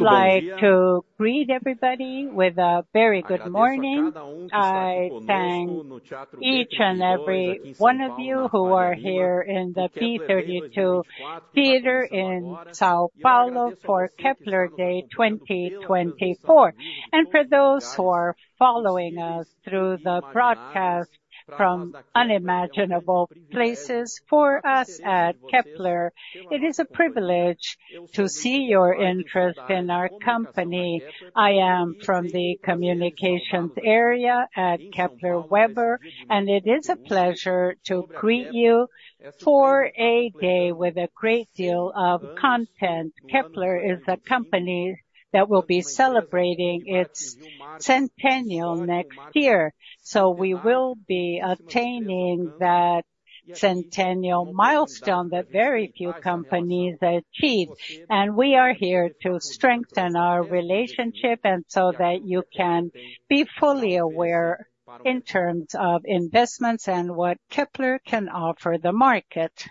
I'd like to greet everybody with a very good morning. I thank each and every one of you who are here in the B32 Theater in São Paulo for Kepler Day 2024. And for those who are following us through the broadcast from unimaginable places, for us at Kepler, it is a privilege to see your interest in our company. I am from the communications area at Kepler Weber, and it is a pleasure to greet you for a day with a great deal of content. Kepler is a company that will be celebrating its centennial next year, so we will be attaining that centennial milestone that very few companies achieve. And we are here to strengthen our relationship so that you can be fully aware in terms of investments and what Kepler can offer the market.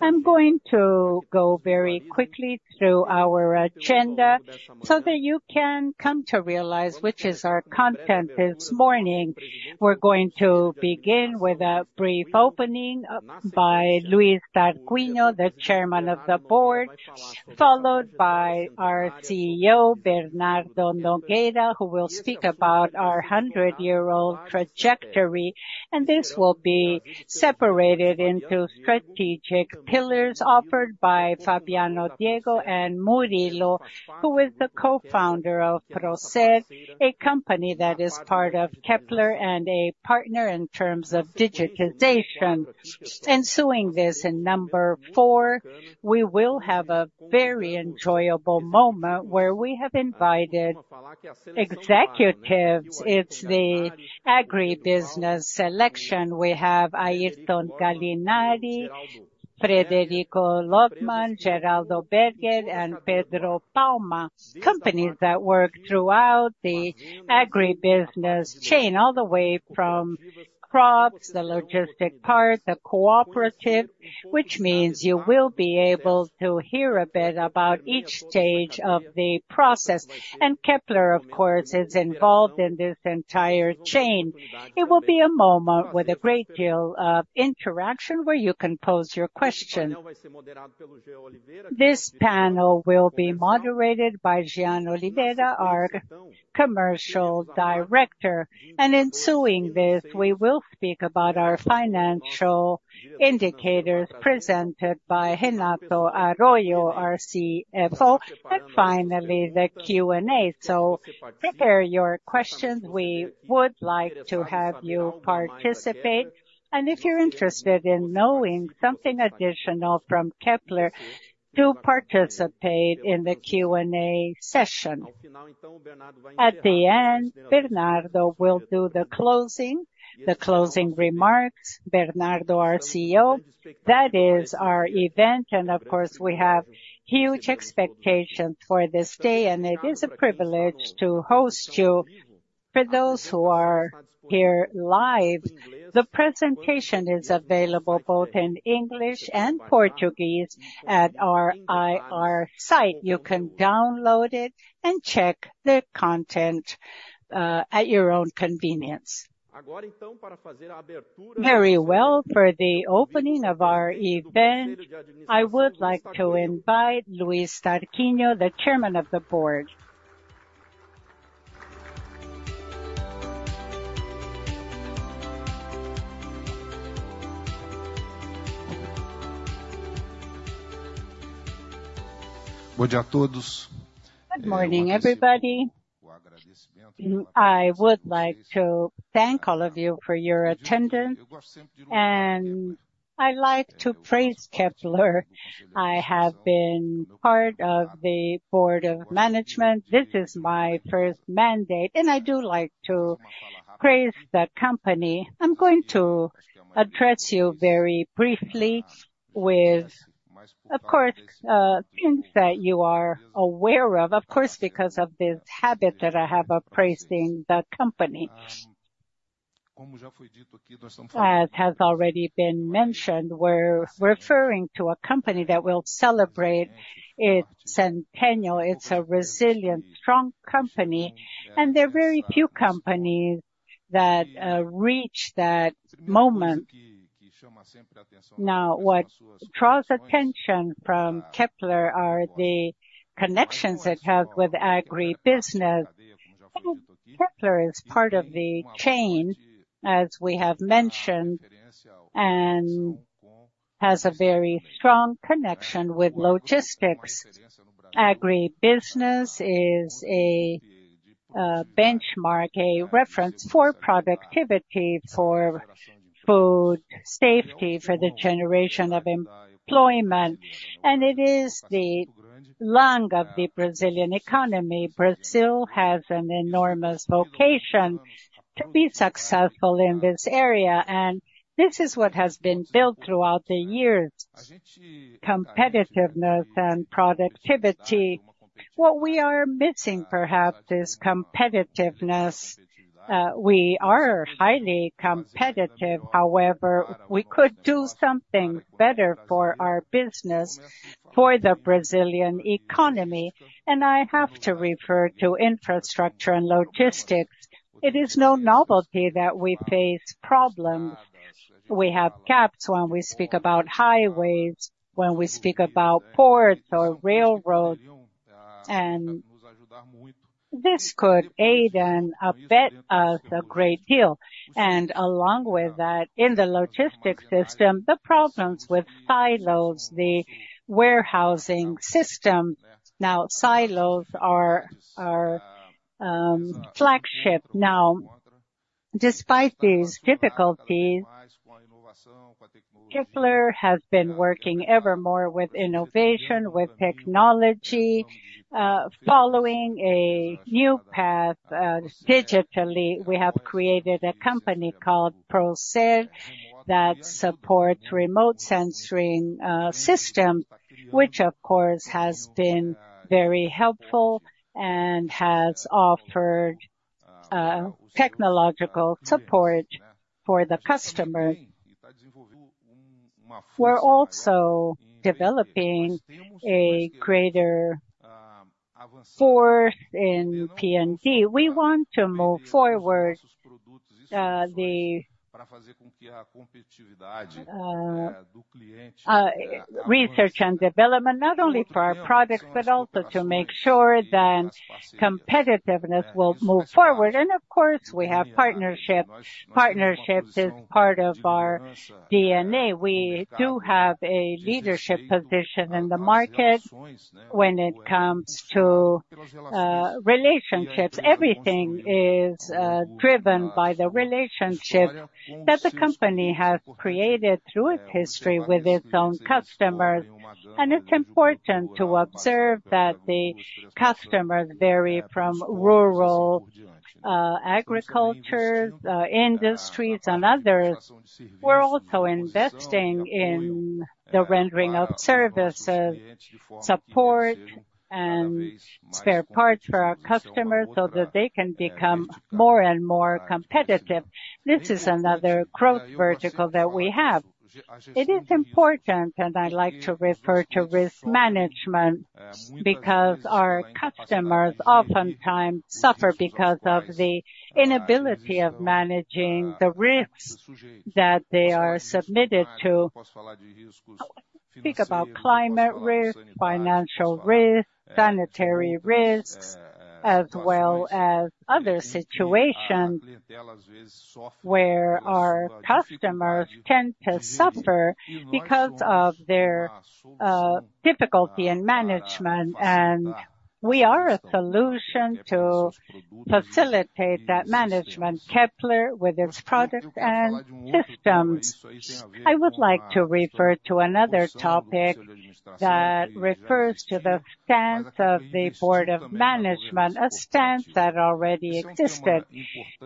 I'm going to go very quickly through our agenda so that you can come to realize which is our content this morning. We're going to begin with a brief Luiz Tarquínio, the Chairman of the Board, followed by our CEO, Bernardo Nogueira, who will speak about our 100-year-old trajectory. And this will be separated into strategic pillars offered by Fabiano, Diego and Murilo, who is the co-founder of Procer, a company that is part of Kepler and a partner in terms of digitization. And showing this in number four, we will have a very enjoyable moment where we have invited executives. It's the agribusiness session. We have Airton Galinari, Frederico Logemann, Geraldo Berger, and Pedro Palma, companies that work throughout the agribusiness chain, all the way from crops, the logistic part, the cooperative, which means you will be able to hear a bit about each stage of the process. And Kepler, of course, is involved in this entire chain. It will be a moment with a great deal of interaction where you can pose your questions. This panel will be moderated by Jean Oliveira, our Commercial Director. And ensuing this, we will speak about our financial indicators presented by Renato Arroyo, our CFO, and finally the Q&A. So prepare your questions. We would like to have you participate. And if you're interested in knowing something additional from Kepler, do participate in the Q&A session. At the end, Bernardo will do the closing, the closing remarks. Bernardo, our CEO, that is our event. Of course, we have huge expectations for this day, and it is a privilege to host you. For those who are here live, the presentation is available both in English and Portuguese at our IR site. You can download it and check the content at your own convenience. Very well. For the opening of our event, I would like to invite Luiz Tarquínio, the Chairman of the Board. Good morning, everybody. I would like to thank all of you for your attendance, and I'd like to praise Kepler. I have been part of the Board of Management. This is my first mandate, and I do like to praise the company. I'm going to address you very briefly with, of course, things that you are aware of, of course, because of this habit that I have of praising the company. As has already been mentioned, we're referring to a company that will celebrate its centennial. It's a resilient, strong company, and there are very few companies that reach that moment. Now, what draws attention from Kepler are the connections it has with agribusiness. Kepler is part of the chain, as we have mentioned, and has a very strong connection with logistics. Agribusiness is a benchmark, a reference for productivity, for food safety, for the generation of employment. It is the lung of the Brazilian economy. Brazil has an enormous vocation to be successful in this area. This is what has been built throughout the years: competitiveness and productivity. What we are missing, perhaps, is competitiveness. We are highly competitive. However, we could do something better for our business, for the Brazilian economy. I have to refer to infrastructure and logistics. It is no novelty that we face problems. We have gaps when we speak about highways, when we speak about ports or railroads. This could aid and abet us a great deal. Along with that, in the logistics system, the problems with silos, the warehousing system. Silos are flagship. Despite these difficulties, Kepler has been working ever more with innovation, with technology, following a new path digitally. We have created a company called Procer that supports remote sensing systems, which, of course, has been very helpful and has offered technological support for the customers. We're also developing a greater force in P&D. We want to move forward the research and development, not only for our products, but also to make sure that competitiveness will move forward. And of course, we have partnerships. Partnerships is part of our DNA. We do have a leadership position in the market when it comes to relationships. Everything is driven by the relationships that the company has created through its history with its own customers. And it's important to observe that the customers vary from rural agriculture, industries, and others. We're also investing in the rendering of services, support, and spare parts for our customers so that they can become more and more competitive. This is another growth vertical that we have. It is important, and I'd like to refer to risk management because our customers oftentimes suffer because of the inability of managing the risks that they are submitted to. Speak about climate risk, financial risk, sanitary risks, as well as other situations where our customers tend to suffer because of their difficulty in management. And we are a solution to facilitate that management: Kepler with its products and systems. I would like to refer to another topic that refers to the stance of the Board of Management, a stance that already existed: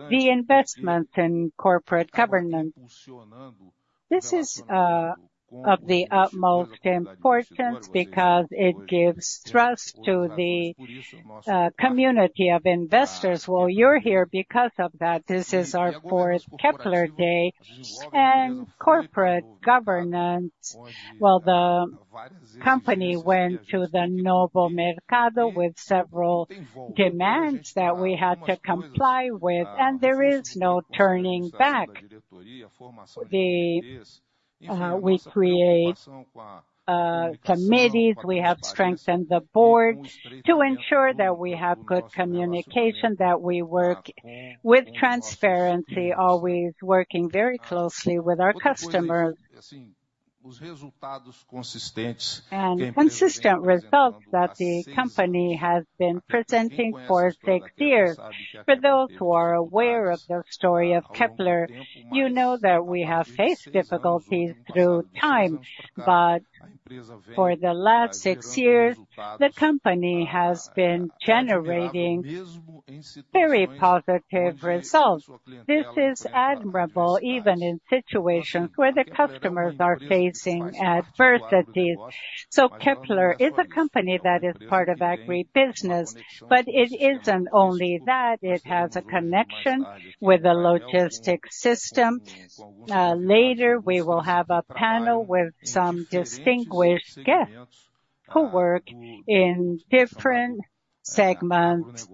the investments in corporate governance. This is of the utmost importance because it gives trust to the community of investors. Well, you're here because of that. This is our fourth Kepler Day. And corporate governance, well, the company went to the Novo Mercado with several demands that we had to comply with. And there is no turning back. We create committees. We have strengthened the board to ensure that we have good communication, that we work with transparency, always working very closely with our customers, and consistent results that the company has been presenting for six years. For those who are aware of the story of Kepler, you know that we have faced difficulties through time, but for the last six years, the company has been generating very positive results. This is admirable even in situations where the customers are facing adversities, so Kepler is a company that is part of agribusiness, but it isn't only that. It has a connection with the logistics system. Later, we will have a panel with some distinguished guests who work in different segments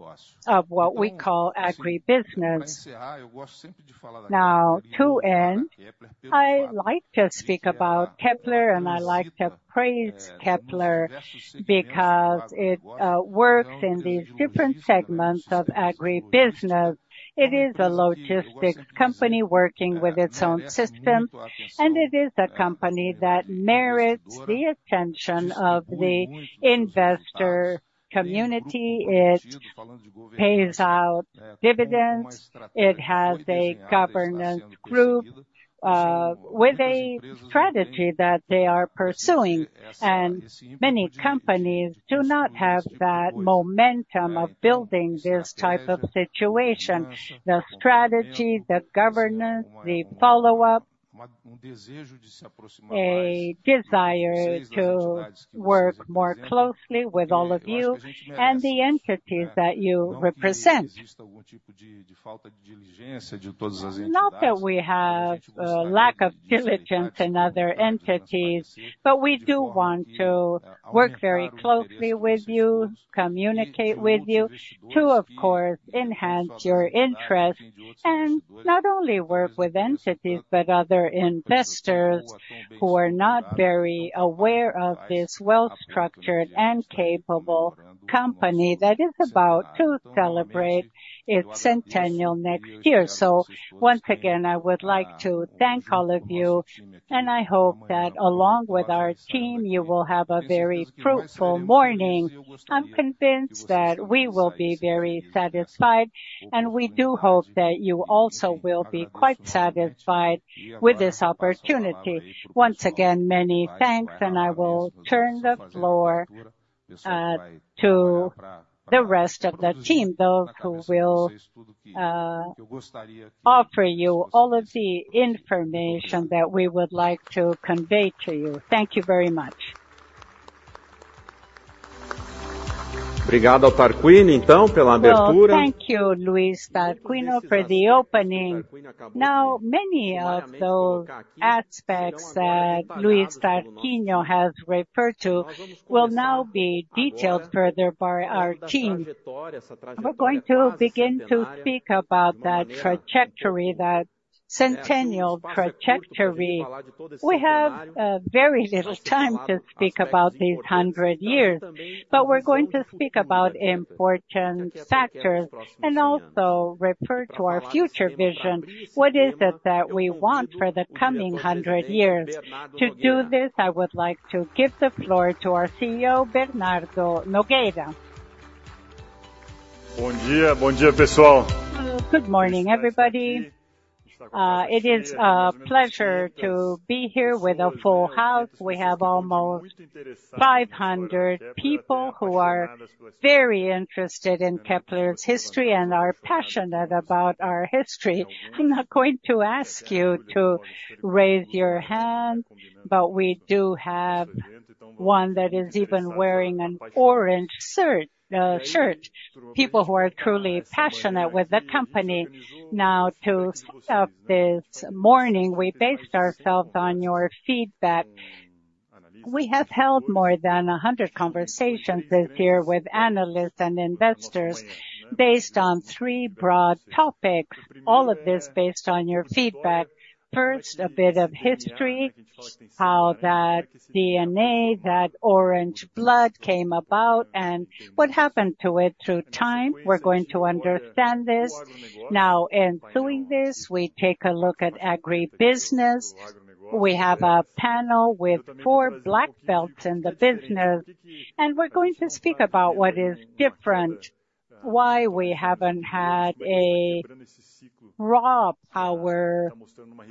of what we call agribusiness. Now, to end, I like to speak about Kepler, and I like to praise Kepler because it works in these different segments of agribusiness. It is a logistics company working with its own system, and it is a company that merits the attention of the investor community. It pays out dividends. It has a governance group with a strategy that they are pursuing. And many companies do not have that momentum of building this type of situation: the strategy, the governance, the follow-up, a desire to work more closely with all of you and the entities that you represent. Not that we have a lack of diligence in other entities, but we do want to work very closely with you, communicate with you to, of course, enhance your interest and not only work with entities, but other investors who are not very aware of this well-structured and capable company that is about to celebrate its centennial next year. So once again, I would like to thank all of you, and I hope that along with our team, you will have a very fruitful morning. I'm convinced that we will be very satisfied, and we do hope that you also will be quite satisfied with this opportunity. Once again, many thanks, and I will turn the floor to the rest of the team, those who will offer you all of the information that we would like to convey to you. Thank you very much. Thank you, Luiz Tarquínio for the opening. Now, many of those aspects that Luiz Tarquínio has referred to will now be detailed further by our team. We're going to begin to speak about that trajectory, that centennial trajectory. We have very little time to speak about these 100 years, but we're going to speak about important factors and also refer to our future vision. What is it that we want for the coming 100 years? To do this, I would like to give the floor to our CEO, Bernardo Nogueira. Good morning, everybody. It is a pleasure to be here with a full house. We have almost 500 people who are very interested in Kepler's history and are passionate about our history. I'm not going to ask you to raise your hand, but we do have one that is even wearing an orange shirt. People who are truly passionate with the company. Now, to set up this morning, we based ourselves on your feedback. We have held more than 100 conversations this year with analysts and investors based on three broad topics. All of this based on your feedback. First, a bit of history: how that DNA, that orange blood came about and what happened to it through time. We're going to understand this. Now, in doing this, we take a look at agribusiness. We have a panel with four black belts in the business, and we're going to speak about what is different, why we haven't had a raw power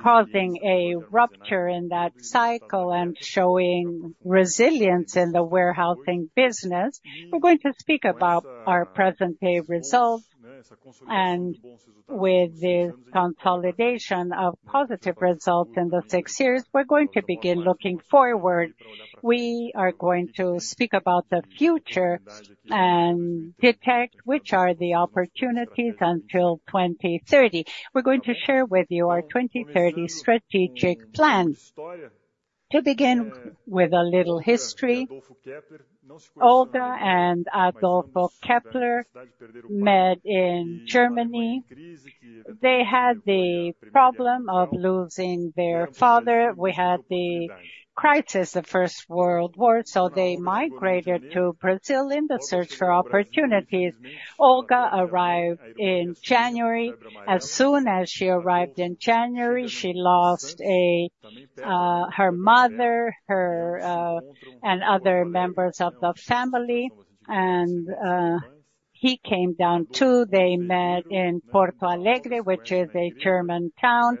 causing a rupture in that cycle and showing resilience in the warehousing business. We're going to speak about our present-day results. And with this consolidation of positive results in the six years, we're going to begin looking forward. We are going to speak about the future and detect which are the opportunities until 2030. We're going to share with you our 2030 strategic plans. To begin with a little history, Olga and Adolfo Kepler met in Germany. They had the problem of losing their father. We had the crisis of the First World War, so they migrated to Brazil in the search for opportunities. Olga arrived in January. As soon as she arrived in January, she lost her mother and other members of the family, and he came down too. They met in Porto Alegre, which is a German town.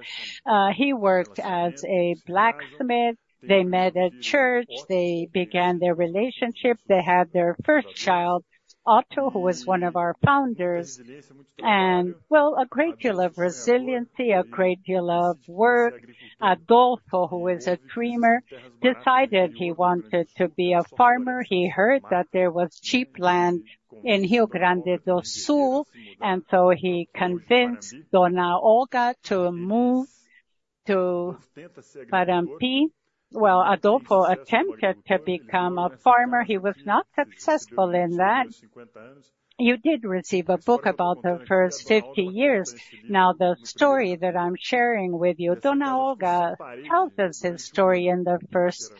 He worked as a blacksmith. They met at church. They began their relationship. They had their first child, Otto, who was one of our founders, and well, a great deal of resiliency, a great deal of work. Adolfo, who is a dreamer, decided he wanted to be a farmer. He heard that there was cheap land in Rio Grande do Sul, and so he convinced Dona Olga to move to Panambi. Well, Adolfo attempted to become a farmer. He was not successful in that. You did receive a book about the first 50 years. Now, the story that I'm sharing with you, Dona Olga tells us his story in the first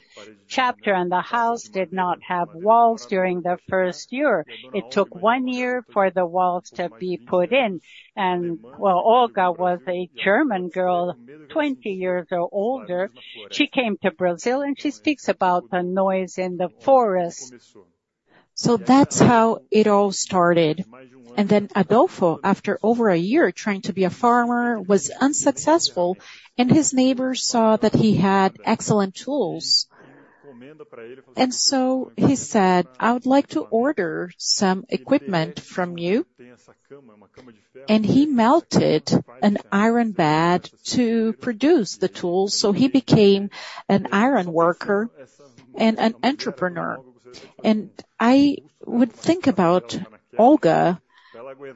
chapter. The house did not have walls during the first year. It took one year for the walls to be put in. Well, Olga was a German girl, 20 years or older. She came to Brazil, and she speaks about the noise in the forest. That's how it all started. Then Adolfo, after over a year trying to be a farmer, was unsuccessful. And his neighbors saw that he had excellent tools. And so he said, "I would like to order some equipment from you." And he melted an iron bed to produce the tools. He became an iron worker and an entrepreneur. I would think about Olga.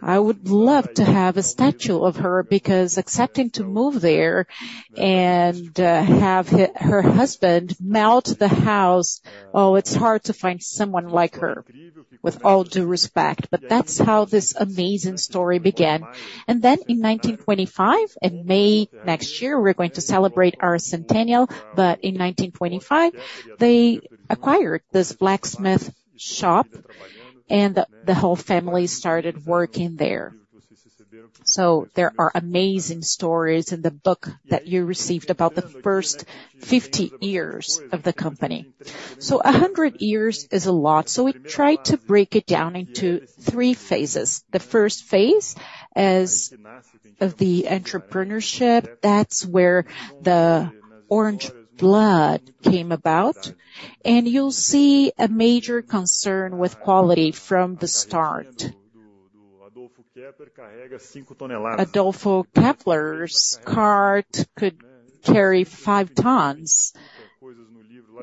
I would love to have a statue of her because accepting to move there and have her husband melt the house, oh, it's hard to find someone like her, with all due respect. But that's how this amazing story began. And then in 1925, in May next year, we're going to celebrate our centennial. But in 1925, they acquired this blacksmith shop, and the whole family started working there. So there are amazing stories in the book that you received about the first 50 years of the company. So 100 years is a lot. So we tried to break it down into three phases. The first phase is of the entrepreneurship. That's where the orange blood came about. And you'll see a major concern with quality from the start. Adolfo Kepler's cart could carry five tons.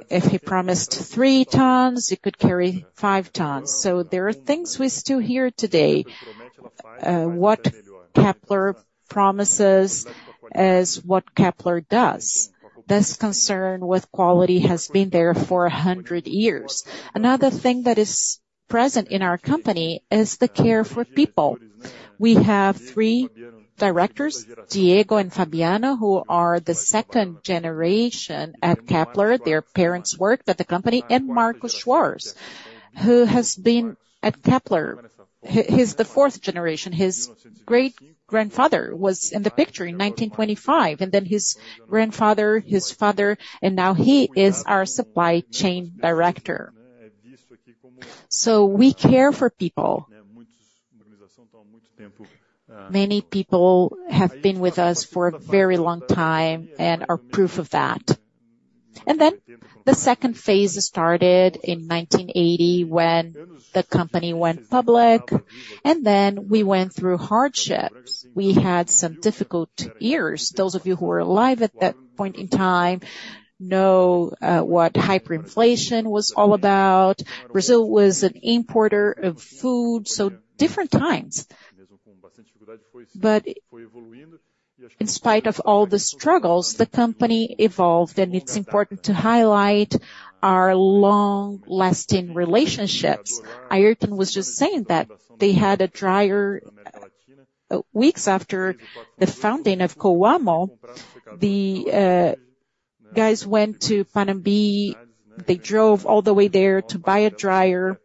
If he promised three tons, it could carry five tons. So there are things we still hear today. What Kepler promises is what Kepler does. This concern with quality has been there for 100 years. Another thing that is present in our company is the care for people. We have three directors, Diego and Fabiano, who are the second generation at Kepler. Their parents worked at the company, and Marcos Schwarz, who has been at Kepler. He is the fourth generation. His great-grandfather was in the picture in 1925, and then his grandfather, his father, and now he is our supply chain director, so we care for people. Many people have been with us for a very long time and are proof of that, and then the second phase started in 1980 when the company went public. And then we went through hardship. We had some difficult years. Those of you who are alive at that point in time know what hyperinflation was all about. Brazil was an importer of food, so different times, but in spite of all the struggles, the company evolved. It's important to highlight our long-lasting relationships. Airton was just saying that they had a dryer weeks after the founding of Coamo. The guys went to Panambi. They drove all the way there to buy a dryer.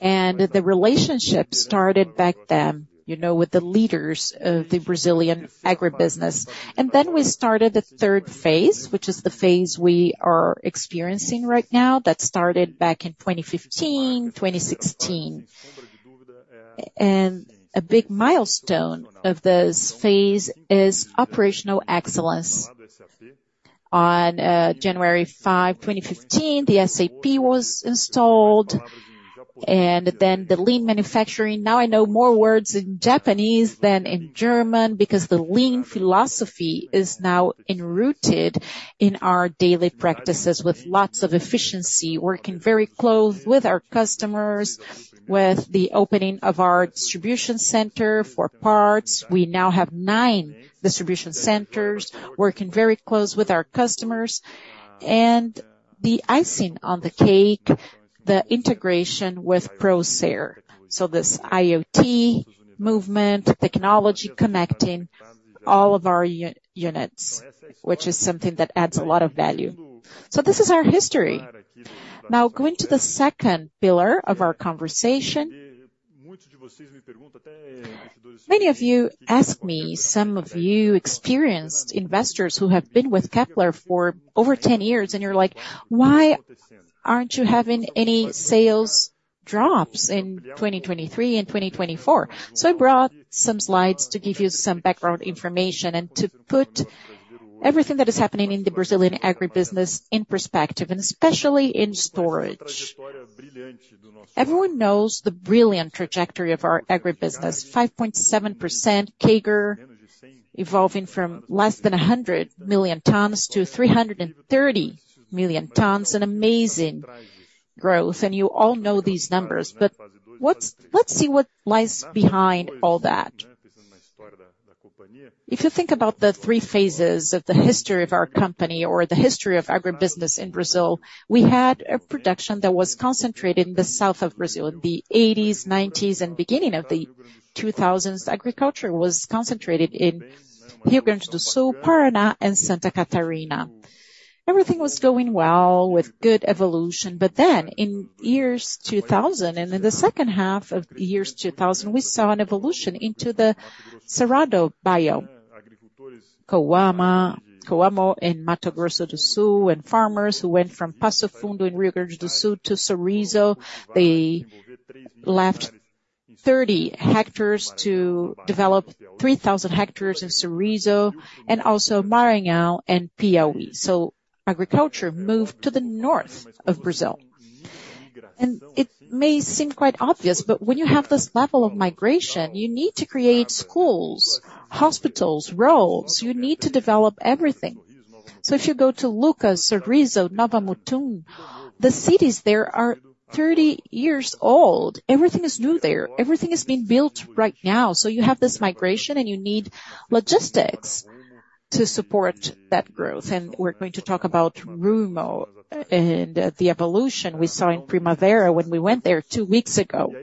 And the relationship started back then, you know, with the leaders of the Brazilian agribusiness. And then we started the third phase, which is the phase we are experiencing right now that started back in 2015, 2016. And a big milestone of this phase is operational excellence. On January 5, 2015, the SAP was installed. And then the Lean Manufacturing. Now I know more words in Japanese than in German because the Lean philosophy is now enrooted in our daily practices with lots of efficiency, working very close with our customers, with the opening of our distribution center for parts. We now have nine distribution centers working very close with our customers. The icing on the cake, the integration with Procer. This IoT movement, technology connecting all of our units, which is something that adds a lot of value. This is our history. Now, going to the second pillar of our conversation. Many of you asked me, some of you experienced investors who have been with Kepler for over 10 years, and you're like, "Why aren't you having any sales drops in 2023 and 2024?" I brought some slides to give you some background information and to put everything that is happening in the Brazilian agribusiness in perspective, and especially in storage. Everyone knows the brilliant trajectory of our agribusiness: 5.7% CAGR evolving from less than 100 million tons to 330 million tons. An amazing growth. You all know these numbers. Let's see what lies behind all that. If you think about the three phases of the history of our company or the history of agribusiness in Brazil, we had a production that was concentrated in the south of Brazil in the 1980s, 1990s, and beginning of the 2000s. Agriculture was concentrated in Rio Grande do Sul, Paraná, and Santa Catarina. Everything was going well with good evolution. But then in the years 2000 and in the second half of the years 2000, we saw an evolution into the Cerrado biome. Coamo and Mato Grosso do Sul and farmers who went from Passo Fundo in Rio Grande do Sul to Sorriso. They left 30 hectares to develop 3,000 hectares in Sorriso and also Maranhão and Piauí. So agriculture moved to the north of Brazil. And it may seem quite obvious, but when you have this level of migration, you need to create schools, hospitals, roads. You need to develop everything. So if you go to Lucas, Sorriso, Nova Mutum, the cities there are 30 years old. Everything is new there. Everything is being built right now. So you have this migration, and you need logistics to support that growth. And we're going to talk about Rumo and the evolution we saw in Primavera when we went there two weeks ago.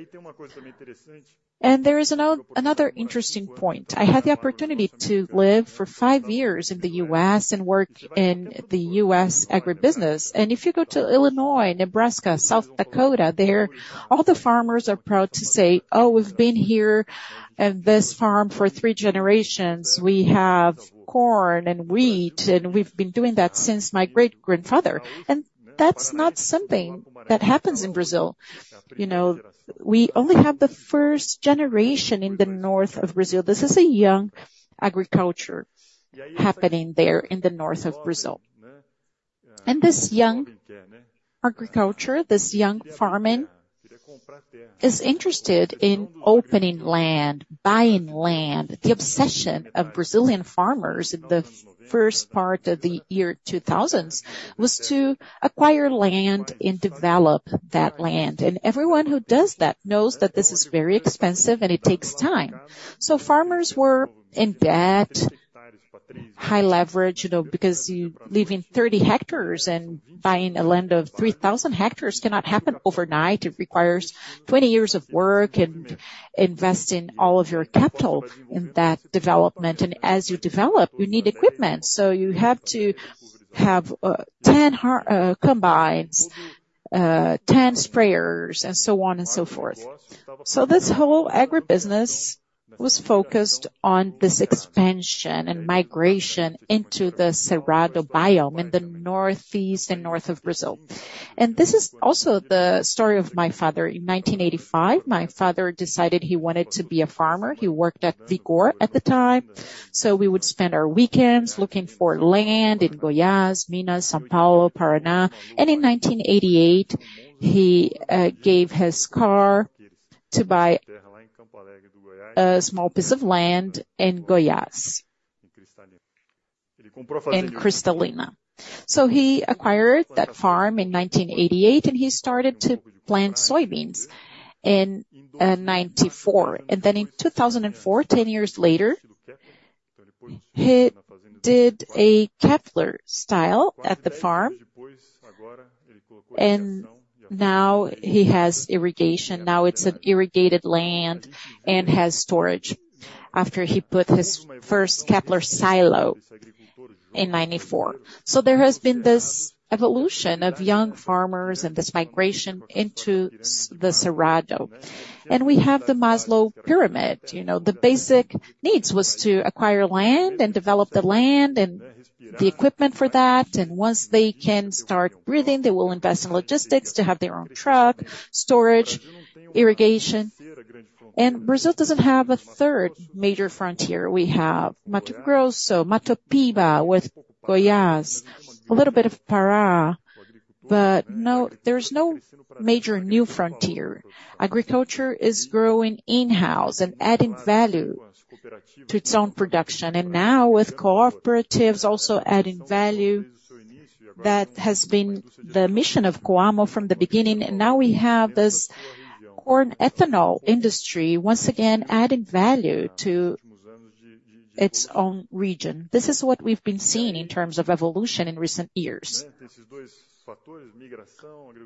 And there is another interesting point. I had the opportunity to live for five years in the U.S. and work in the U.S. agribusiness. And if you go to Illinois, Nebraska, South Dakota, all the farmers are proud to say, "Oh, we've been here at this farm for three generations. We have corn and wheat, and we've been doing that since my great-grandfather." And that's not something that happens in Brazil. You know, we only have the first generation in the north of Brazil. This is a young agriculture happening there in the north of Brazil. And this young agriculture, this young farming is interested in opening land, buying land. The obsession of Brazilian farmers in the first part of the 2000s was to acquire land and develop that land. And everyone who does that knows that this is very expensive and it takes time. So farmers were in debt, high leverage, you know, because you're leaving 30 hectares and buying a land of 3,000 hectares cannot happen overnight. It requires 20 years of work and investing all of your capital in that development. And as you develop, you need equipment. So you have to have 10 combines, 10 sprayers, and so on and so forth. So this whole agribusiness was focused on this expansion and migration into the Cerrado biome in the northeast and north of Brazil. This is also the story of my father. In 1985, my father decided he wanted to be a farmer. He worked at Vigor at the time. We would spend our weekends looking for land in Goiás, Minas, São Paulo, Paraná. In 1988, he gave his car to buy a small piece of land in Goiás, in Cristalina. He acquired that farm in 1988, and he started to plant soybeans in 1994. Then in 2004, 10 years later, he did a Kepler style at the farm. Now he has irrigation. Now it's an irrigated land and has storage after he put his first Kepler silo in 1994. There has been this evolution of young farmers and this migration into the Cerrado. We have the Maslow pyramid. You know, the basic needs were to acquire land and develop the land and the equipment for that. And once they can start breathing, they will invest in logistics to have their own truck, storage, irrigation. And Brazil doesn't have a third major frontier. We have Mato Grosso, Matopiba with Goiás, a little bit of Pará. But no, there's no major new frontier. Agriculture is growing in-house and adding value to its own production. And now with cooperatives also adding value, that has been the mission of Coamo from the beginning. And now we have this corn ethanol industry, once again adding value to its own region. This is what we've been seeing in terms of evolution in recent years.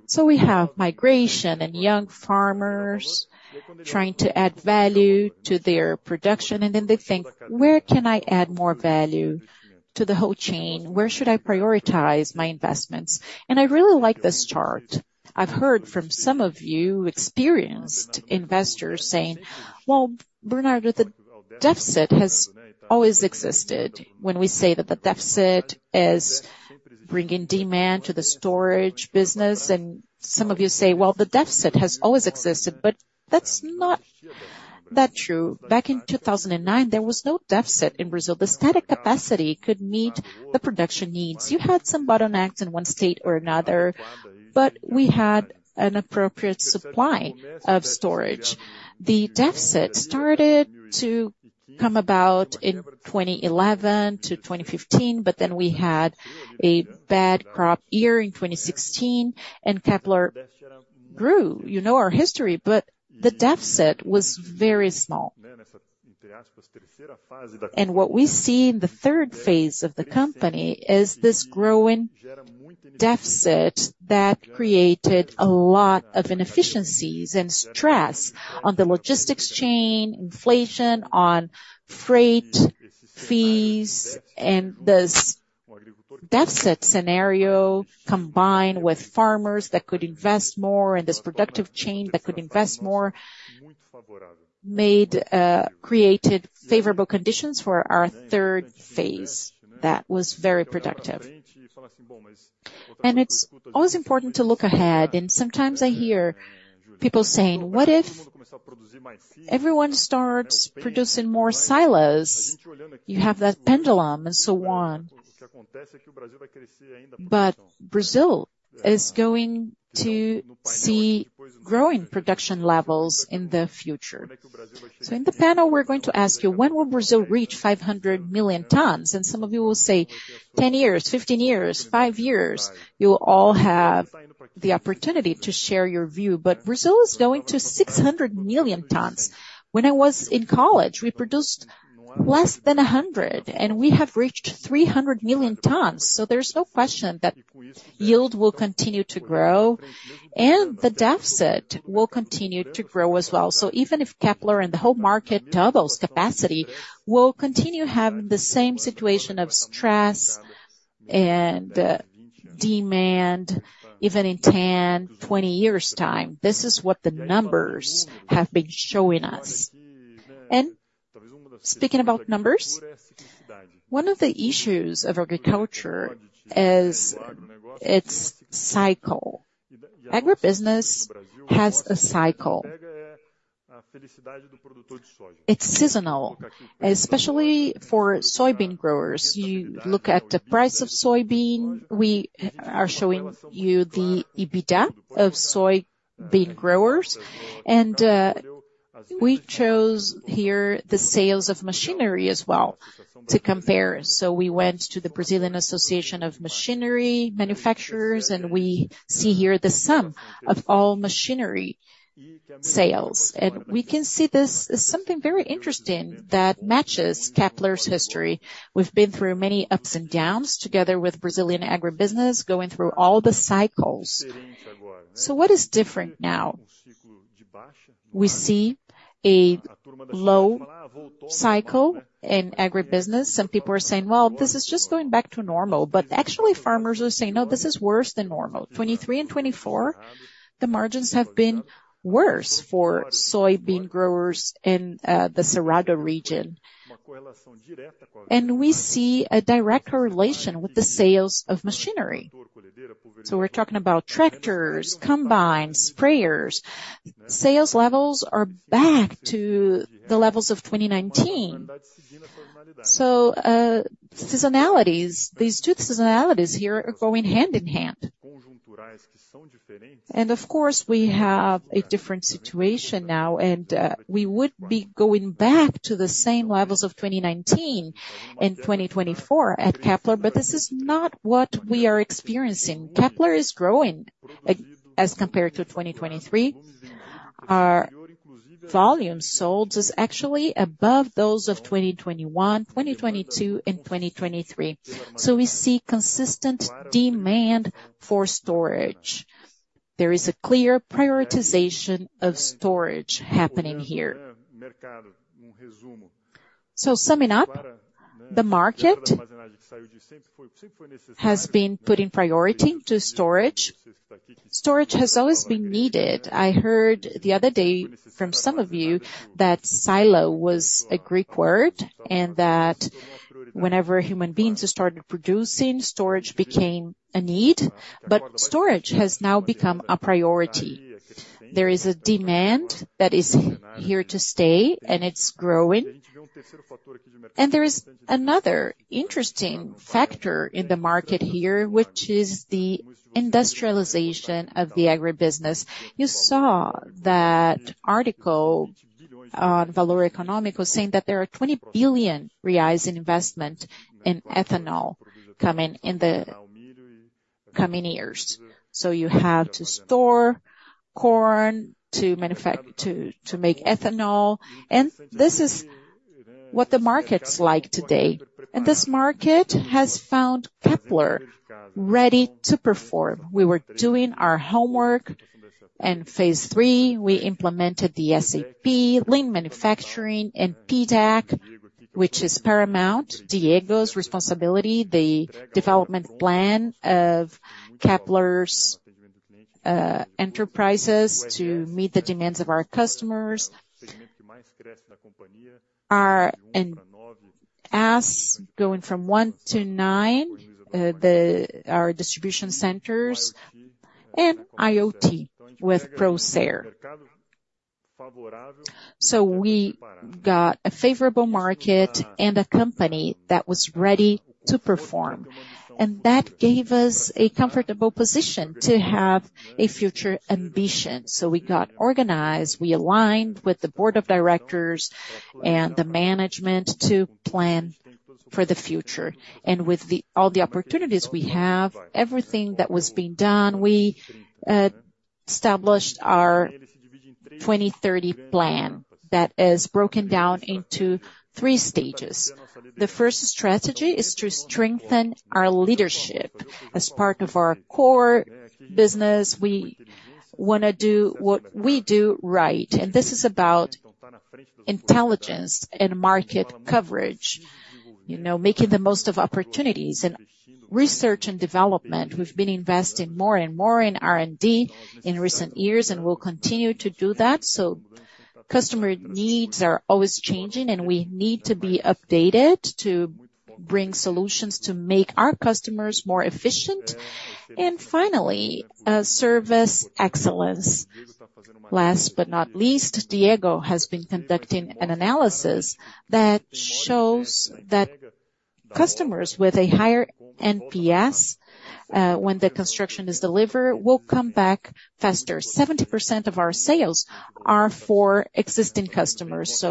So we have migration and young farmers trying to add value to their production. And then they think, "Where can I add more value to the whole chain? Where should I prioritize my investments?" And I really like this chart. I've heard from some of you experienced investors saying, "Well, Bernardo, the deficit has always existed." When we say that the deficit is bringing demand to the storage business, and some of you say, "Well, the deficit has always existed." But that's not that true. Back in 2009, there was no deficit in Brazil. The static capacity could meet the production needs. You had some bottlenecks in one state or another, but we had an appropriate supply of storage. The deficit started to come about in 2011 to 2015, but then we had a bad crop year in 2016, and Kepler grew. You know our history, but the deficit was very small. What we see in the third phase of the company is this growing deficit that created a lot of inefficiencies and stress on the logistics chain, inflation on freight fees. This deficit scenario, combined with farmers that could invest more and this productive chain that could invest more, created favorable conditions for our third phase that was very productive. It's always important to look ahead. Sometimes I hear people saying, "What if everyone starts producing more silos? You have that pendulum and so on." Brazil is going to see growing production levels in the future. In the panel, we're going to ask you, when will Brazil reach 500 million tons? Some of you will say, "10 years, 15 years, five years." You will all have the opportunity to share your view. Brazil is going to 600 million tons. When I was in college, we produced less than 100, and we have reached 300 million tons. So there's no question that yield will continue to grow, and the deficit will continue to grow as well. So even if Kepler and the whole market doubles capacity, we'll continue having the same situation of stress and demand, even in 10, 20 years' time. This is what the numbers have been showing us. And speaking about numbers, one of the issues of agriculture is its cycle. Agribusiness has a cycle. It's seasonal, especially for soybean growers. You look at the price of soybean. We are showing you the EBITDA of soybean growers. And we chose here the sales of machinery as well to compare. So we went to the Brazilian Association of Machinery Manufacturers, and we see here the sum of all machinery sales. We can see this is something very interesting that matches Kepler's history. We've been through many ups and downs together with Brazilian agribusiness, going through all the cycles. What is different now? We see a low cycle in agribusiness. Some people are saying, "Well, this is just going back to normal." Actually, farmers are saying, "No, this is worse than normal." 2023 and 2024, the margins have been worse for soybean growers in the Cerrado region. We see a direct correlation with the sales of machinery. We're talking about tractors, combines, sprayers. Sales levels are back to the levels of 2019. These two seasonalities here are going hand in hand. Of course, we have a different situation now, and we would be going back to the same levels of 2019 and 2024 at Kepler, but this is not what we are experiencing. Kepler is growing as compared to 2023. Our volume sold is actually above those of 2021, 2022, and 2023. So we see consistent demand for storage. There is a clear prioritization of storage happening here. So summing up, the market has been put in priority to storage. Storage has always been needed. I heard the other day from some of you that silo was a Greek word and that whenever human beings started producing, storage became a need. But storage has now become a priority. There is a demand that is here to stay, and it's growing. And there is another interesting factor in the market here, which is the industrialization of the agribusiness. You saw that article on Valor Econômico saying that there are 20 billion reais in investment in ethanol coming in the coming years. So you have to store corn to make ethanol. And this is what the market's like today, and this market has found Kepler ready to perform. We were doing our homework in Phase III. We implemented the SAP, Lean Manufacturing, and PDCA, which is paramount. Diego's responsibility, the development plan of Kepler's enterprises to meet the demands of our customers, our distribution centers and IoT with Procer, so we got a favorable market and a company that was ready to perform, and that gave us a comfortable position to have a future ambition, so we got organized. We aligned with the board of directors and the management to plan for the future, and with all the opportunities we have, everything that was being done, we established our 2030 plan that is broken down into three stages. The first strategy is to strengthen our leadership as part of our core business. We want to do what we do right. This is about intelligence and market coverage, you know, making the most of opportunities and research and development. We've been investing more and more in R&D in recent years and will continue to do that. Customer needs are always changing, and we need to be updated to bring solutions to make our customers more efficient. Finally, service excellence. Last but not least, Diego has been conducting an analysis that shows that customers with a higher NPS when the construction is delivered will come back faster. 70% of our sales are for existing customers.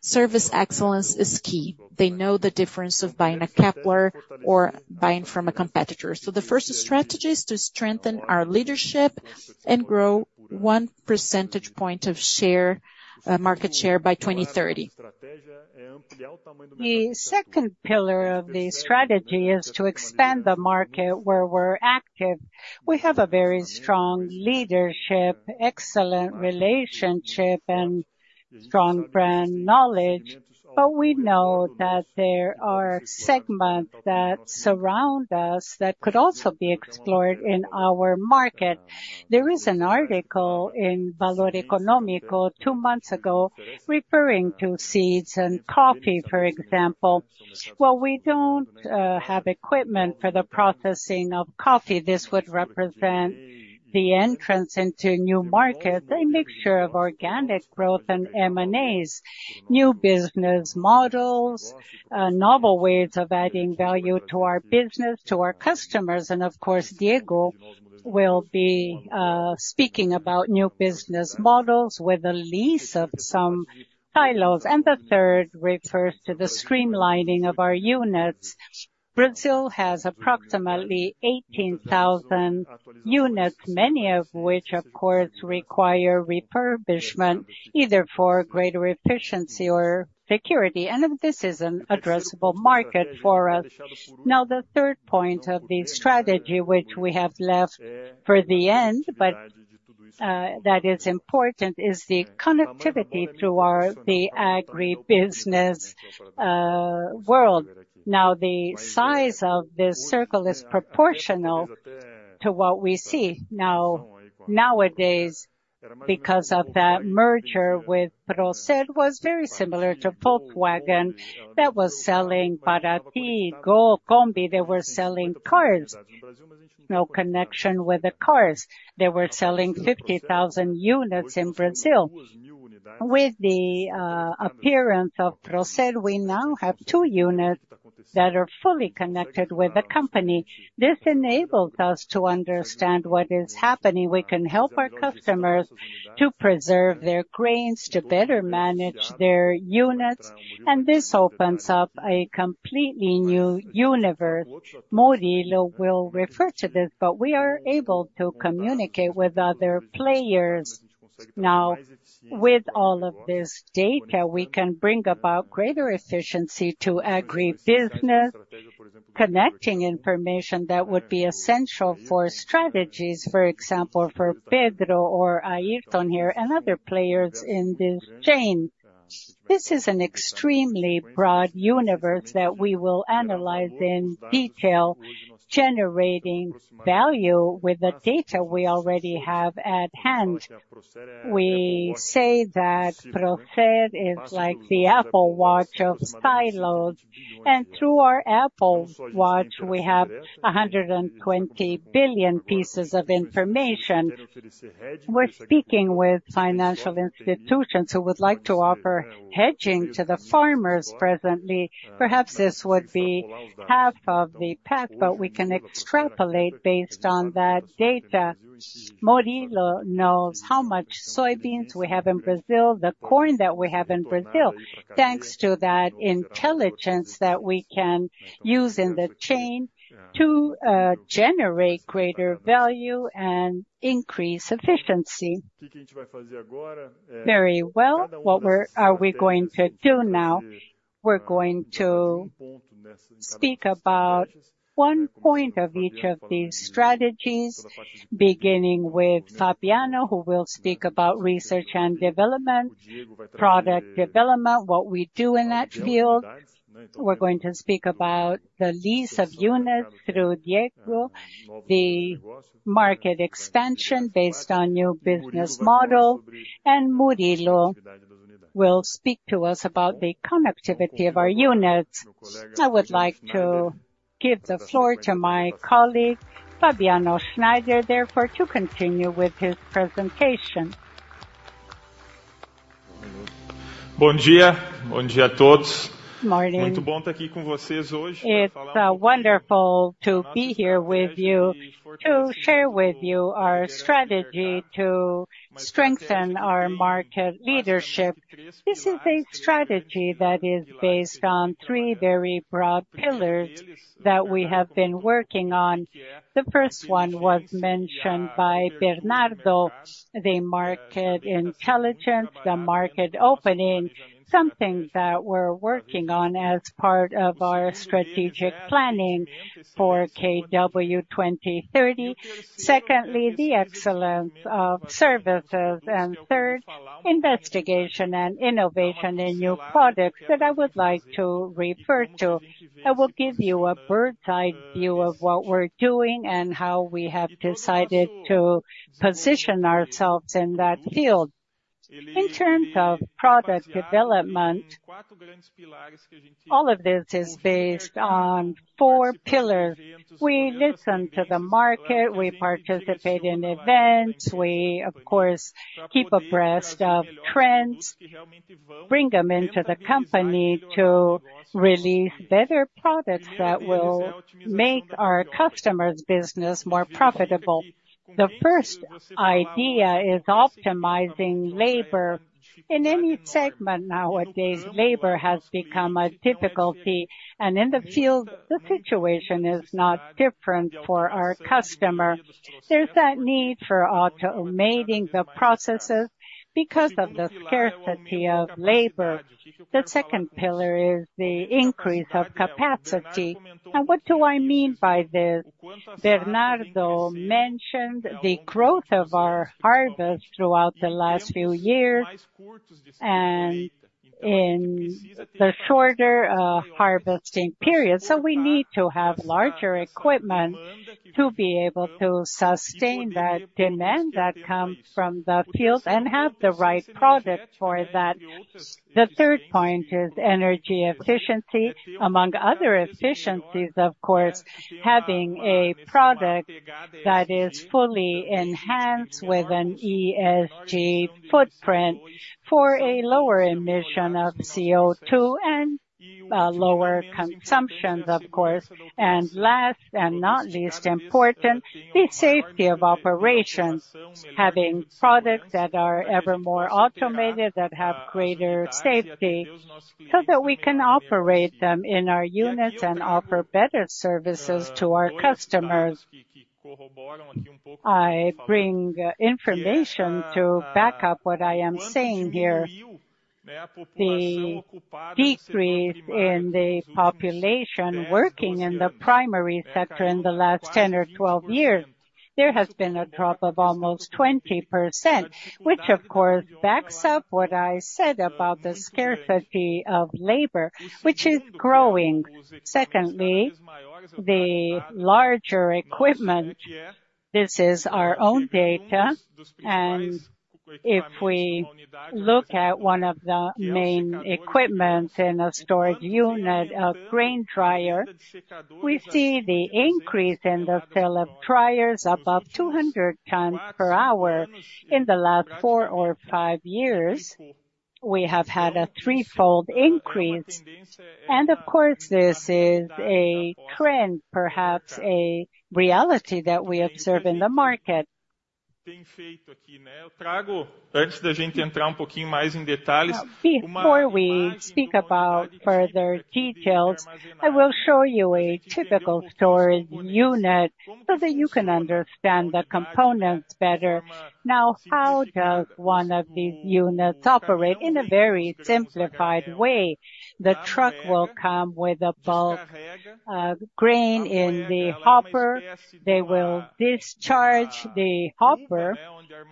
Service excellence is key. They know the difference of buying a Kepler or buying from a competitor. The first strategy is to strengthen our leadership and grow one percentage point of market share by 2030. The second pillar of the strategy is to expand the market where we're active. We have a very strong leadership, excellent relationship, and strong brand knowledge, but we know that there are segments that surround us that could also be explored in our market. There is an article in Valor Econômico two months ago referring to seeds and coffee, for example. We don't have equipment for the processing of coffee. This would represent the entrance into a new market, a mixture of organic growth and M&As, new business models, novel ways of adding value to our business, to our customers, and of course, Diego will be speaking about new business models with a lease of some silos, and the third refers to the streamlining of our units. Brazil has approximately 18,000 units, many of which, of course, require refurbishment either for greater efficiency or security, and this is an addressable market for us. Now, the third point of the strategy, which we have left for the end, but that is important, is the connectivity through the agribusiness world. Now, the size of this circle is proportional to what we see nowadays because of that merger with Procer, which was very similar to Volkswagen that was selling Fusca, Pampa, Gol, Kombi. They were selling cars, no connection with the cars. They were selling 50,000 units in Brazil. With the appearance of Procer, we now have two units that are fully connected with the company. This enables us to understand what is happening. We can help our customers to preserve their grains, to better manage their units. And this opens up a completely new universe. Murilo will refer to this, but we are able to communicate with other players. Now, with all of this data, we can bring about greater efficiency to agribusiness, connecting information that would be essential for strategies, for example, for Pedro or Airton here and other players in this chain. This is an extremely broad universe that we will analyze in detail, generating value with the data we already have at hand. We say that Procer is like the Apple Watch of silos. Through our Apple Watch, we have 120 billion pieces of information. We're speaking with financial institutions who would like to offer hedging to the farmers presently. Perhaps this would be half of the path, but we can extrapolate based on that data. Murilo knows how much soybeans we have in Brazil, the corn that we have in Brazil, thanks to that intelligence that we can use in the chain to generate greater value and increase efficiency. Very well. What are we going to do now? We're going to speak about one point of each of these strategies, beginning with Fabiano, who will speak about research and development, product development, what we do in that field. We're going to speak about the lease of units through Diego, the market expansion based on new business model, and Murilo will speak to us about the connectivity of our units. I would like to give the floor to my colleague, Fabiano Schneider, therefore to continue with his presentation. Good morning. It's wonderful to be here with you to share with you our strategy to strengthen our market leadership. This is a strategy that is based on three very broad pillars that we have been working on. The first one was mentioned by Bernardo, the market intelligence, the market opening, something that we're working on as part of our strategic planning for KW2030. Secondly, the excellence of services, and third, investigation and innovation in new products that I would like to refer to. I will give you a bird's eye view of what we're doing and how we have decided to position ourselves in that field. In terms of product development, all of this is based on four pillars. We listen to the market, we participate in events, we, of course, keep abreast of trends, bring them into the company to release better products that will make our customers' business more profitable. The first idea is optimizing labor. In any segment nowadays, labor has become a difficulty, and in the field, the situation is not different for our customer. There's that need for automating the processes because of the scarcity of labor. The second pillar is the increase of capacity. And what do I mean by this? Bernardo mentioned the growth of our harvest throughout the last few years and in the shorter harvesting period. So we need to have larger equipment to be able to sustain that demand that comes from the field and have the right product for that. The third point is energy efficiency. Among other efficiencies, of course, having a product that is fully enhanced with an ESG footprint for a lower emission of CO2 and lower consumption, of course. And last and not least important, the safety of operations, having products that are ever more automated, that have greater safety so that we can operate them in our units and offer better services to our customers. I bring information to back up what I am saying here. The decrease in the population working in the primary sector in the last 10 or 12 years. There has been a drop of almost 20%, which, of course, backs up what I said about the scarcity of labor, which is growing. Secondly, the larger equipment. This is our own data, and if we look at one of the main equipment in a storage unit, a grain dryer, we see the increase in the sale of dryers above 200 tons per hour in the last four or five years. We have had a threefold increase, and of course, this is a trend, perhaps a reality that we observe in the market. Before we speak about further details, I will show you a typical storage unit so that you can understand the components better. Now, how does one of these units operate? In a very simplified way, the truck will come with a bulk grain in the hopper. They will discharge the hopper.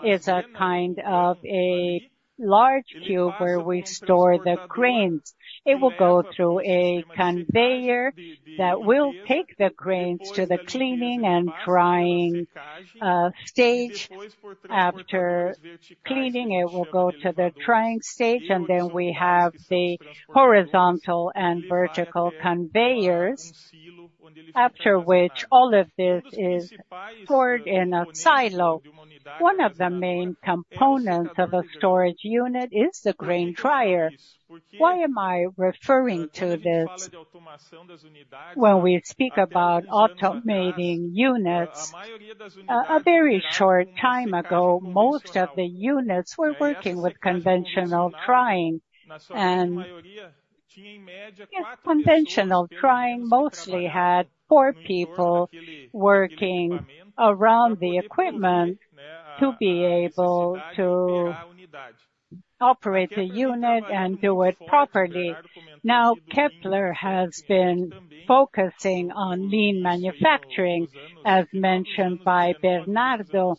It's a kind of a large cube where we store the grains. It will go through a conveyor that will take the grains to the cleaning and drying stage. After cleaning, it will go to the drying stage, and then we have the horizontal and vertical conveyors, after which all of this is stored in a silo. One of the main components of a storage unit is the grain dryer. Why am I referring to this? When we speak about automating units, a very short time ago, most of the units were working with conventional drying. Conventional drying mostly had four people working around the equipment to be able to operate the unit and do it properly. Now, Kepler has been focusing on Lean Manufacturing, as mentioned by Bernardo.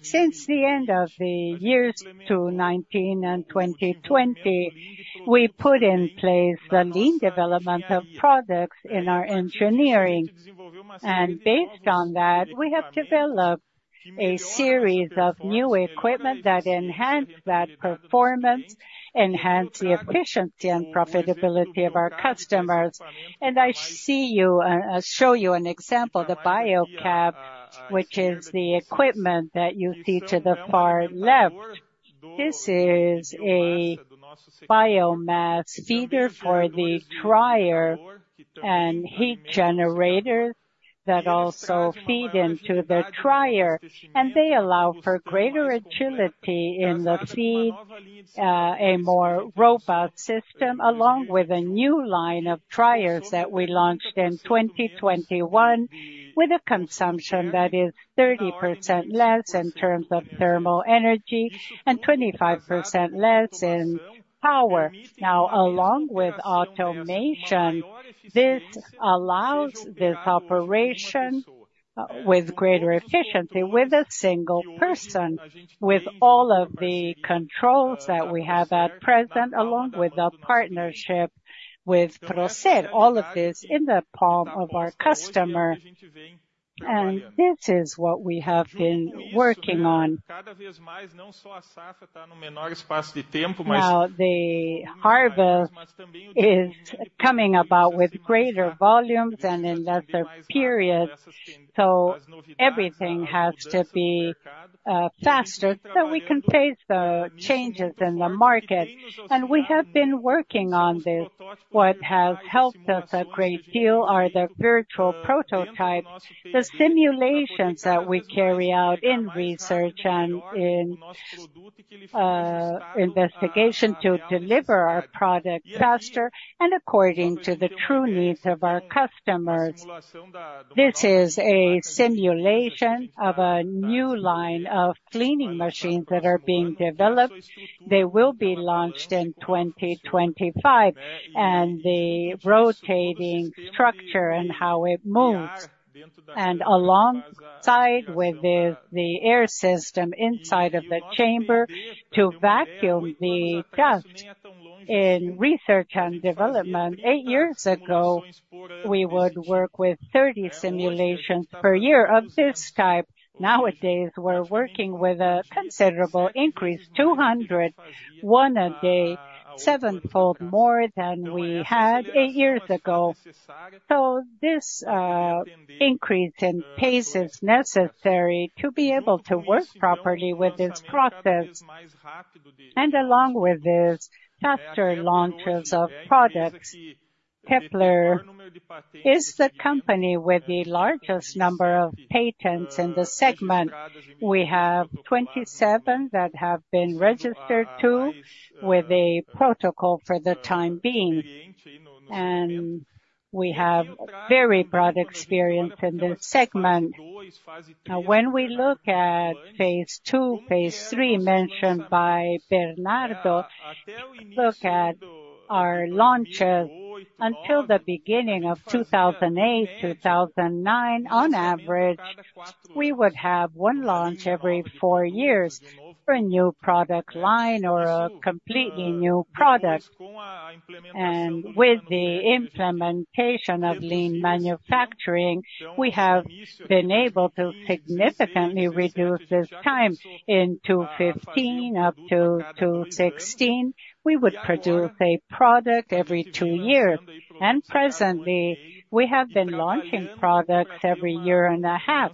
Since the end of 2019 and 2020, we put in place the Lean development of products in our engineering. Based on that, we have developed a series of new equipment that enhance that performance, enhance the efficiency and profitability of our customers. I'll show you an example, the BioCap, which is the equipment that you see to the far left. This is a biomass feeder for the dryer and heat generators that also feed into the dryer. They allow for greater agility in the feed, a more robust system, along with a new line of dryers that we launched in 2021, with a consumption that is 30% less in terms of thermal energy and 25% less in power. Now, along with automation, this allows this operation with greater efficiency with a single person, with all of the controls that we have at present, along with the partnership with Procer, all of this in the palm of our customer. This is what we have been working on. The harvest is coming about with greater volumes and in lesser periods. Everything has to be faster so we can face the changes in the market. We have been working on this. What has helped us a great deal are the virtual prototypes, the simulations that we carry out in research and in investigation to deliver our product faster and according to the true needs of our customers. This is a simulation of a new line of cleaning machines that are being developed. They will be launched in 2025, and the rotating structure and how it moves, and alongside with this, the air system inside of the chamber to vacuum the dust. In research and development, eight years ago, we would work with 30 simulations per year of this type. Nowadays, we're working with a considerable increase, 200, one a day, seven-fold more than we had eight years ago, so this increase in pace is necessary to be able to work properly with this process, and along with this, faster launches of products. Kepler is the company with the largest number of patents in the segment. We have 27 that have been registered too, with a protocol for the time being, and we have very broad experience in this segment. Now, when we look at Phase II, Phase III mentioned by Bernardo, look at our launches until the beginning of 2008, 2009, on average, we would have one launch every four years for a new product line or a completely new product, and with the implementation of Lean Manufacturing, we have been able to significantly reduce this time in 2015 up to 2016. We would produce a product every two years. Presently, we have been launching products every year and a half,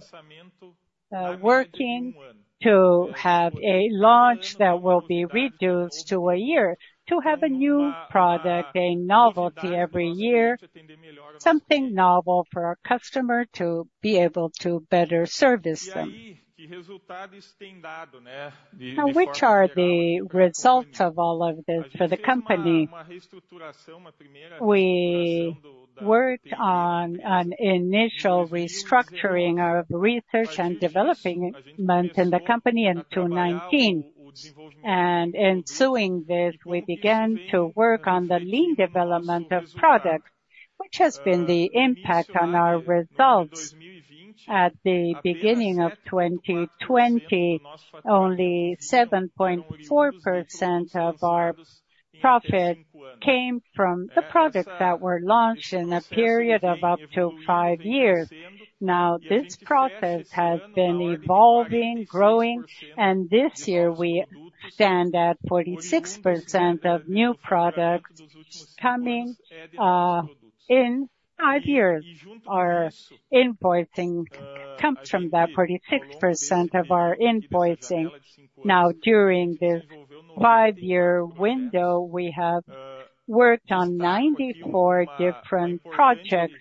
working to have a launch that will be reduced to a year to have a new product, a novelty every year, something novel for our customer to be able to better service them. Now, which are the results of all of this for the company? We worked on an initial restructuring of research and development in the company in 2019. Ensuing this, we began to work on the Lean development of products, which has been the impact on our results. At the beginning of 2020, only 7.4% of our profit came from the products that were launched in a period of up to five years. Now, this process has been evolving, growing, and this year we stand at 46% of new products coming in five years. Our invoicing comes from that 46% of our invoicing. Now, during this five-year window, we have worked on 94 different projects.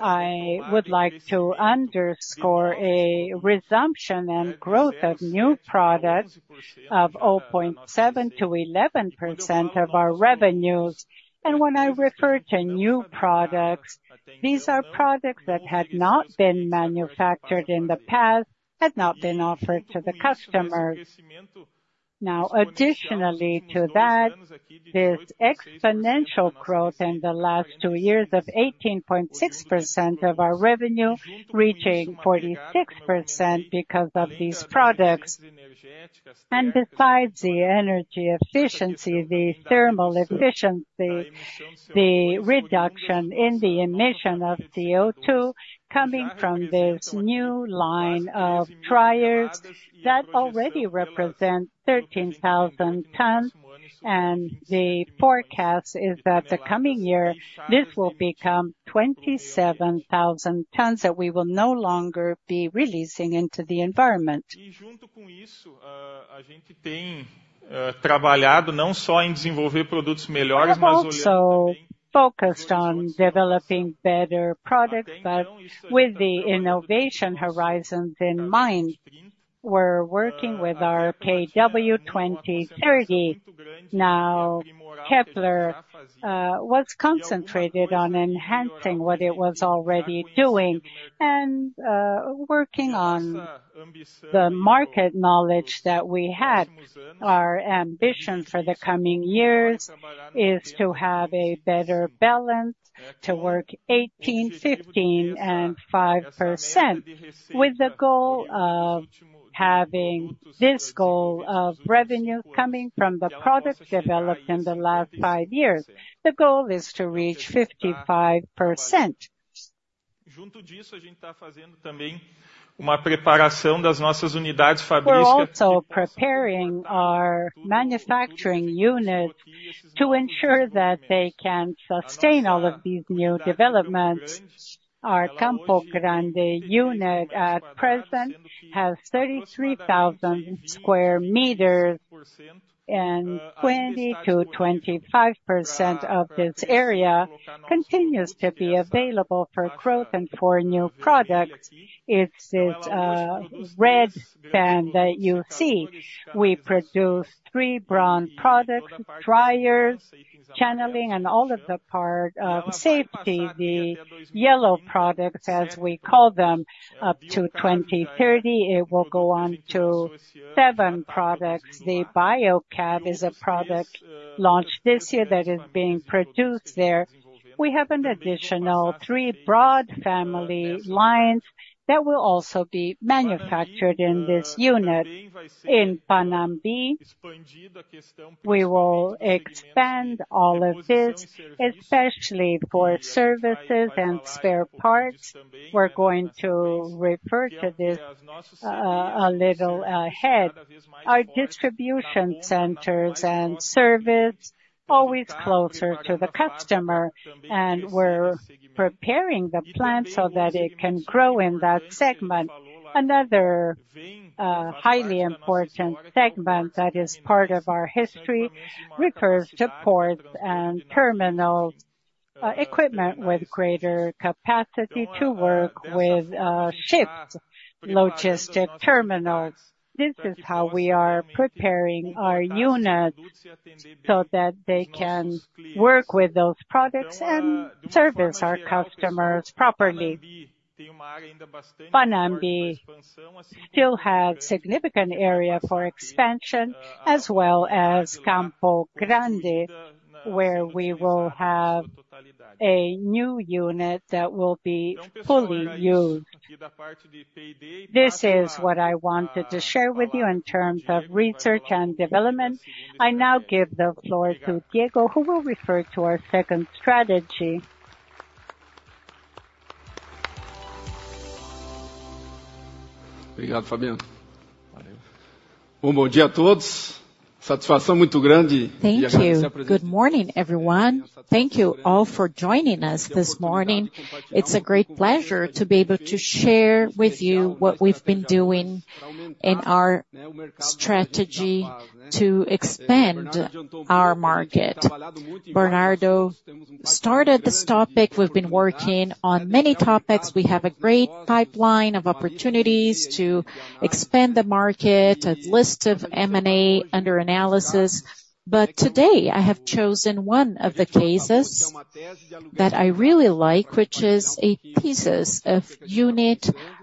I would like to underscore a resumption and growth of new products of 0.7%-11% of our revenues. And when I refer to new products, these are products that had not been manufactured in the past, had not been offered to the customers. Now, additionally to that, this exponential growth in the last two years of 18.6% of our revenue, reaching 46% because of these products. And besides the energy efficiency, the thermal efficiency, the reduction in the emission of CO2 coming from this new line of dryers that already represents 13,000 tons. And the forecast is that the coming year, this will become 27,000 tons that we will no longer be releasing into the environment. But also focused on developing better products, but with the innovation horizons in mind. We're working with our KW2030. Now, Kepler was concentrated on enhancing what it was already doing and working on the market knowledge that we had. Our ambition for the coming years is to have a better balance, to work 18%, 15%, and 5% with the goal of having this goal of revenue coming from the products developed in the last five years. The goal is to reach 55%. We're also preparing our manufacturing unit to ensure that they can sustain all of these new developments. Our Campo Grande unit at present has 33,000 sq m, and 20%-25% of this area continues to be available for growth and for new products. It's this red fan that you see. We produce three brown products, dryers, channeling, and all of the part of safety, the yellow products, as we call them. Up to 2030, it will go on to seven products. The BioCap is a product launched this year that is being produced there. We have an additional three broad family lines that will also be manufactured in this unit in Panambi. We will expand all of this, especially for services and spare parts. We're going to refer to this a little ahead. Our distribution centers and services are always closer to the customer, and we're preparing the plant so that it can grow in that segment. Another highly important segment that is part of our history refers to ports and terminal equipment with greater capacity to work with ships, logistic terminals. This is how we are preparing our units so that they can work with those products and service our customers properly. Panambi still has significant area for expansion, as well as Campo Grande, where we will have a new unit that will be fully used. This is what I wanted to share with you in terms of research and development. I now give the floor to Diego, who will refer to our second strategy. Thank you. Good morning, everyone. Thank you all for joining us this morning. It's a great pleasure to be able to share with you what we've been doing in our strategy to expand our market. Bernardo started this topic. We've been working on many topics. We have a great pipeline of opportunities to expand the market. A list of M&A under analysis. But today, I have chosen one of the cases that I really like, which is a thesis of unit rental.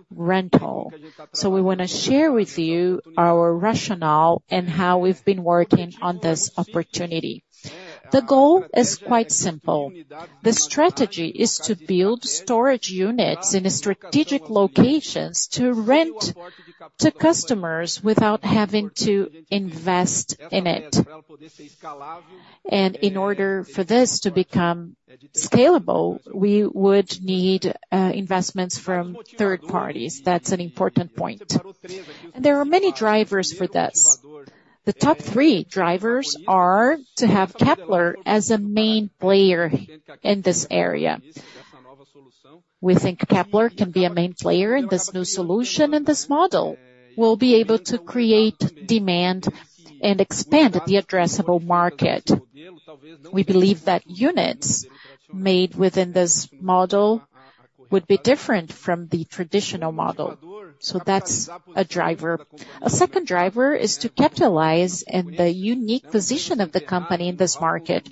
So we want to share with you our rationale and how we've been working on this opportunity. The goal is quite simple. The strategy is to build storage units in strategic locations to rent to customers without having to invest in it. In order for this to become scalable, we would need investments from third parties. That's an important point, and there are many drivers for this. The top three drivers are to have Kepler as a main player in this area. We think Kepler can be a main player in this new solution and this model. We'll be able to create demand and expand the addressable market. We believe that units made within this model would be different from the traditional model, so that's a driver. A second driver is to capitalize on the unique position of the company in this market.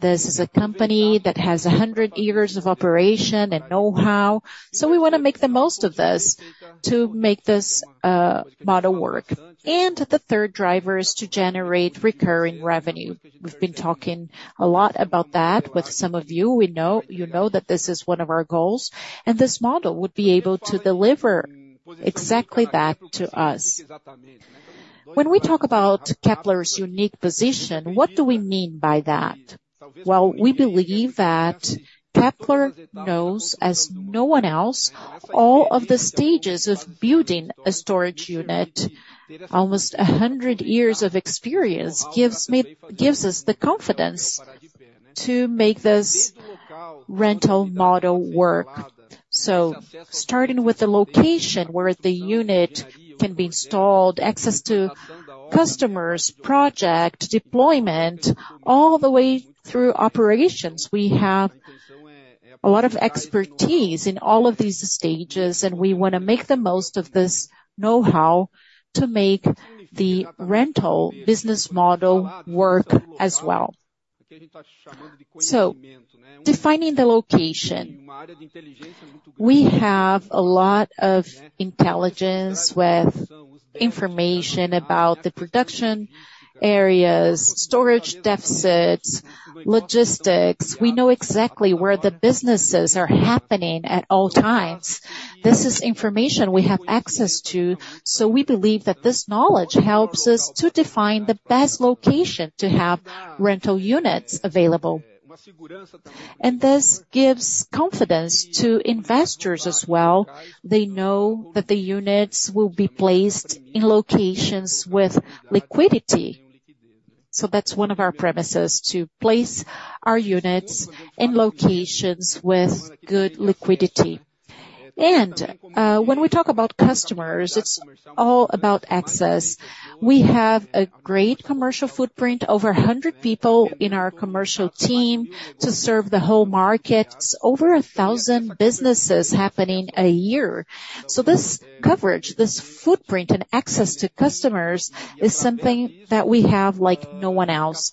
This is a company that has 100 years of operation and know-how. We want to make the most of this to make this model work. The third driver is to generate recurring revenue. We've been talking a lot about that with some of you. You know that this is one of our goals. This model would be able to deliver exactly that to us. When we talk about Kepler's unique position, what do we mean by that? We believe that Kepler knows as no one else all of the stages of building a storage unit. Almost 100 years of experience gives us the confidence to make this rental model work. Starting with the location where the unit can be installed, access to customers, project deployment, all the way through operations. We have a lot of expertise in all of these stages, and we want to make the most of this know-how to make the rental business model work as well. Defining the location, we have a lot of intelligence with information about the production areas, storage deficits, logistics. We know exactly where the businesses are happening at all times. This is information we have access to. We believe that this knowledge helps us to define the best location to have rental units available. And this gives confidence to investors as well. They know that the units will be placed in locations with liquidity. That's one of our premises, to place our units in locations with good liquidity. And when we talk about customers, it's all about access. We have a great commercial footprint, over 100 people in our commercial team to serve the whole market. It's over 1,000 businesses happening a year. This coverage, this footprint, and access to customers is something that we have like no one else.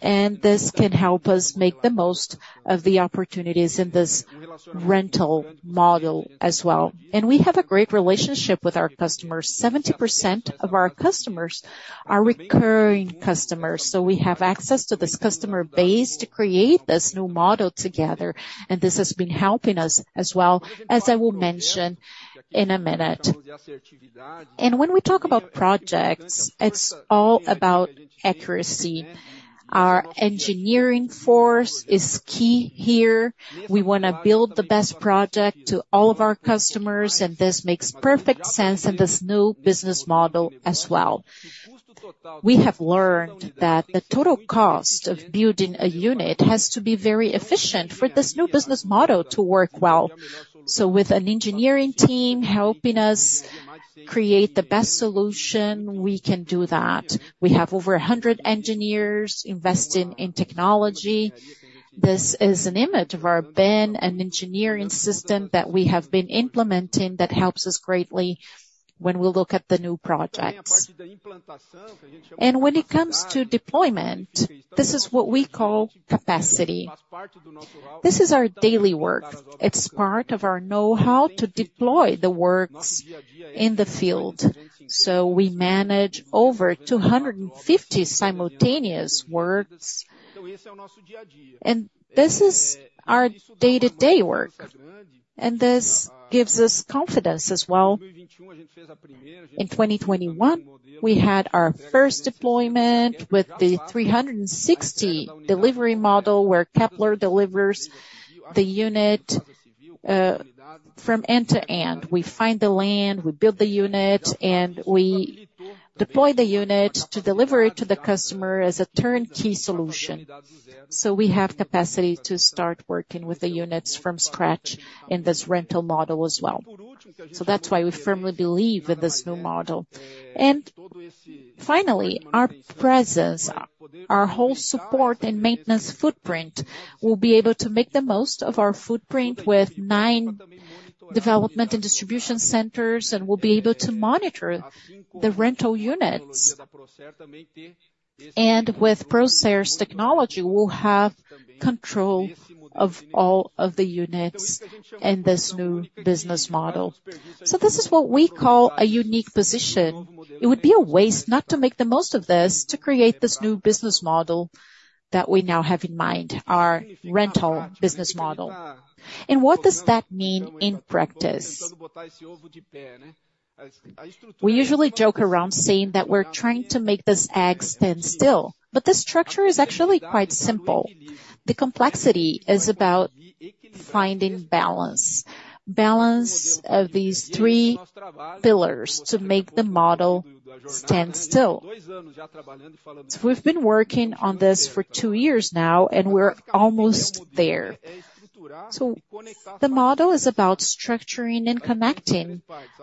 And this can help us make the most of the opportunities in this rental model as well. And we have a great relationship with our customers. 70% of our customers are recurring customers. So we have access to this customer base to create this new model together. And this has been helping us as well, as I will mention in a minute. And when we talk about projects, it's all about accuracy. Our engineering force is key here. We want to build the best project to all of our customers. And this makes perfect sense in this new business model as well. We have learned that the total cost of building a unit has to be very efficient for this new business model to work well. So with an engineering team helping us create the best solution, we can do that. We have over 100 engineers investing in technology. This is an image of our BIM, an engineering system that we have been implementing that helps us greatly when we look at the new projects, and when it comes to deployment, this is what we call capacity. This is our daily work. It's part of our know-how to deploy the works in the field, so we manage over 250 simultaneous works. This is our day-to-day work, and this gives us confidence as well. In 2021, we had our first deployment with the 360 delivery model where Kepler delivers the unit from end to end. We find the land, we build the unit, and we deploy the unit to deliver it to the customer as a turnkey solution, so we have capacity to start working with the units from scratch in this rental model as well, so that's why we firmly believe in this new model. Finally, our presence, our whole support and maintenance footprint, we'll be able to make the most of our footprint with nine development and distribution centers and will be able to monitor the rental units. With Procer's technology, we'll have control of all of the units in this new business model. This is what we call a unique position. It would be a waste not to make the most of this to create this new business model that we now have in mind, our rental business model. What does that mean in practice? We usually joke around saying that we're trying to make this egg stand still, but this structure is actually quite simple. The complexity is about finding balance, balance of these three pillars to make the model stand still. We've been working on this for two years now, and we're almost there. The model is about structuring and connecting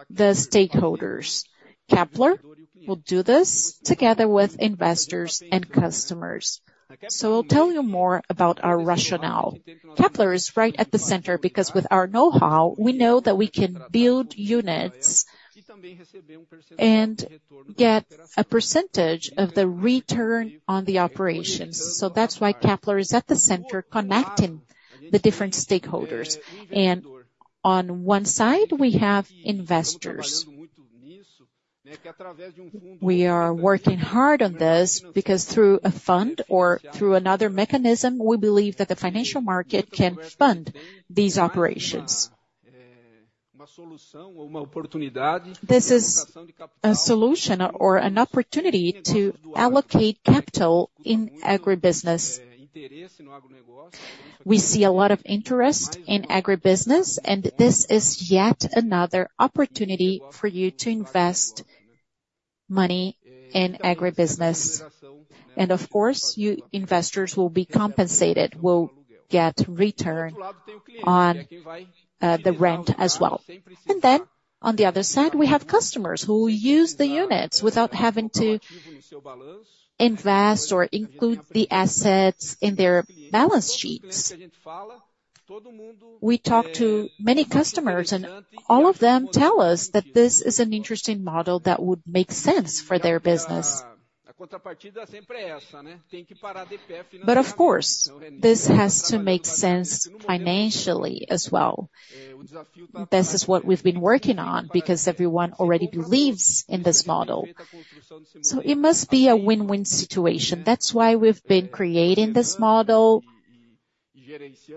the stakeholders. Kepler will do this together with investors and customers. I'll tell you more about our rationale. Kepler is right at the center because with our know-how, we know that we can build units and get a percentage of the return on the operations. That's why Kepler is at the center, connecting the different stakeholders. On one side, we have investors. We are working hard on this because through a fund or through another mechanism, we believe that the financial market can fund these operations. This is a solution or an opportunity to allocate capital in agribusiness. We see a lot of interest in agribusiness, and this is yet another opportunity for you to invest money in agribusiness. Of course, you investors will be compensated, will get return on the rent as well. Then on the other side, we have customers who use the units without having to invest or include the assets in their balance sheets. We talk to many customers, and all of them tell us that this is an interesting model that would make sense for their business. But of course, this has to make sense financially as well. This is what we've been working on because everyone already believes in this model. So it must be a win-win situation. That's why we've been creating this model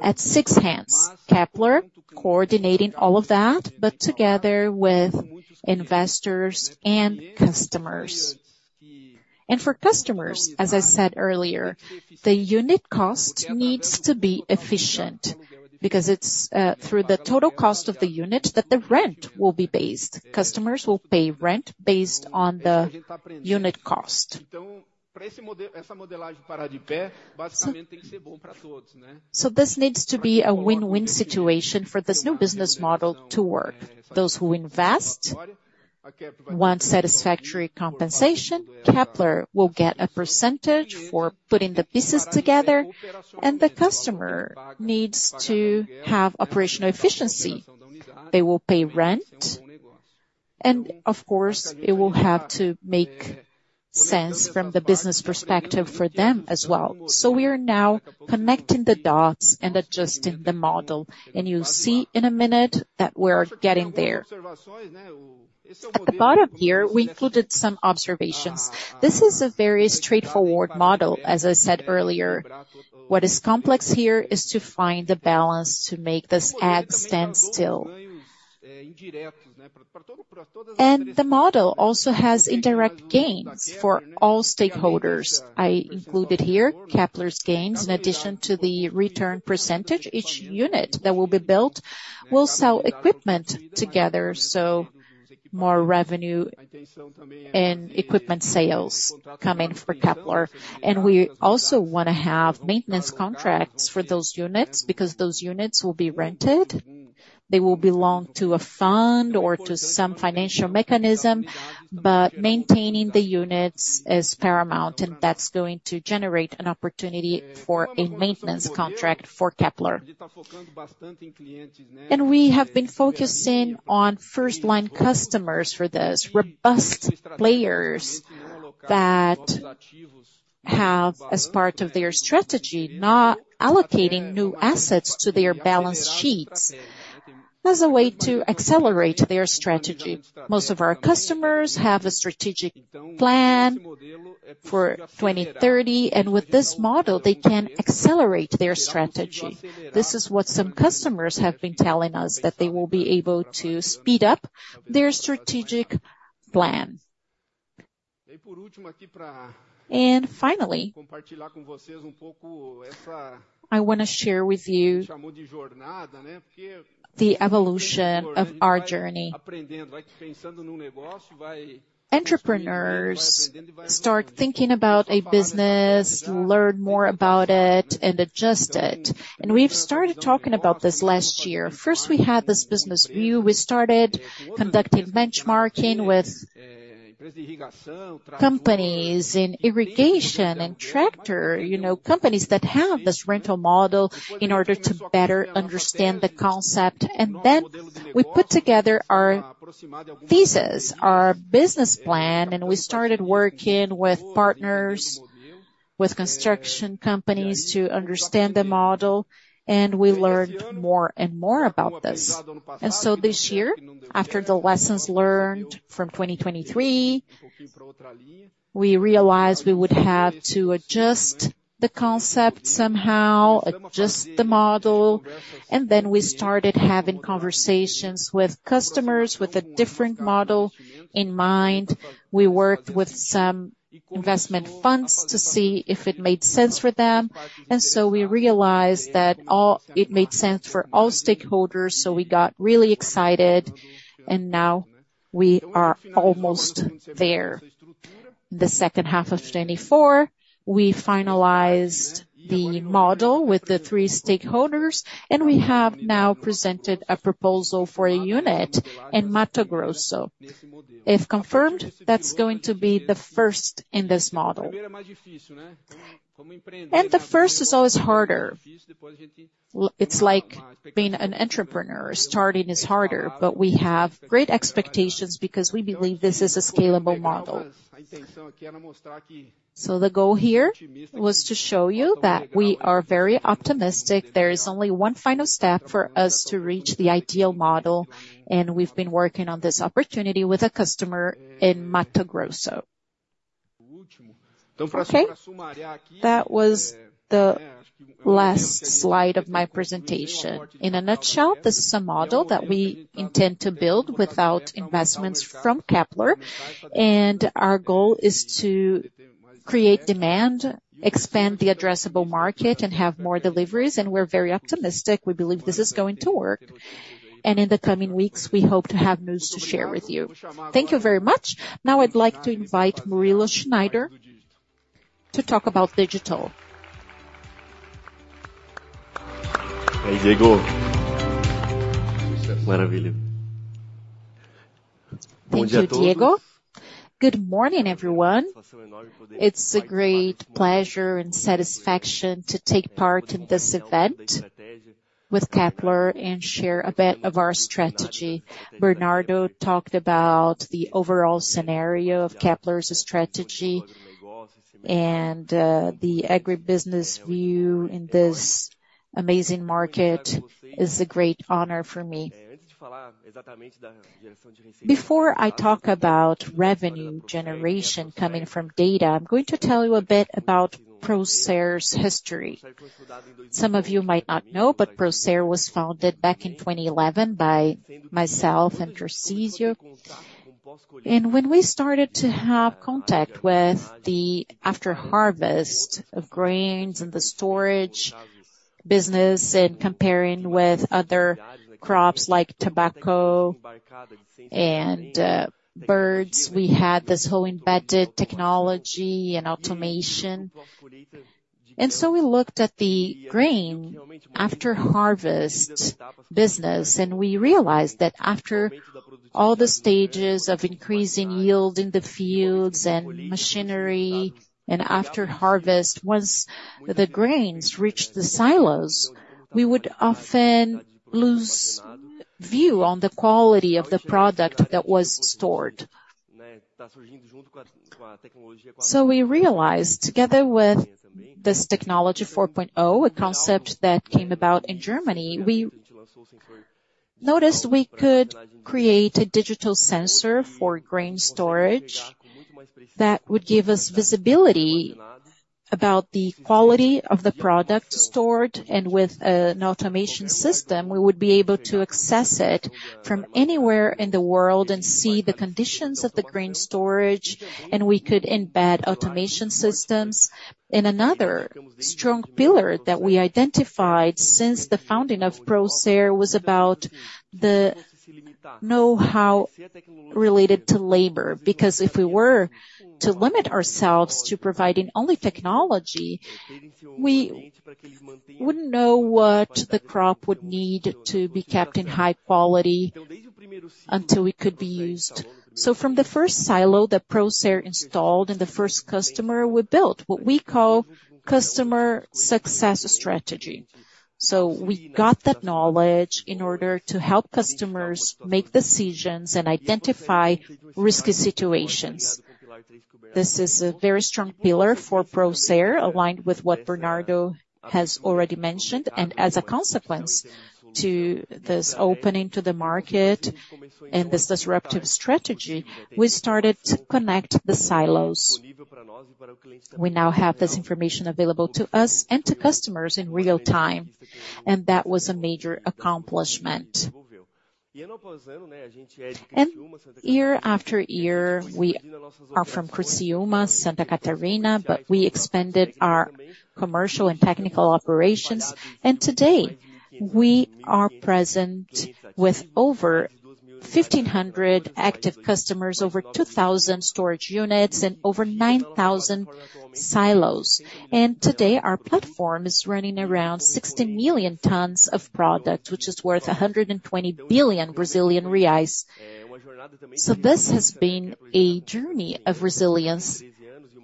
at six hands, Kepler coordinating all of that, but together with investors and customers. And for customers, as I said earlier, the unit cost needs to be efficient because it's through the total cost of the unit that the rent will be based. Customers will pay rent based on the unit cost. This needs to be a win-win situation for this new business model to work. Those who invest want satisfactory compensation. Kepler Weber will get a percentage for putting the pieces together, and the customer needs to have operational efficiency. They will pay rent, and of course, it will have to make sense from the business perspective for them as well. We are now connecting the dots and adjusting the model, and you'll see in a minute that we're getting there. At the bottom here, we included some observations. This is a very straightforward model, as I said earlier. What is complex here is to find the balance to make this egg stand still. The model also has indirect gains for all stakeholders. I included here Kepler Weber's gains in addition to the return percentage. Each unit that will be built will sell equipment together, so more revenue and equipment sales come in for Kepler, and we also want to have maintenance contracts for those units because those units will be rented. They will belong to a fund or to some financial mechanism, but maintaining the units is paramount, and that's going to generate an opportunity for a maintenance contract for Kepler, and we have been focusing on first-line customers for this, robust players that have as part of their strategy not allocating new assets to their balance sheets as a way to accelerate their strategy. Most of our customers have a strategic plan for 2030, and with this model, they can accelerate their strategy. This is what some customers have been telling us, that they will be able to speed up their strategic plan. Finally, I want to share with you the evolution of our journey. Entrepreneurs start thinking about a business, learn more about it, and adjust it. We've started talking about this last year. First, we had this business view. We started conducting benchmarking with companies in irrigation and tractor, companies that have this rental model in order to better understand the concept. We put together our thesis, our business plan, and we started working with partners, with construction companies to understand the model, and we learned more and more about this. This year, after the lessons learned from 2023, we realized we would have to adjust the concept somehow, adjust the model. We started having conversations with customers with a different model in mind. We worked with some investment funds to see if it made sense for them. And so we realized that it made sense for all stakeholders. So we got really excited, and now we are almost there. In the second half of 2024, we finalized the model with the three stakeholders, and we have now presented a proposal for a unit in Mato Grosso. If confirmed, that's going to be the first in this model. And the first is always harder. It's like being an entrepreneur. Starting is harder, but we have great expectations because we believe this is a scalable model. So the goal here was to show you that we are very optimistic. There is only one final step for us to reach the ideal model, and we've been working on this opportunity with a customer in Mato Grosso. That was the last slide of my presentation. In a nutshell, this is a model that we intend to build without investments from Kepler. Our goal is to create demand, expand the addressable market, and have more deliveries. We're very optimistic. We believe this is going to work. In the coming weeks, we hope to have news to share with you. Thank you very much. Now I'd like to invite Murilo Schneider to talk about digital. Thank you, Diego. Good morning, everyone. It's a great pleasure and satisfaction to take part in this event with Kepler and share a bit of our strategy. Bernardo talked about the overall scenario of Kepler's strategy and the agribusiness view in this amazing market. It's a great honor for me. Before I talk about revenue generation coming from data, I'm going to tell you a bit about Procer's history. Some of you might not know, but Procer was founded back in 2011 by myself and Tarcísio. When we started to have contact with the after-harvest of grains and the storage business and comparing with other crops like tobacco and rice, we had this whole embedded technology and automation. So we looked at the grain after-harvest business, and we realized that after all the stages of increasing yield in the fields and machinery and after-harvest, once the grains reached the silos, we would often lose view on the quality of the product that was stored. We realized together with this technology 4.0, a concept that came about in Germany, we noticed we could create a digital sensor for grain storage that would give us visibility about the quality of the product stored. With an automation system, we would be able to access it from anywhere in the world and see the conditions of the grain storage. And we could embed automation systems in another strong pillar that we identified since the founding of Procer was about the know-how related to labor. Because if we were to limit ourselves to providing only technology, we wouldn't know what the crop would need to be kept in high quality until it could be used. So from the first silo that Procer installed and the first customer we built, what we call customer success strategy. So we got that knowledge in order to help customers make decisions and identify risky situations. This is a very strong pillar for Procer, aligned with what Bernardo has already mentioned. And as a consequence to this opening to the market and this disruptive strategy, we started to connect the silos. We now have this information available to us and to customers in real time, and that was a major accomplishment. Year-after-year, we are from Criciúma, Santa Catarina, but we expanded our commercial and technical operations. Today, we are present with over 1,500 active customers, over 2,000 storage units, and over 9,000 silos. Today, our platform is running around 60 million tons of product, which is worth 120 billion Brazilian reais. This has been a journey of resilience.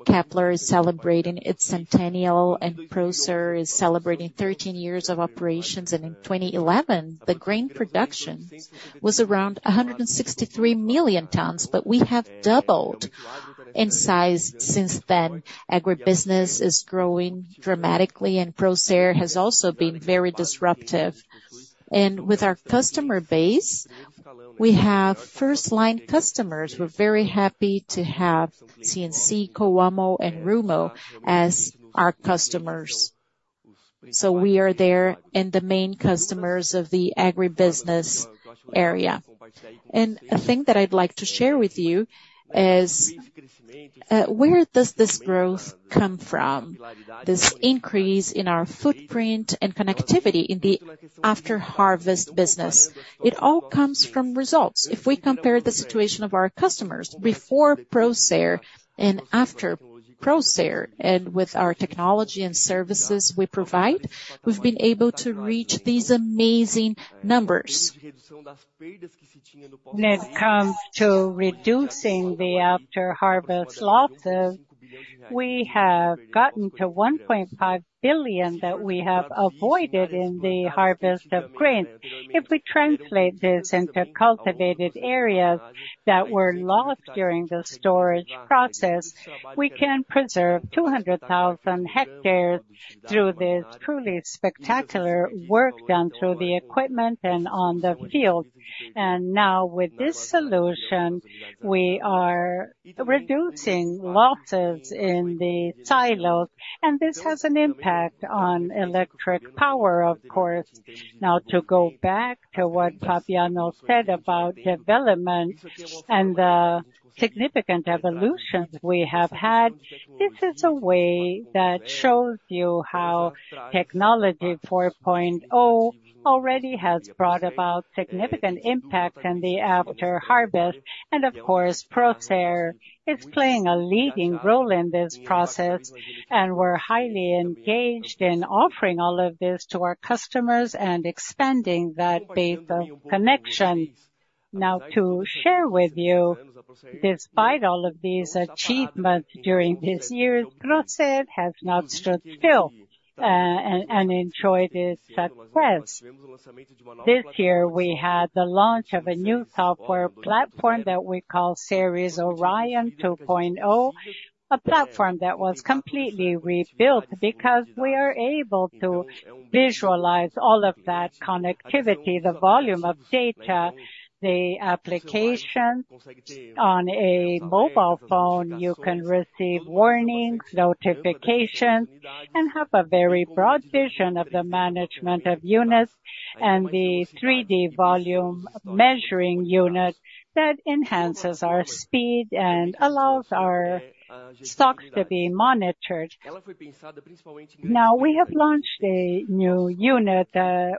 Kepler is celebrating its centennial, and Procer is celebrating 13 years of operations. In 2011, the grain production was around 163 million tons, but we have doubled in size since then. Agribusiness is growing dramatically, and Procer has also been very disruptive. With our customer base, we have first-line customers. We're very happy to have SLC, Coamo, and Rumo as our customers. We are there and the main customers of the agribusiness area. A thing that I'd like to share with you is where does this growth come from, this increase in our footprint and connectivity in the after-harvest business? It all comes from results. If we compare the situation of our customers before Procer and after Procer and with our technology and services we provide, we've been able to reach these amazing numbers. When it comes to reducing the after-harvest losses, we have gotten to 1.5 billion that we have avoided in the harvest of grain. If we translate this into cultivated areas that were lost during the storage process, we can preserve 200,000 hectares through this truly spectacular work done through the equipment and on the field. Now, with this solution, we are reducing losses in the silos, and this has an impact on electric power, of course. Now, to go back to what Fabiano said about development and the significant evolutions we have had, this is a way that shows you how technology 4.0 already has brought about significant impact in the after-harvest. Of course, Procer is playing a leading role in this process, and we're highly engaged in offering all of this to our customers and expanding that base of connection. Now, to share with you, despite all of these achievements during these years, Procer has not stood still and enjoyed its success. This year, we had the launch of a new software platform that we call Ceres Orion 2.0, a platform that was completely rebuilt because we are able to visualize all of that connectivity, the volume of data, the application. On a mobile phone, you can receive warnings, notifications, and have a very broad vision of the management of units and the 3D volume measuring unit that enhances our speed and allows our stocks to be monitored. Now, we have launched a new unit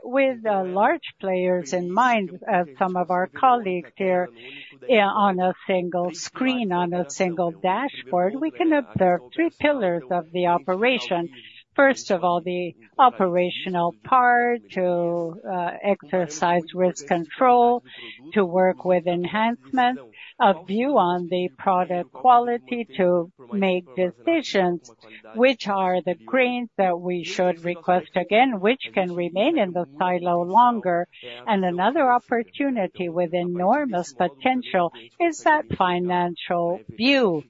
with large players in mind, as some of our colleagues here, on a single screen, on a single dashboard. We can observe three pillars of the operation. First of all, the operational part to exercise risk control, to work with enhancements, a view on the product quality to make decisions, which are the grains that we should request again, which can remain in the silo longer, and another opportunity with enormous potential is that financial view.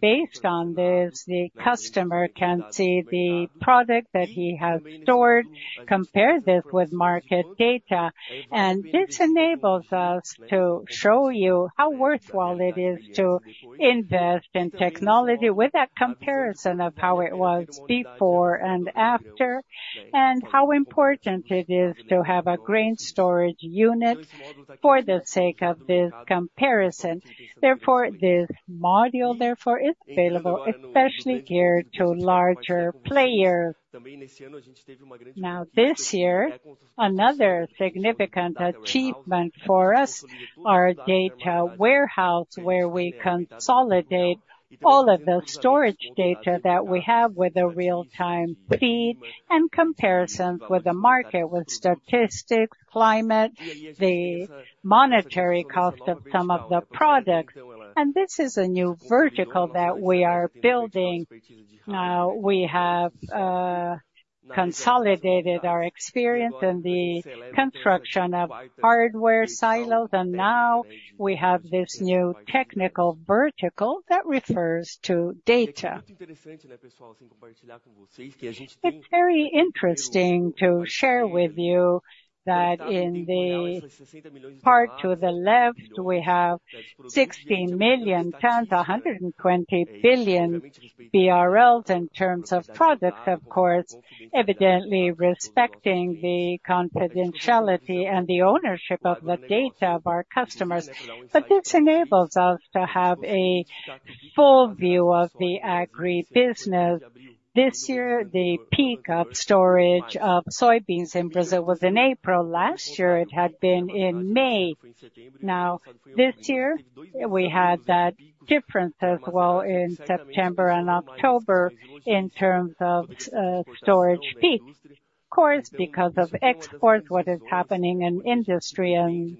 Based on this, the customer can see the product that he has stored, compare this with market data. This enables us to show you how worthwhile it is to invest in technology with that comparison of how it was before and after, and how important it is to have a grain storage unit for the sake of this comparison. Therefore, this module, therefore, is available, especially geared to larger players. Now, this year, another significant achievement for us is our data warehouse, where we consolidate all of the storage data that we have with a real-time feed and comparisons with the market, with statistics, climate, the monetary cost of some of the products. This is a new vertical that we are building. Now, we have consolidated our experience in the construction of hardware silos, and now we have this new technical vertical that refers to data. It's very interesting to share with you that in the part to the left, we have 16 million tons, 120 billion BRL in terms of products, of course, evidently respecting the confidentiality and the ownership of the data of our customers. But this enables us to have a full view of the agribusiness. This year, the peak of storage of soybeans in Brazil was in April. Last year, it had been in May. Now, this year, we had that difference as well in September and October in terms of storage peaks. Of course, because of exports, what is happening in industry, and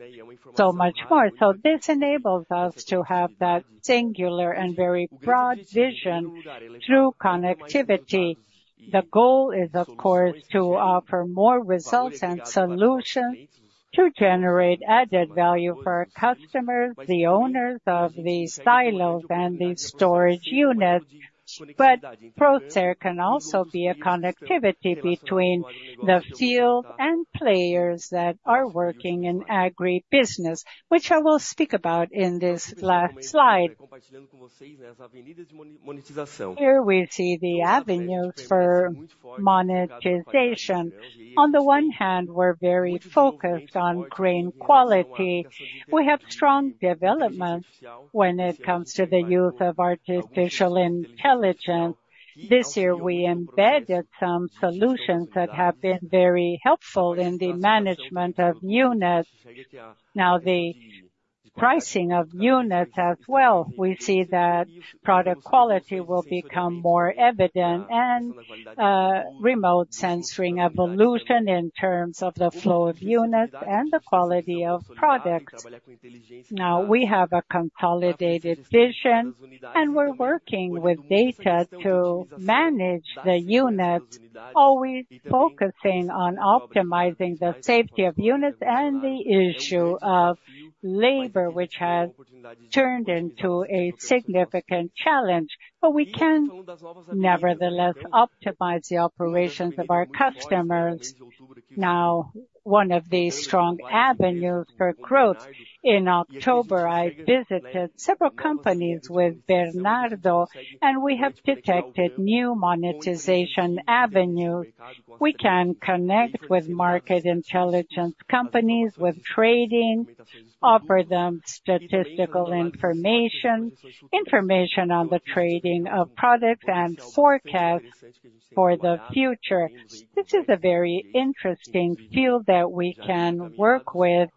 so much more. So this enables us to have that singular and very broad vision through connectivity. The goal is, of course, to offer more results and solutions to generate added value for our customers, the owners of the silos and the storage units. But Procer can also be a connectivity between the field and players that are working in agribusiness, which I will speak about in this last slide. Here we see the avenues for monetization. On the one hand, we're very focused on grain quality. We have strong developments when it comes to the use of artificial intelligence. This year, we embedded some solutions that have been very helpful in the management of units. Now, the pricing of units as well. We see that product quality will become more evident and remote sensing evolution in terms of the flow of units and the quality of products. Now, we have a consolidated vision, and we're working with data to manage the units, always focusing on optimizing the safety of units and the issue of labor, which has turned into a significant challenge. But we can nevertheless optimize the operations of our customers. Now, one of these strong avenues for growth. In October, I visited several companies with Bernardo, and we have detected new monetization avenues. We can connect with market intelligence companies, with trading, offer them statistical information, information on the trading of products, and forecasts for the future. This is a very interesting field that we can work with.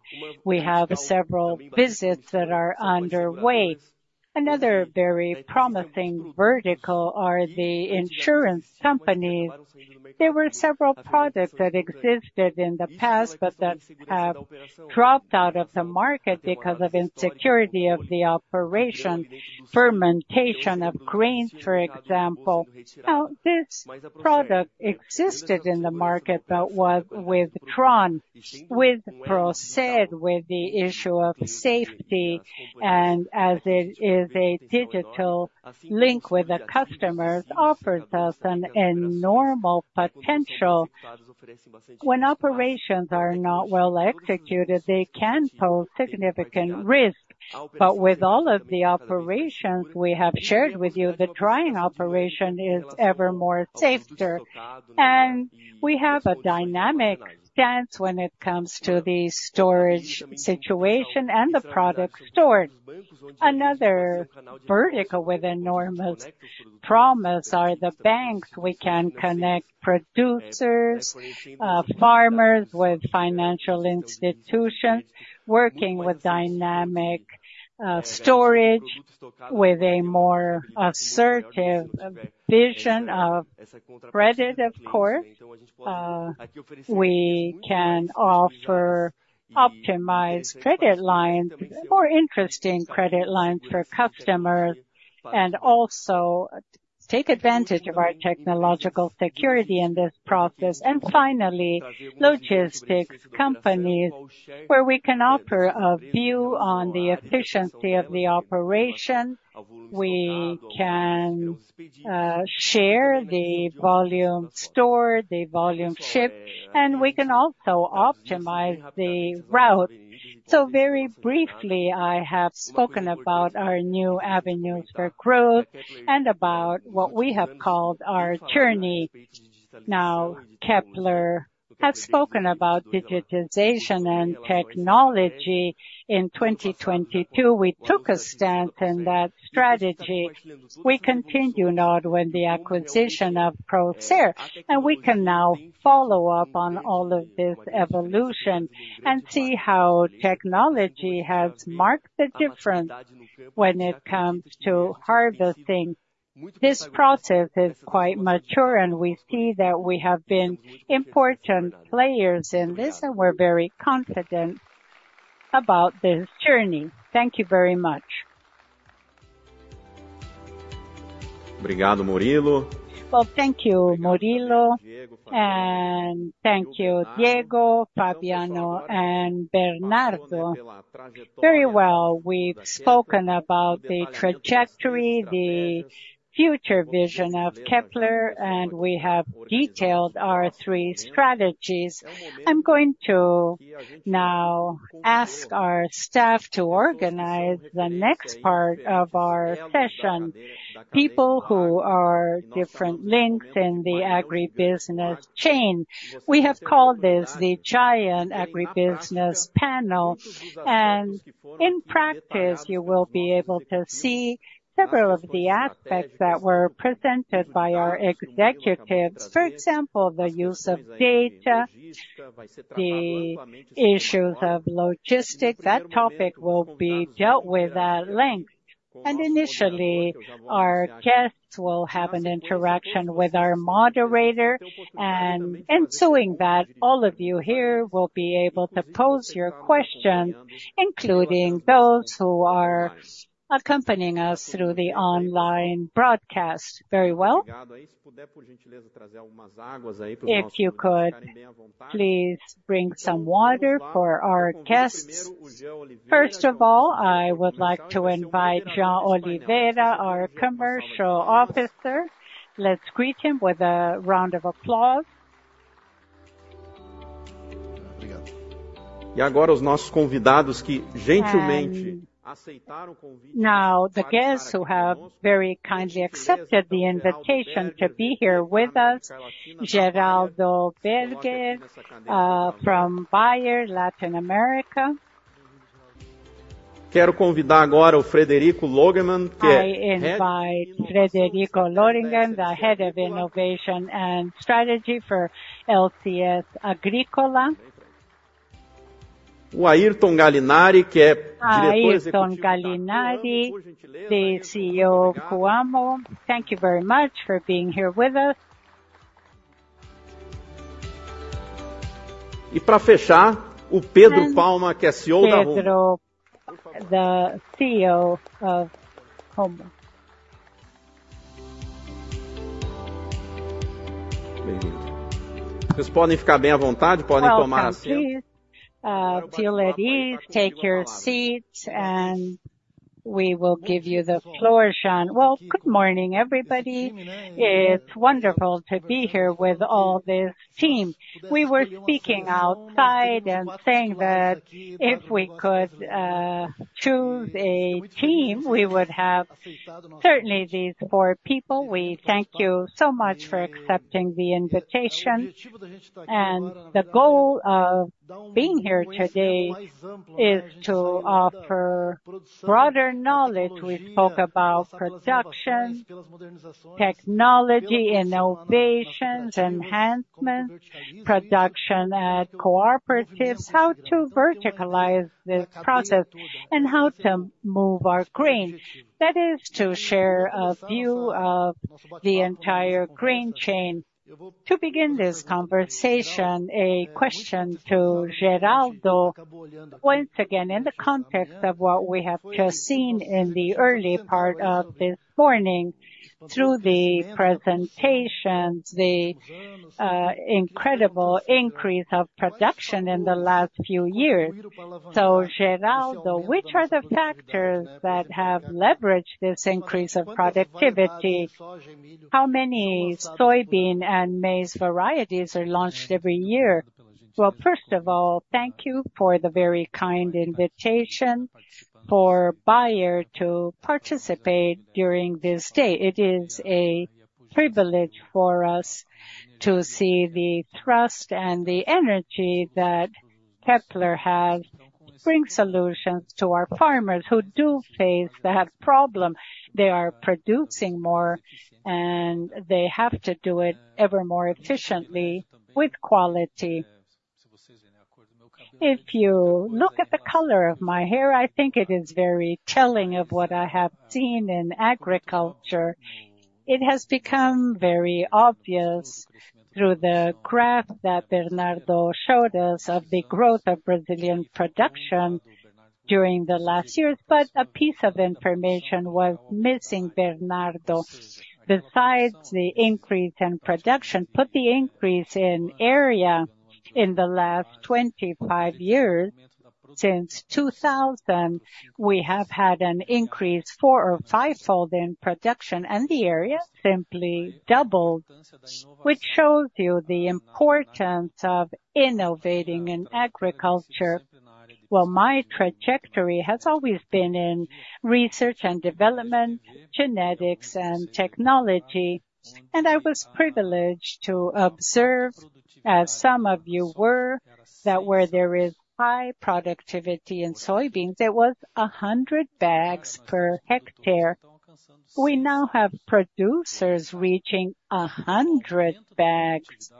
We have several visits that are underway. Another very promising vertical are the insurance companies. There were several products that existed in the past, but that have dropped out of the market because of insecurity of the operation, fermentation of grains, for example. Now, this product existed in the market, but was withdrawn with Procer, with the issue of safety. And as it is a digital link with the customers, it offers us an enormous potential. When operations are not well executed, they can pose significant risk. With all of the operations we have shared with you, the drying operation is ever more safer. We have a dynamic stance when it comes to the storage situation and the product stored. Another vertical with enormous promise are the banks. We can connect producers, farmers with financial institutions, working with dynamic storage with a more assertive vision of credit, of course. We can offer optimized credit lines, more interesting credit lines for customers, and also take advantage of our technological security in this process. Finally, logistics companies, where we can offer a view on the efficiency of the operation. We can share the volume stored, the volume shipped, and we can also optimize the route. Very briefly, I have spoken about our new avenues for growth and about what we have called our journey. Now, Kepler has spoken about digitization and technology. In 2022, we took a stance in that strategy. We carried out the acquisition of Procer, and we can now follow up on all of this evolution and see how technology has marked the difference when it comes to harvesting. This process is quite mature, and we see that we have been important players in this, and we're very confident about this journey. Thank you very much. Thank you, Murilo, and thank you, Diego, Fabiano, and Bernardo. Very well. We've spoken about the trajectory, the future vision of Kepler, and we have detailed our three strategies. I'm going to now ask our staff to organize the next part of our session. People who are different links in the agribusiness chain. We have called this the Giant Agribusiness Panel. In practice, you will be able to see several of the aspects that were presented by our executives. For example, the use of data, the issues of logistics. That topic will be dealt with at length. Initially, our guests will have an interaction with our moderator. In doing that, all of you here will be able to pose your questions, including those who are accompanying us through the online broadcast. Very well. If you could, please bring some water for our guests. First of all, I would like to invite Jean Oliveira, our commercial officer. Let's greet him with a round of applause. Now, the guests who have very kindly accepted the invitation to be here with us, Geraldo Berger, from Bayer, Latin America. I invite Frederico Logemann, the head of innovation and strategy for SLC Agrícola. Airton Galinari, the CEO of Coamo. Thank you very much for being here with us. Pedro, the CEO of Rumo. Please, feel at ease, take your seats, and we will give you the floor, Jean. Good morning, everybody. It's wonderful to be here with all this team. We were speaking outside and saying that if we could choose a team, we would have certainly these four people. We thank you so much for accepting the invitation. The goal of being here today is to offer broader knowledge. We spoke about production, technology, innovations, enhancements, production at cooperatives, how to verticalize this process, and how to move our grain. That is to share a view of the entire grain chain. To begin this conversation, a question to Geraldo, once again, in the context of what we have just seen in the early part of this morning through the presentations, the incredible increase of production in the last few years. So, Geraldo, which are the factors that have leveraged this increase of productivity? How many soybean and maize varieties are launched every year? Well, first of all, thank you for the very kind invitation for Bayer to participate during this day. It is a privilege for us to see the trust and the energy that Kepler has to bring solutions to our farmers who do face that problem. They are producing more, and they have to do it ever more efficiently with quality. If you look at the color of my hair, I think it is very telling of what I have seen in agriculture. It has become very obvious through the graph that Bernardo showed us of the growth of Brazilian production during the last years, but a piece of information was missing, Bernardo. Besides the increase in production, put the increase in area in the last 25 years. Since 2000, we have had an increase four or five-fold in production, and the area simply doubled, which shows you the importance of innovating in agriculture. My trajectory has always been in research and development, genetics, and technology, and I was privileged to observe, as some of you were, that where there is high productivity in soybeans, it was 100 bags per hectare. We now have producers reaching 100 bags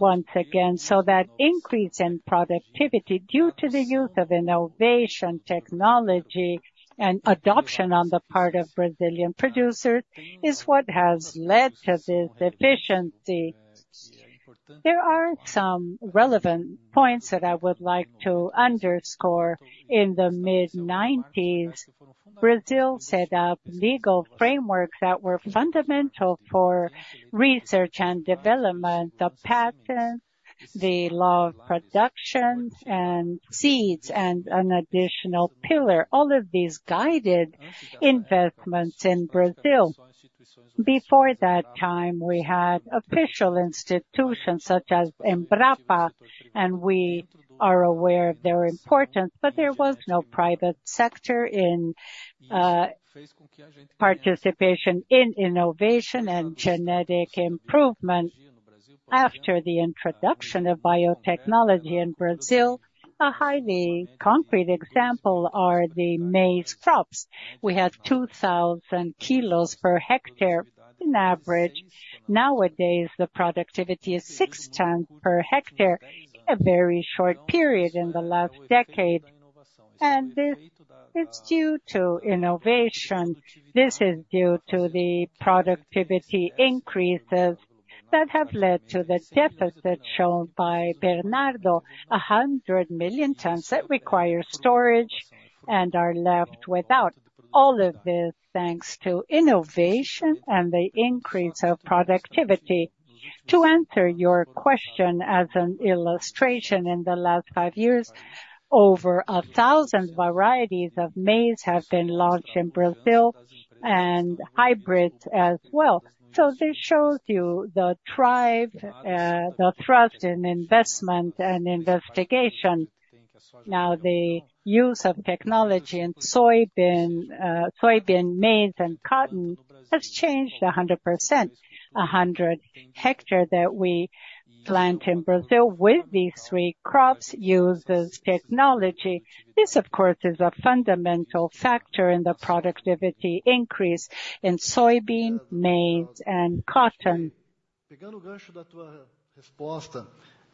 once again. That increase in productivity due to the use of innovation, technology, and adoption on the part of Brazilian producers is what has led to this efficiency. There are some relevant points that I would like to underscore. In the mid-1990s, Brazil set up legal frameworks that were fundamental for research and development, the patents, the law of production, and seeds, and an additional pillar. All of these guided investments in Brazil. Before that time, we had official institutions such as Embrapa, and we are aware of their importance, but there was no private sector in participation in innovation and genetic improvement after the introduction of biotechnology in Brazil. A highly concrete example are the maize crops. We have 2,000 kilos per hectare in average. Nowadays, the productivity is six tons per hectare in a very short period in the last decade. And this is due to innovation. This is due to the productivity increases that have led to the deficit shown by Bernardo, 100 million tons that require storage and are left without. All of this thanks to innovation and the increase of productivity. To answer your question, as an illustration, in the last five years, over 1,000 varieties of corn have been launched in Brazil and hybrids as well. This shows you the drive, the trust in investment and investigation. Now, the use of technology in soybean, corn, and cotton has changed 100%. 100 hectares that we plant in Brazil with these three crops use this technology. This, of course, is a fundamental factor in the productivity increase in soybean, corn, and cotton.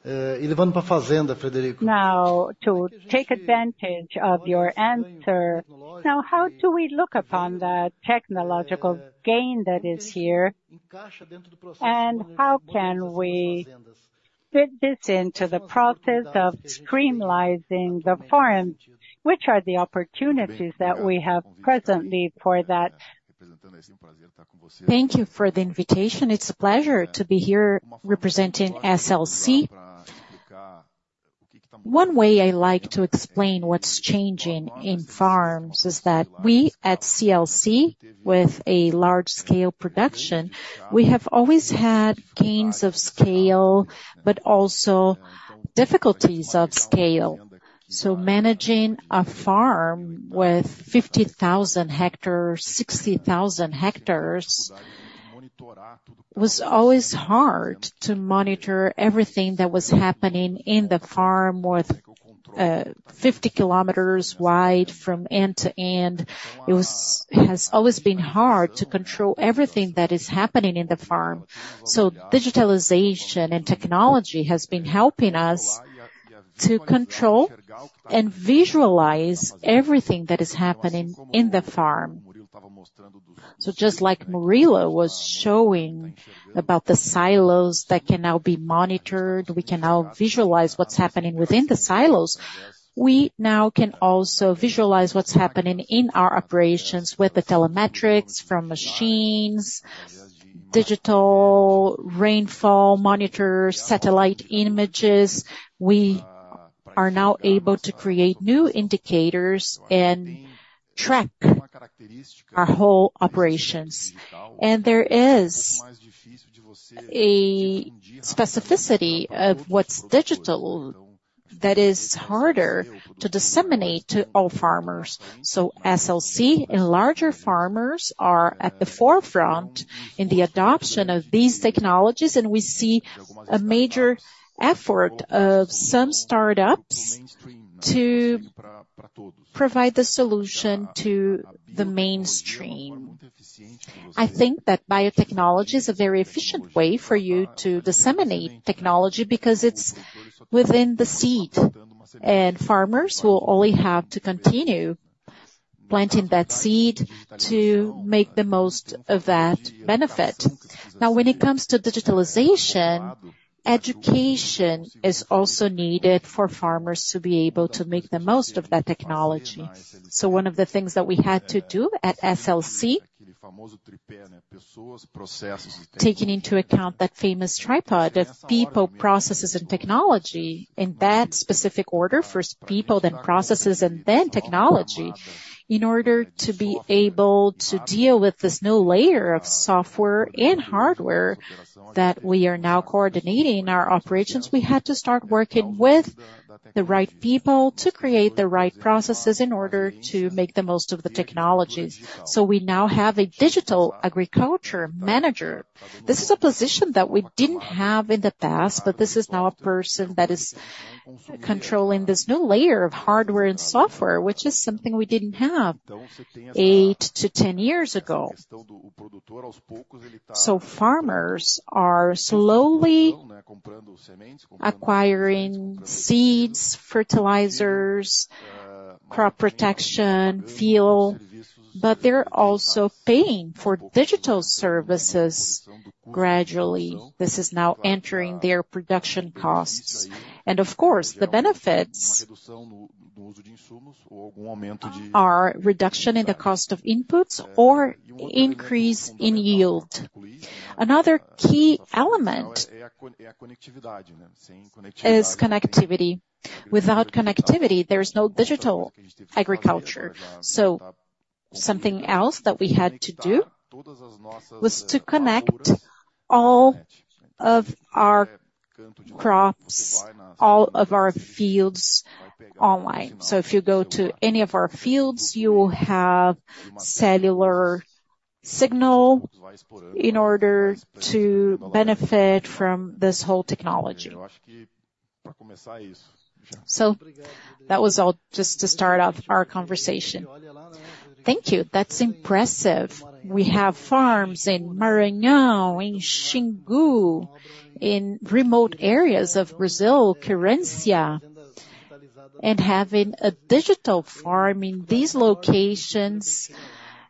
Now, to take advantage of your answer, now how do we look upon that technological gain that is here? And how can we fit this into the process of streamlining the foreign? Which are the opportunities that we have presently for that? Thank you for the invitation. It's a pleasure to be here representing SLC. One way I like to explain what's changing in farms is that we at SLC, with a large-scale production, we have always had gains of scale, but also difficulties of scale. So managing a farm with 50,000 hectares, 60,000 hectares was always hard to monitor everything that was happening in the farm with 50 km wide from end to end. It has always been hard to control everything that is happening in the farm. So digitization and technology have been helping us to control and visualize everything that is happening in the farm. So just like Murilo was showing about the silos that can now be monitored, we can now visualize what's happening within the silos. We now can also visualize what's happening in our operations with the telemetrics from machines, digital rainfall monitors, satellite images. We are now able to create new indicators and track our whole operations. And there is a specificity of what's digital that is harder to disseminate to all farmers. So SLC and larger farmers are at the forefront in the adoption of these technologies, and we see a major effort of some startups to provide the solution to the mainstream. I think that biotechnology is a very efficient way for you to disseminate technology because it's within the seed, and farmers will only have to continue planting that seed to make the most of that benefit. Now, when it comes to digitalization, education is also needed for farmers to be able to make the most of that technology. One of the things that we had to do at SLC, taking into account that famous tripod of people, processes, and technology, in that specific order: first, people, then processes, and then technology, in order to be able to deal with this new layer of software and hardware that we are now coordinating in our operations, we had to start working with the right people to create the right processes in order to make the most of the technologies. We now have a digital agriculture manager. This is a position that we didn't have in the past, but this is now a person that is controlling this new layer of hardware and software, which is something we didn't have eight to 10 years ago. Farmers are slowly acquiring seeds, fertilizers, crop protection, fuel, but they're also paying for digital services gradually. This is now entering their production costs, and of course, the benefits are reduction in the cost of inputs or increase in yield. Another key element is connectivity. Without connectivity, there is no digital agriculture. Something else that we had to do was to connect all of our crops, all of our fields online. If you go to any of our fields, you will have cellular signal in order to benefit from this whole technology. That was all just to start off our conversation. Thank you. That's impressive. We have farms in Maranhão, in Xingu, in remote areas of Brazil, Querência, and having a digital farm in these locations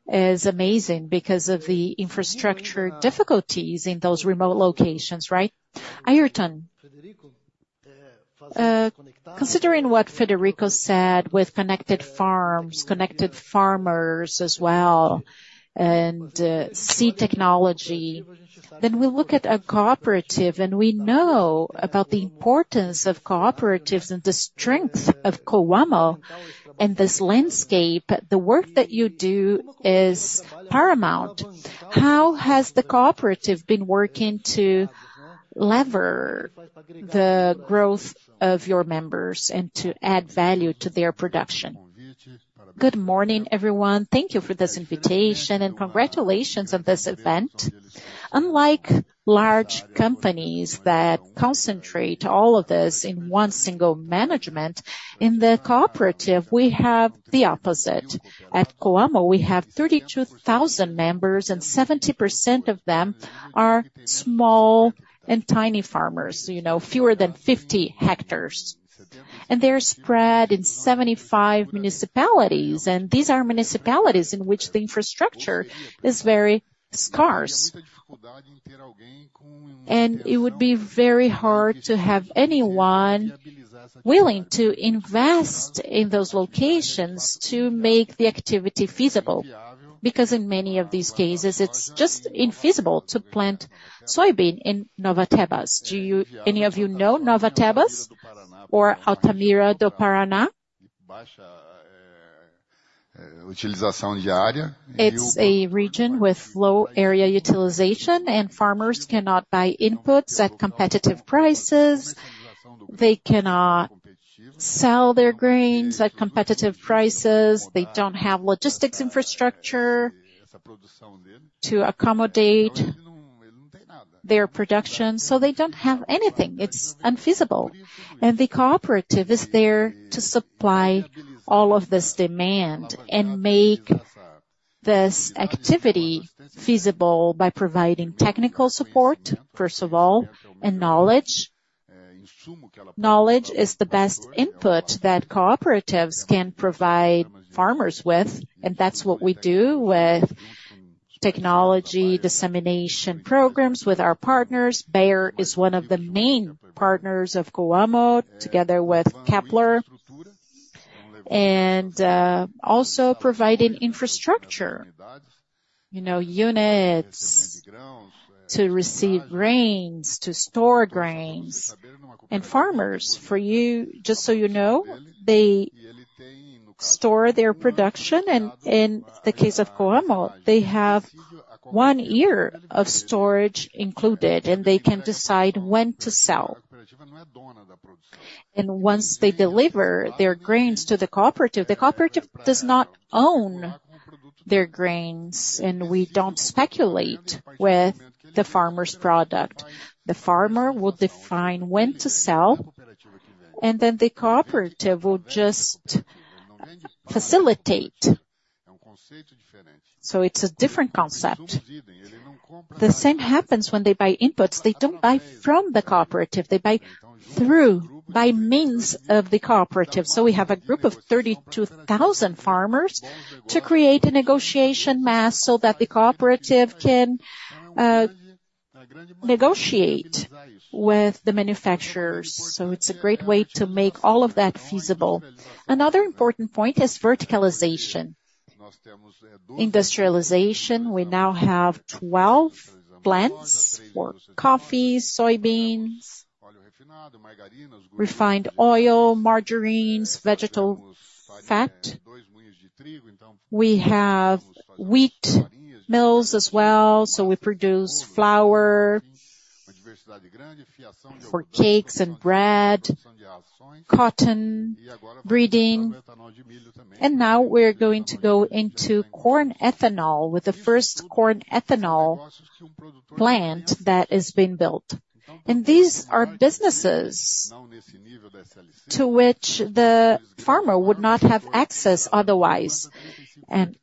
is amazing because of the infrastructure difficulties in those remote locations, right? Airton, considering what Frederico said with connected farms, connected farmers as well, and seed technology, then we look at a cooperative, and we know about the importance of cooperatives and the strength of Coamo in this landscape. The work that you do is paramount. How has the cooperative been working to lever the growth of your members and to add value to their production? Good morning, everyone. Thank you for this invitation and congratulations on this event. Unlike large companies that concentrate all of this in one single management, in the cooperative, we have the opposite. At Coamo, we have 32,000 members, and 70% of them are small and tiny farmers, you know, fewer than 50 hectares, and they're spread in 75 municipalities, and these are municipalities in which the infrastructure is very scarce. It would be very hard to have anyone willing to invest in those locations to make the activity feasible because in many of these cases, it's just infeasible to plant soybean in Nova Tebas. Do any of you know Nova Tebas or Altamira do Paraná? It's a region with low area utilization, and farmers cannot buy inputs at competitive prices. They cannot sell their grains at competitive prices. They don't have logistics infrastructure to accommodate their production, so they don't have anything. It's unfeasible. The cooperative is there to supply all of this demand and make this activity feasible by providing technical support, first of all, and knowledge. Knowledge is the best input that cooperatives can provide farmers with, and that's what we do with technology dissemination programs with our partners. Bayer is one of the main partners of Coamo, together with Kepler, and also providing infrastructure, you know, units to receive grains, to store grains, and farmers, for you, just so you know, they store their production, and in the case of Coamo, they have one year of storage included, and they can decide when to sell, and once they deliver their grains to the cooperative, the cooperative does not own their grains, and we don't speculate with the farmer's product. The farmer will define when to sell, and then the cooperative will just facilitate. So it's a different concept. The same happens when they buy inputs. They don't buy from the cooperative. They buy through, by means of the cooperative. So we have a group of 32,000 farmers to create a negotiation mass so that the cooperative can negotiate with the manufacturers. So it's a great way to make all of that feasible. Another important point is verticalization, industrialization. We now have 12 plants for coffee, soybeans, refined oil, margarines, vegetable fat. We have wheat mills as well, so we produce flour for cakes and bread, cotton breeding. And now we're going to go into corn ethanol with the first corn ethanol plant that has been built. And these are businesses to which the farmer would not have access otherwise. And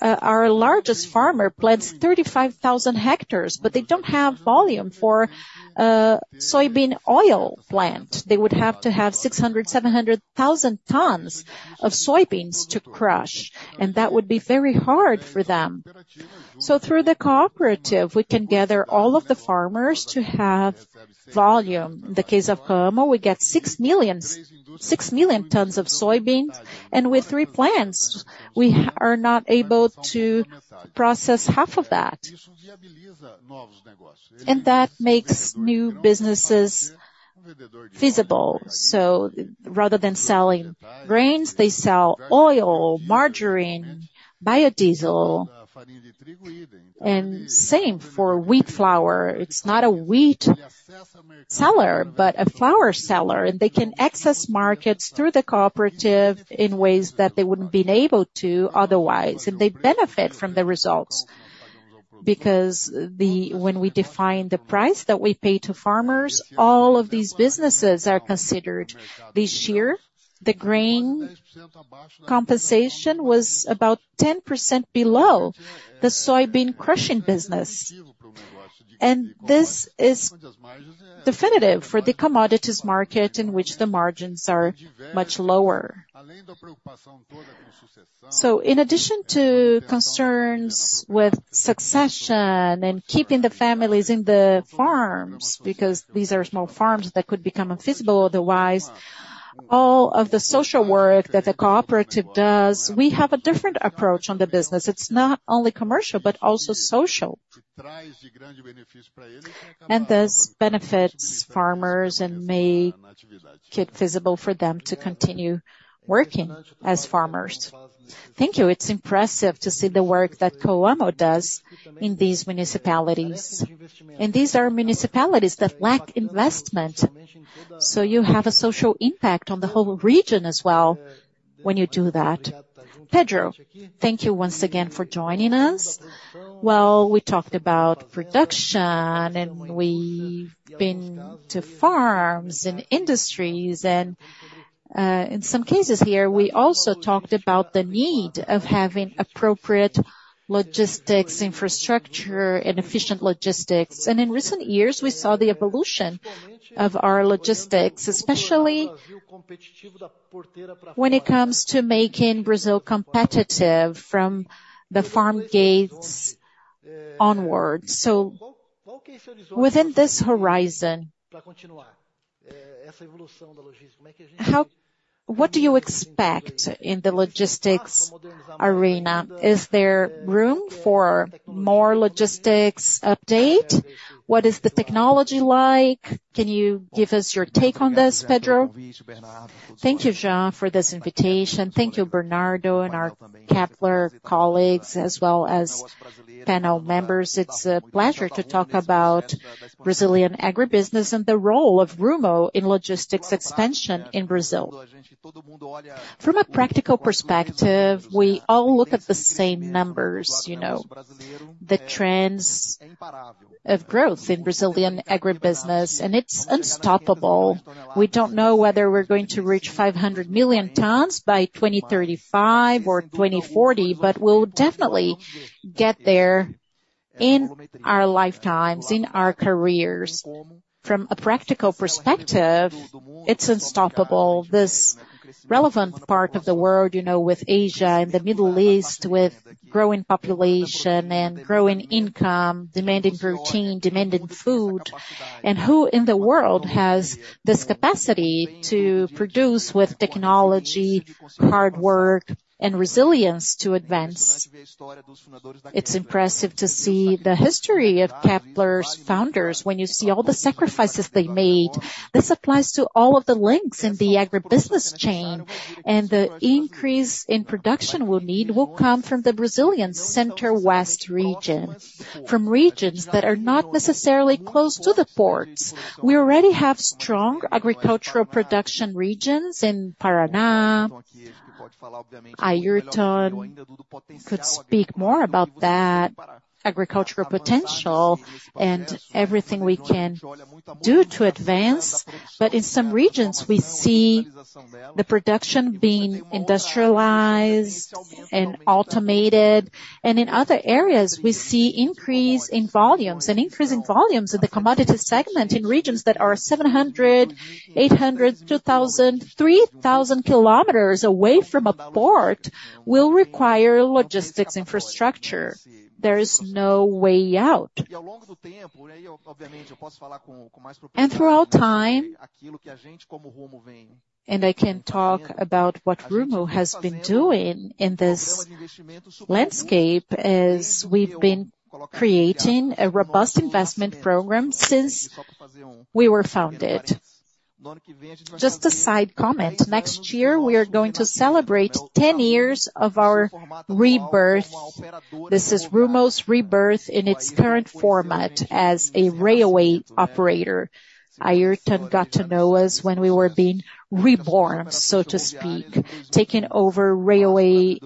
our largest farmer plants 35,000 hectares, but they don't have volume for a soybean oil plant. They would have to have 600,000, 700,000 tons of soybeans to crush, and that would be very hard for them. So through the cooperative, we can gather all of the farmers to have volume. In the case of Coamo, we get 6 million tons of soybeans, and with three plants, we are not able to process half of that. And that makes new businesses feasible. So rather than selling grains, they sell oil, margarine, biodiesel, and same for wheat flour. It's not a wheat seller, but a flour seller, and they can access markets through the cooperative in ways that they wouldn't have been able to otherwise. And they benefit from the results because when we define the price that we pay to farmers, all of these businesses are considered. This year, the grain compensation was about 10% below the soybean crushing business. And this is definitive for the commodities market in which the margins are much lower. In addition to concerns with succession and keeping the families in the farms, because these are small farms that could become unfeasible otherwise, all of the social work that the cooperative does, we have a different approach on the business. It's not only commercial, but also social. And this benefits farmers and makes it feasible for them to continue working as farmers. Thank you. It's impressive to see the work that Coamo does in these municipalities. And these are municipalities that lack investment. So you have a social impact on the whole region as well when you do that. Pedro, thank you once again for joining us. Well, we talked about production, and we've been to farms and industries, and in some cases here, we also talked about the need of having appropriate logistics, infrastructure, and efficient logistics. In recent years, we saw the evolution of our logistics, especially when it comes to making Brazil competitive from the farm gates onward. So within this horizon, what do you expect in the logistics arena? Is there room for more logistics update? What is the technology like? Can you give us your take on this, Pedro? Thank you, Jean, for this invitation. Thank you, Bernardo and our Kepler colleagues, as well as panel members. It's a pleasure to talk about Brazilian agribusiness and the role of Rumo in logistics expansion in Brazil. From a practical perspective, we all look at the same numbers, you know, the trends of growth in Brazilian agribusiness, and it's unstoppable. We don't know whether we're going to reach 500 million tons by 2035 or 2040, but we'll definitely get there in our lifetimes, in our careers. From a practical perspective, it's unstoppable. This relevant part of the world, you know, with Asia and the Middle East, with growing population and growing income, demanding protein, demanding food, and who in the world has this capacity to produce with technology, hard work, and resilience to advance? It's impressive to see the history of Kepler's founders. When you see all the sacrifices they made, this applies to all of the links in the agribusiness chain, and the increase in production we'll need will come from the Brazilian center-west region, from regions that are not necessarily close to the ports. We already have strong agricultural production regions in Paraná. Airton could speak more about that agricultural potential and everything we can do to advance, but in some regions, we see the production being industrialized and automated, and in other areas, we see an increase in volumes and increasing volumes in the commodity segment in regions that are 700 km, 800 km, 2,000 km, 3,000 km away from a port, will require logistics infrastructure. There is no way out, and throughout time, and I can talk about what Rumo has been doing in this landscape as we've been creating a robust investment program since we were founded. Just a side comment, next year, we are going to celebrate 10 years of our rebirth. This is Rumo's rebirth in its current format as a railway operator. Airton got to know us when we were being reborn, so to speak, taking over railway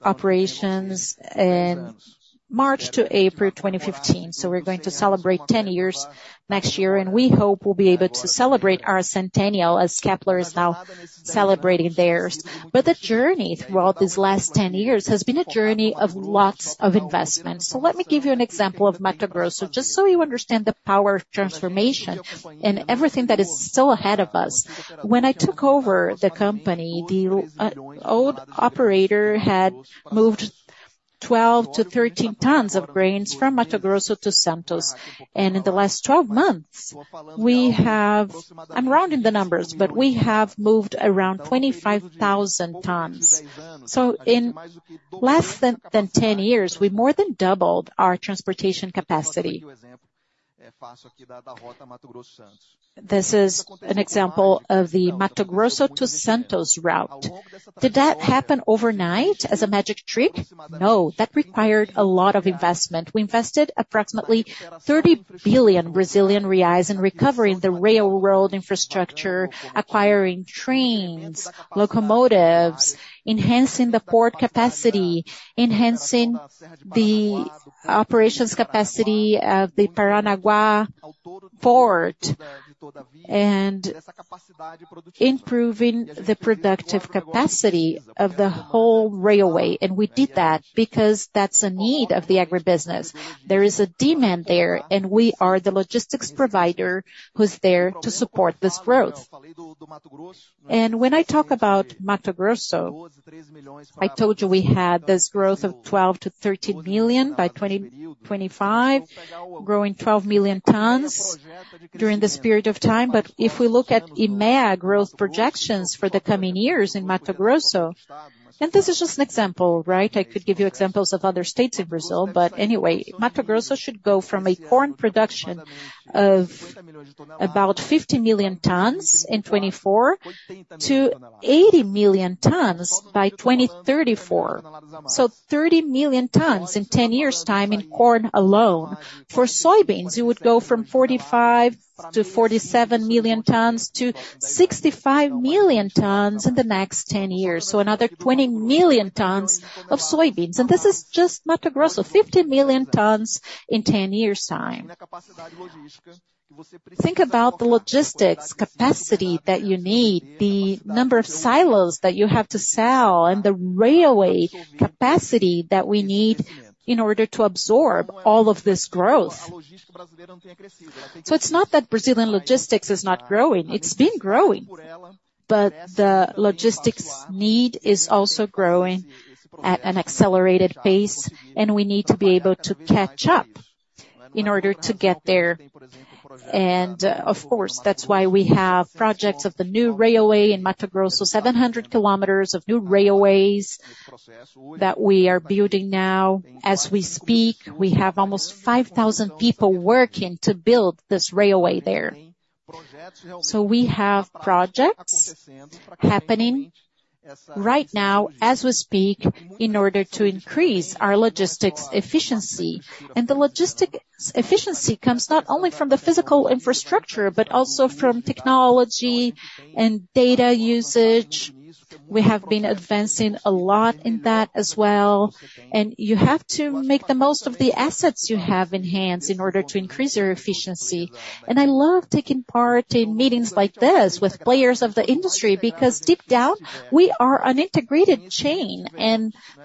operations in March to April 2015. So we're going to celebrate 10 years next year, and we hope we'll be able to celebrate our centennial as Kepler is now celebrating theirs. But the journey throughout these last 10 years has been a journey of lots of investments. So let me give you an example of Mato Grosso, just so you understand the power of transformation and everything that is still ahead of us. When I took over the company, the old operator had moved 12-13 tons of grains from Mato Grosso to Santos. And in the last 12 months, we have, I'm rounding the numbers, but we have moved around 25,000 tons. So in less than 10 years, we more than doubled our transportation capacity. This is an example of the Mato Grosso to Santos route. Did that happen overnight as a magic trick? No, that required a lot of investment. We invested approximately 30 billion Brazilian reais in recovering the railroad infrastructure, acquiring trains, locomotives, enhancing the port capacity, enhancing the operations capacity of the Paranaguá port, and improving the productive capacity of the whole railway, and we did that because that's a need of the agribusiness. There is a demand there, and we are the logistics provider who's there to support this growth, and when I talk about Mato Grosso, I told you we had this growth of 12-13 million by 2025, growing 12 million tons during this period of time, but if we look at IMEA growth projections for the coming years in Mato Grosso, and this is just an example, right? I could give you examples of other states in Brazil, but anyway, Mato Grosso should go from a corn production of about 50 million tons in 2024 to 80 million tons by 2034. So 30 million tons in 10 years' time in corn alone. For soybeans, it would go from 45 million to 47 million tons to 65 million tons in the next 10 years. So another 20 million tons of soybeans. And this is just Mato Grosso, 50 million tons in 10 years' time. Think about the logistics capacity that you need, the number of silos that you have to sell, and the railway capacity that we need in order to absorb all of this growth. So it's not that Brazilian logistics is not growing. It's been growing, but the logistics need is also growing at an accelerated pace, and we need to be able to catch up in order to get there, and of course, that's why we have projects of the new railway in Mato Grosso, 700 km of new railways that we are building now. As we speak, we have almost 5,000 people working to build this railway there, so we have projects happening right now as we speak in order to increase our logistics efficiency, and the logistics efficiency comes not only from the physical infrastructure, but also from technology and data usage. We have been advancing a lot in that as well, and you have to make the most of the assets you have in hand in order to increase your efficiency. I love taking part in meetings like this with players of the industry because deep down, we are an integrated chain.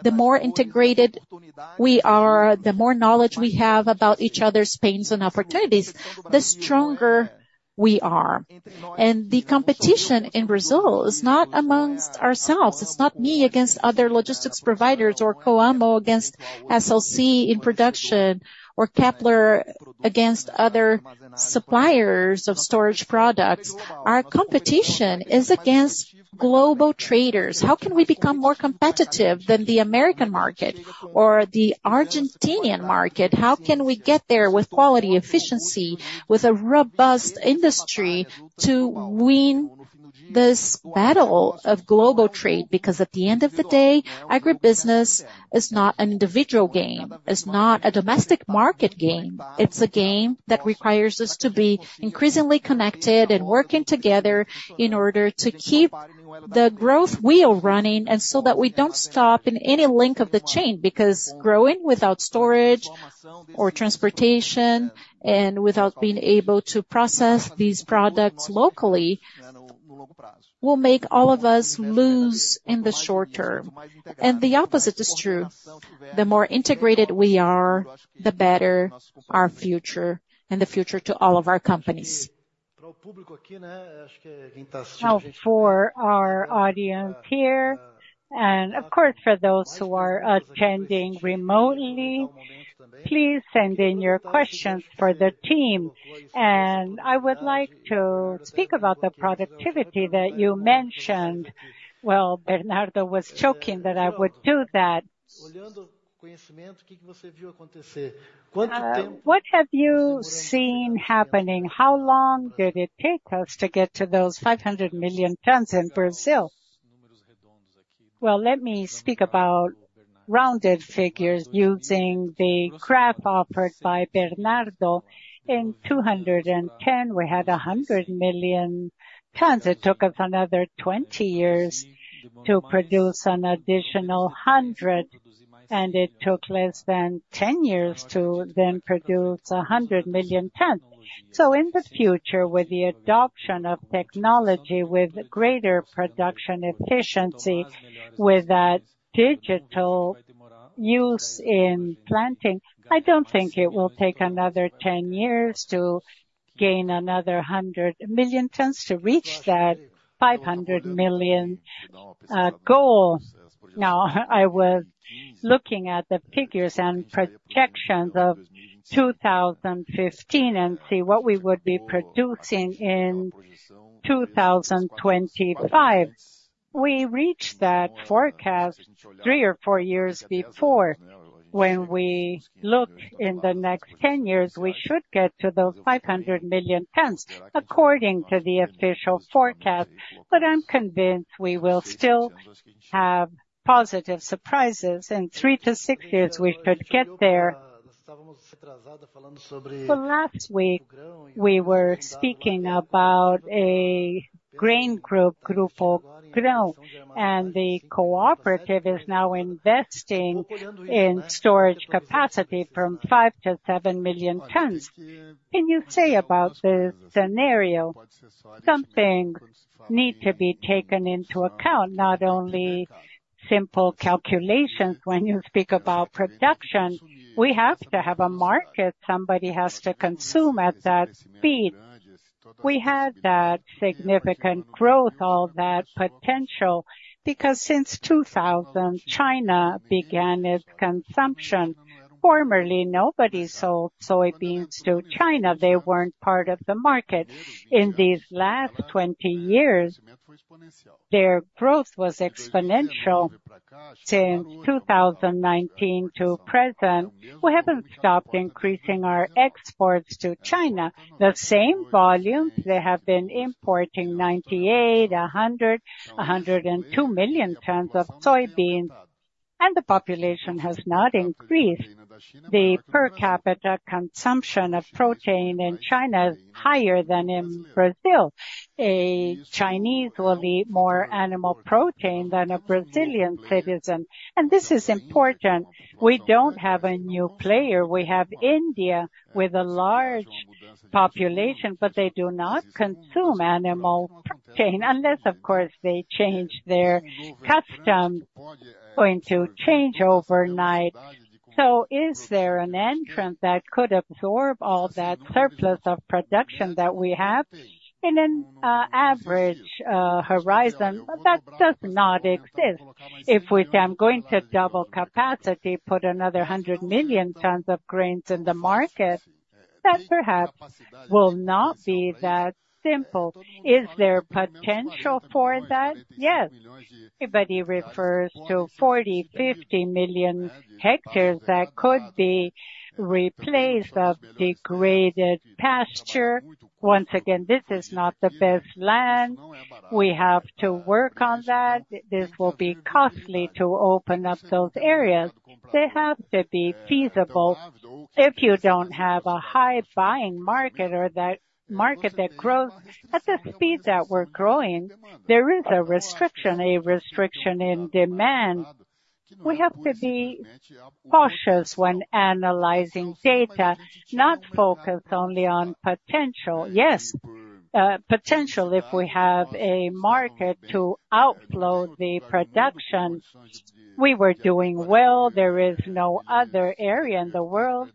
The more integrated we are, the more knowledge we have about each other's pains and opportunities, the stronger we are. The competition in Brazil is not among ourselves. It's not me against other logistics providers or Coamo against SLC in production or Kepler against other suppliers of storage products. Our competition is against global traders. How can we become more competitive than the American market or the Argentine market? How can we get there with quality, efficiency, with a robust industry to win this battle of global trade? Because at the end of the day, agribusiness is not an individual game. It's not a domestic market game. It's a game that requires us to be increasingly connected and working together in order to keep the growth wheel running and so that we don't stop in any link of the chain because growing without storage or transportation and without being able to process these products locally will make all of us lose in the short term, and the opposite is true. The more integrated we are, the better our future and the future to all of our companies. For our audience here, and of course, for those who are attending remotely, please send in your questions for the team, and I would like to speak about the productivity that you mentioned. Bernardo was joking that I would do that. What have you seen happening? How long did it take us to get to those 500 million tons in Brazil? Let me speak about rounded figures. Using the graph offered by Bernardo, in 2010, we had 100 million tons. It took us another 20 years to produce an additional 100, and it took less than 10 years to then produce 100 million tons. So in the future, with the adoption of technology, with greater production efficiency, with that digital use in planting, I don't think it will take another 10 years to gain another 100 million tons to reach that 500 million goal. Now, I was looking at the figures and projections of 2015 and see what we would be producing in 2025. We reached that forecast three or four years before. When we look in the next 10 years, we should get to those 500 million tons, according to the official forecast. But I'm convinced we will still have positive surprises. In three to six years, we should get there. So last week, we were speaking about a grain group, Grupo Grão, and the cooperative is now investing in storage capacity from 5 million to 7 million tons. Can you say about this scenario something needs to be taken into account, not only simple calculations when you speak about production? We have to have a market. Somebody has to consume at that speed. We had that significant growth, all that potential, because since 2000, China began its consumption. Formerly, nobody sold soybeans to China. They weren't part of the market. In these last 20 years, their growth was exponential since 2019 to present. We haven't stopped increasing our exports to China. The same volumes, they have been importing 98 million, 100 million, 102 million tons of soybeans, and the population has not increased. The per capita consumption of protein in China is higher than in Brazil. A Chinese will eat more animal protein than a Brazilian citizen. And this is important. We don't have a new player. We have India with a large population, but they do not consume animal protein unless, of course, they change their custom going to change overnight. So is there an entrant that could absorb all that surplus of production that we have in an average horizon? That does not exist. If we say I'm going to double capacity, put another 100 million tons of grains in the market, that perhaps will not be that simple. Is there potential for that? Yes. Everybody refers to 40 million, 50 million hectares that could be replaced of degraded pasture. Once again, this is not the best land. We have to work on that. This will be costly to open up those areas. They have to be feasible. If you don't have a high buying market or that market that grows at the speed that we're growing, there is a restriction in demand. We have to be cautious when analyzing data, not focus only on potential. Yes, potential if we have a market to outflow the production. We were doing well. There is no other area in the world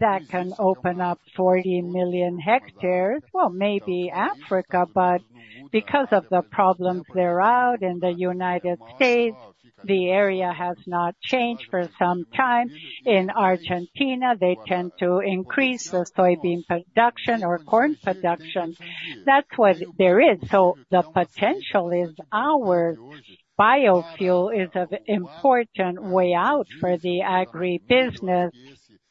that can open up 40 million hectares. Maybe Africa, but because of the problems there out in the United States, the area has not changed for some time. In Argentina, they tend to increase the soybean production or corn production. That's what there is. So the potential is our biofuel is an important way out for the agribusiness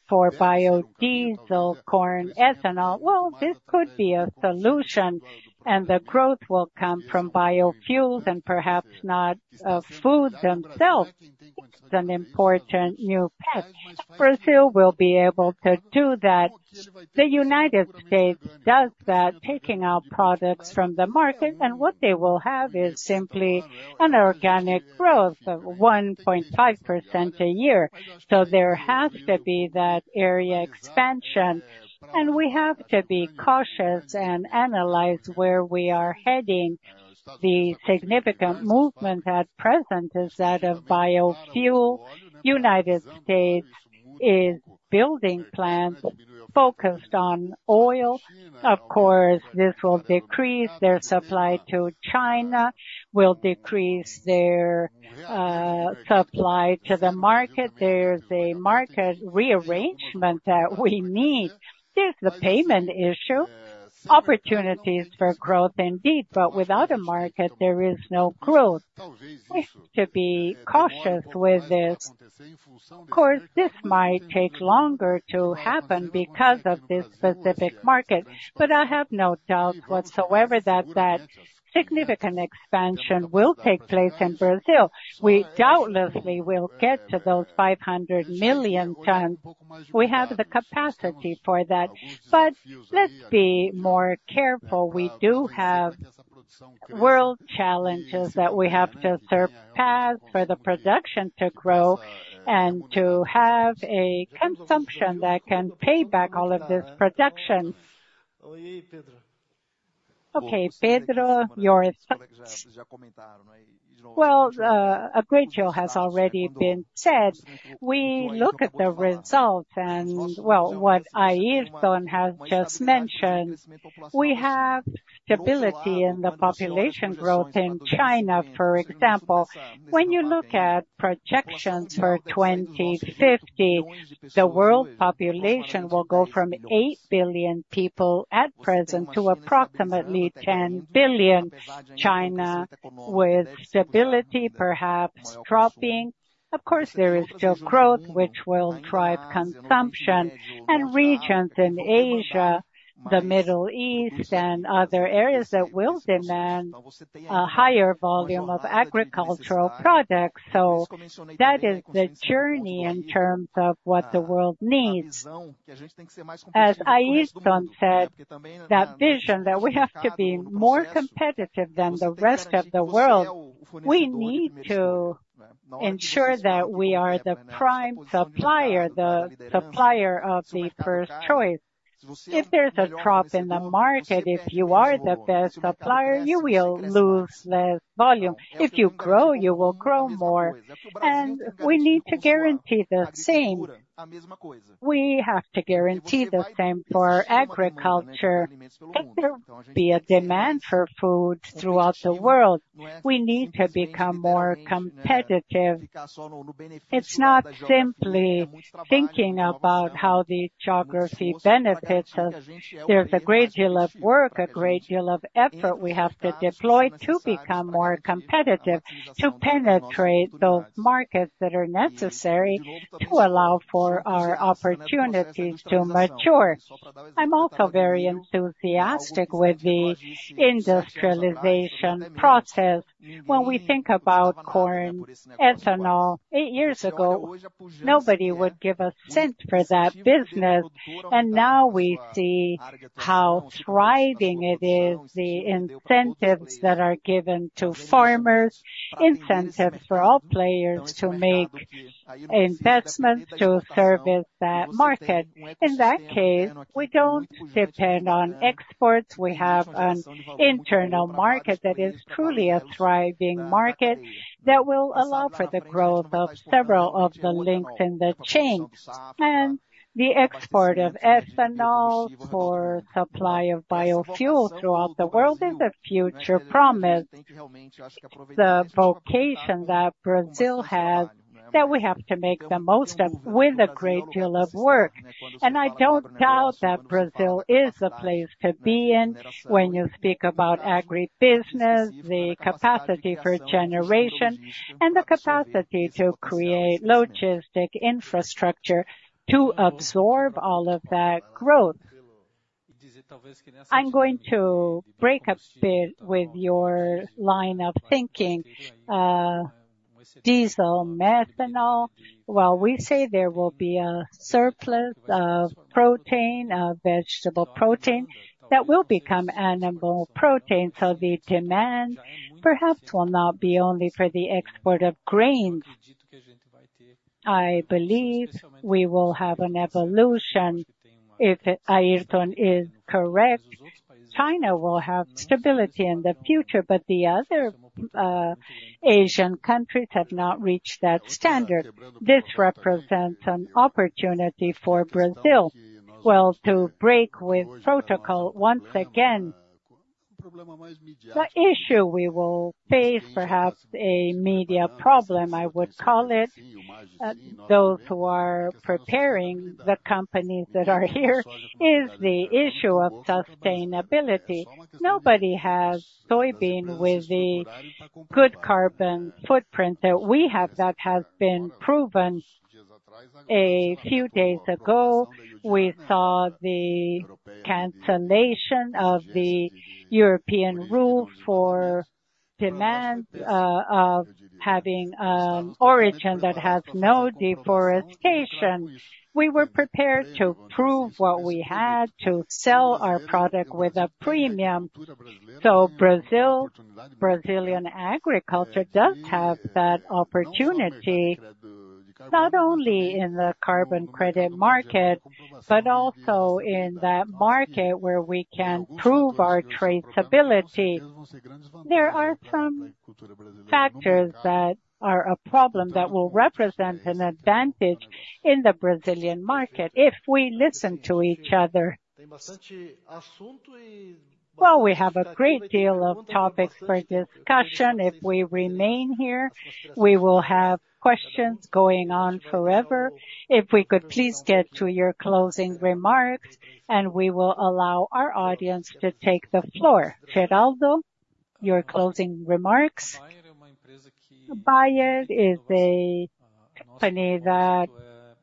for biodiesel, corn ethanol. This could be a solution, and the growth will come from biofuels and perhaps not food themselves. It's an important new path. Brazil will be able to do that. The United States does that, taking out products from the market, and what they will have is simply an organic growth of 1.5% a year. So there has to be that area expansion, and we have to be cautious and analyze where we are heading. The significant movement at present is that of biofuel. The United States is building plants focused on oil. Of course, this will decrease their supply to China, will decrease their supply to the market. There's a market rearrangement that we need. There's the payment issue. Opportunities for growth indeed, but without a market, there is no growth. We have to be cautious with this. Of course, this might take longer to happen because of this specific market, but I have no doubt whatsoever that that significant expansion will take place in Brazil. We doubtlessly will get to those 500 million tons. We have the capacity for that, but let's be more careful. We do have world challenges that we have to surpass for the production to grow and to have a consumption that can pay back all of this production. Okay, Pedro, your thoughts? Well, a great deal has already been said. We look at the results and, well, what Airton has just mentioned. We have stability in the population growth in China, for example. When you look at projections for 2050, the world population will go from 8 billion people at present to approximately 10 billion. China with stability, perhaps dropping. Of course, there is still growth, which will drive consumption. And regions in Asia, the Middle East, and other areas that will demand a higher volume of agricultural products. That is the journey in terms of what the world needs. As Airton said, that vision that we have to be more competitive than the rest of the world. We need to ensure that we are the prime supplier, the supplier of the first choice. If there's a drop in the market, if you are the best supplier, you will lose less volume. If you grow, you will grow more. And we need to guarantee the same. We have to guarantee the same for agriculture. There will be a demand for food throughout the world. We need to become more competitive. It's not simply thinking about how the geography benefits us. There's a great deal of work, a great deal of effort we have to deploy to become more competitive, to penetrate those markets that are necessary to allow for our opportunities to mature. I'm also very enthusiastic with the industrialization process. When we think about corn ethanol, eight years ago, nobody would give a cent for that business, and now we see how thriving it is, the incentives that are given to farmers, incentives for all players to make investments to service that market. In that case, we don't depend on exports. We have an internal market that is truly a thriving market that will allow for the growth of several of the links in the chain, and the export of ethanol for supply of biofuel throughout the world is a future promise. It's the vocation that Brazil has that we have to make the most of with a great deal of work. I don't doubt that Brazil is a place to be in when you speak about agribusiness, the capacity for generation, and the capacity to create logistic infrastructure to absorb all of that growth. I'm going to break a bit with your line of thinking. Diesel, methanol. Well, we say there will be a surplus of protein, of vegetable protein that will become animal protein. So the demand perhaps will not be only for the export of grains. I believe we will have an evolution. If Airton is correct, China will have stability in the future, but the other Asian countries have not reached that standard. This represents an opportunity for Brazil, well, to break with protocol once again. The issue we will face, perhaps a media problem, I would call it, those who are preparing the companies that are here is the issue of sustainability. Nobody has soybean with the good carbon footprint that we have that has been proven. A few days ago, we saw the cancellation of the European rule for demand of having an origin that has no deforestation. We were prepared to prove what we had, to sell our product with a premium. So Brazil, Brazilian agriculture does have that opportunity, not only in the carbon credit market, but also in that market where we can prove our traceability. There are some factors that are a problem that will represent an advantage in the Brazilian market if we listen to each other. We have a great deal of topics for discussion. If we remain here, we will have questions going on forever. If we could please get to your closing remarks, and we will allow our audience to take the floor. Geraldo, your closing remarks. Bayer is a company that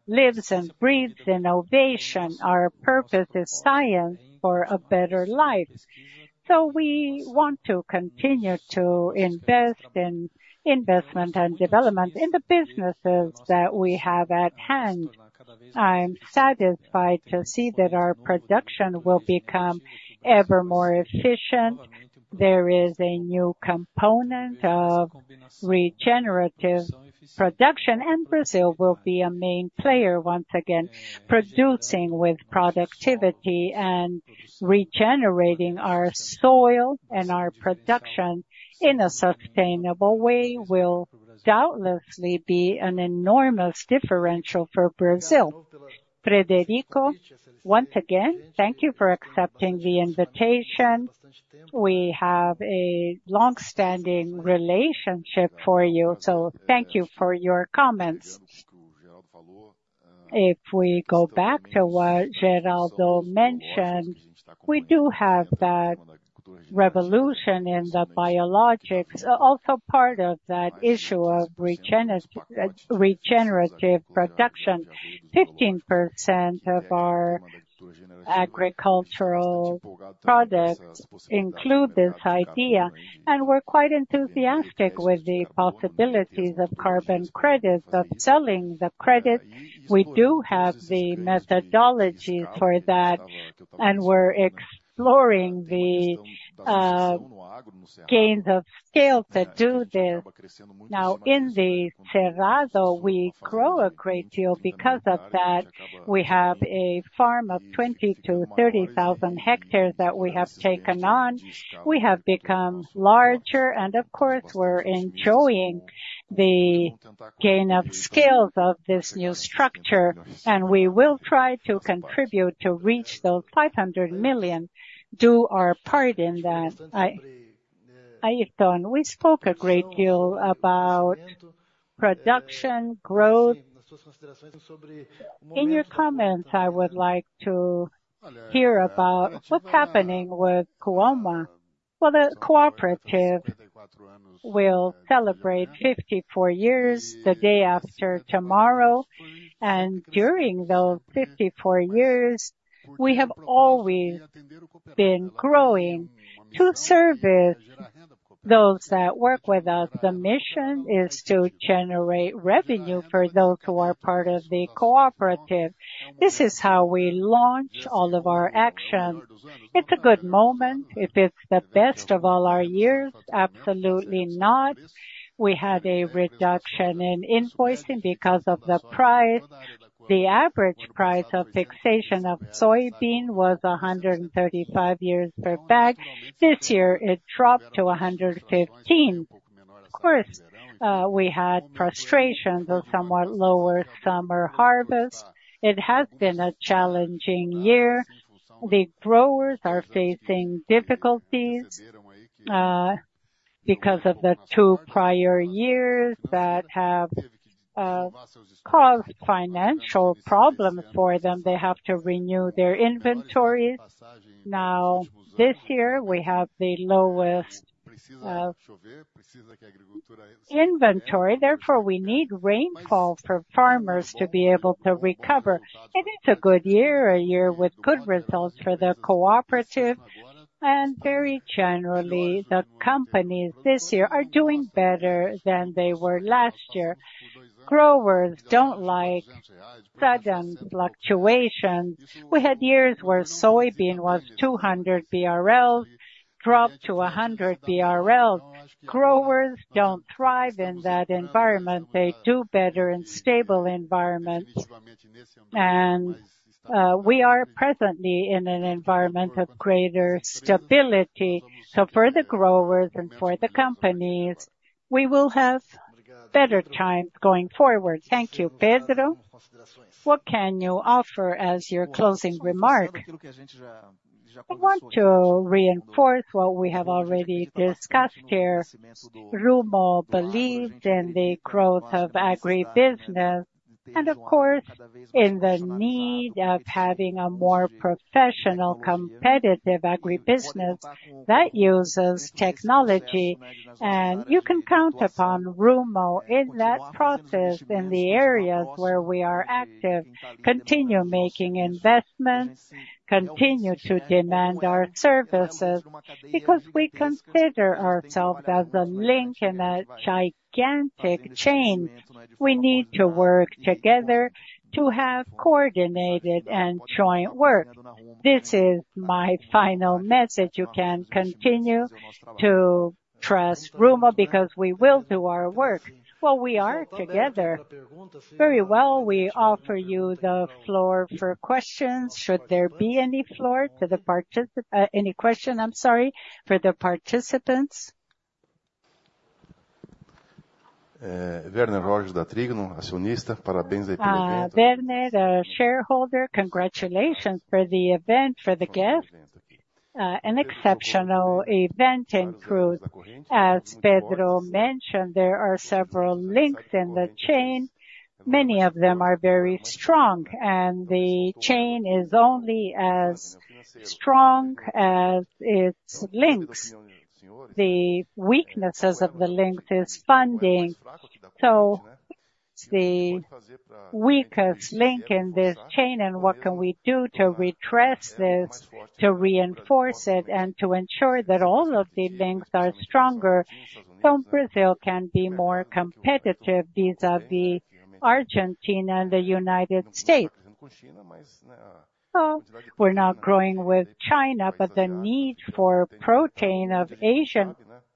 lives and breathes innovation. Our purpose is science for a better life. So we want to continue to invest in investment and development in the businesses that we have at hand. I'm satisfied to see that our production will become ever more efficient. There is a new component of regenerative production, and Brazil will be a main player once again, producing with productivity and regenerating our soil and our production in a sustainable way. This will doubtlessly be an enormous differential for Brazil. Frederico, once again, thank you for accepting the invitation. We have a long-standing relationship with you, so thank you for your comments. If we go back to what Geraldo mentioned, we do have that revolution in the biologics, also part of that issue of regenerative production. 15% of our agricultural products include this idea, and we're quite enthusiastic with the possibilities of carbon credits, of selling the credits. We do have the methodologies for that, and we're exploring the gains of scale to do this. Now, in the Cerrado, we grow a great deal because of that. We have a farm of 20,000 hectares-30,000 hectares that we have taken on. We have become larger, and of course, we're enjoying the gain of scales of this new structure, and we will try to contribute to reach those 500 million, do our part in that. Airton, we spoke a great deal about production, growth. In your comments, I would like to hear about what's happening with Coamo. Well, the cooperative will celebrate 54 years the day after tomorrow, and during those 54 years, we have always been growing to service those that work with us. The mission is to generate revenue for those who are part of the cooperative. This is how we launch all of our actions. It's a good moment. If it's the best of all our years, absolutely not. We had a reduction in invoicing because of the price. The average price of fixation of soybean was 135 per bag. This year, it dropped to 115. Of course, we had frustrations of somewhat lower summer harvest. It has been a challenging year. The growers are facing difficulties because of the two prior years that have caused financial problems for them. They have to renew their inventories. Now, this year, we have the lowest inventory. Therefore, we need rainfall for farmers to be able to recover, and it's a good year, a year with good results for the cooperative. Very generally, the companies this year are doing better than they were last year. Growers don't like sudden fluctuations. We had years where soybean was 200 BRL, dropped to 100 BRL. Growers don't thrive in that environment. They do better in stable environments. We are presently in an environment of greater stability. So for the growers and for the companies, we will have better times going forward. Thank you, Pedro. What can you offer as your closing remark? I want to reinforce what we have already discussed here. Rumo believes in the growth of agribusiness and, of course, in the need of having a more professional, competitive agribusiness that uses technology. You can count upon Rumo in that process in the areas where we are active. Continue making investments, continue to demand our services because we consider ourselves as a link in a gigantic chain. We need to work together to have coordinated and joint work. This is my final message. You can continue to trust Rumo because we will do our work. We are together. Very well, we offer you the floor for questions. Should there be any floor to the participants, any question, I'm sorry, for the participants? Bernardo, our shareholder, congratulations for the event, for the guests. An exceptional event in truth. As Pedro mentioned, there are several links in the chain. Many of them are very strong, and the chain is only as strong as its links. The weaknesses of the links is funding. The weakest link in this chain, and what can we do to redress this, to reinforce it, and to ensure that all of the links are stronger so Brazil can be more competitive vis-à-vis Argentina and the United States? Well, we're not growing with China, but the need for protein of Asian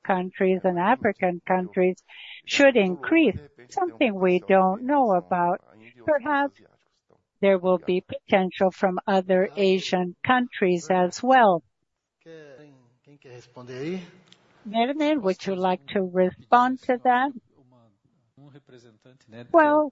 countries and African countries should increase. Something we don't know about. Perhaps there will be potential from other Asian countries as well. Berger, would you like to respond to that? Well,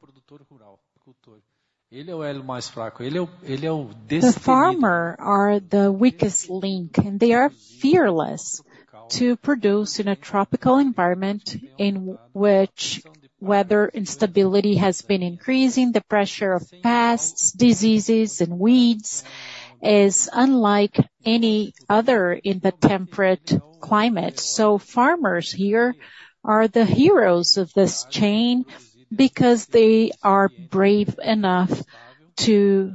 the farmer are the weakest link, and they are fearless to produce in a tropical environment in which weather instability has been increasing. The pressure of pests, diseases, and weeds is unlike any other in the temperate climate. Farmers here are the heroes of this chain because they are brave enough to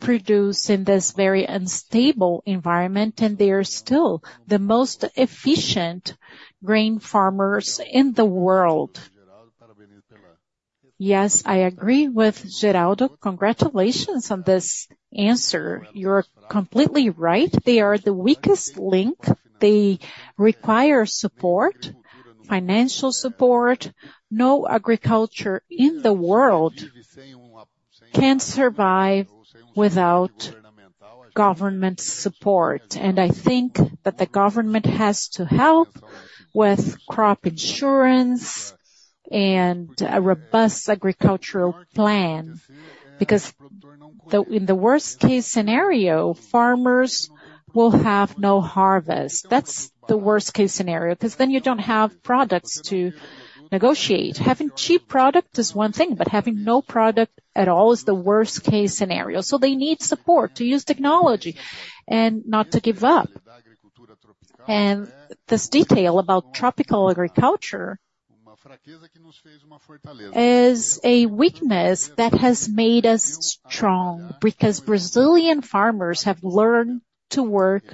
produce in this very unstable environment, and they are still the most efficient grain farmers in the world. Yes, I agree with Geraldo. Congratulations on this answer. You're completely right. They are the weakest link. They require support, financial support. No agriculture in the world can survive without government support. I think that the government has to help with crop insurance and a robust agricultural plan because in the worst-case scenario, farmers will have no harvest. That's the worst-case scenario because then you don't have products to negotiate. Having cheap product is one thing, but having no product at all is the worst-case scenario. They need support to use technology and not to give up. This detail about tropical agriculture is a weakness that has made us strong because Brazilian farmers have learned to work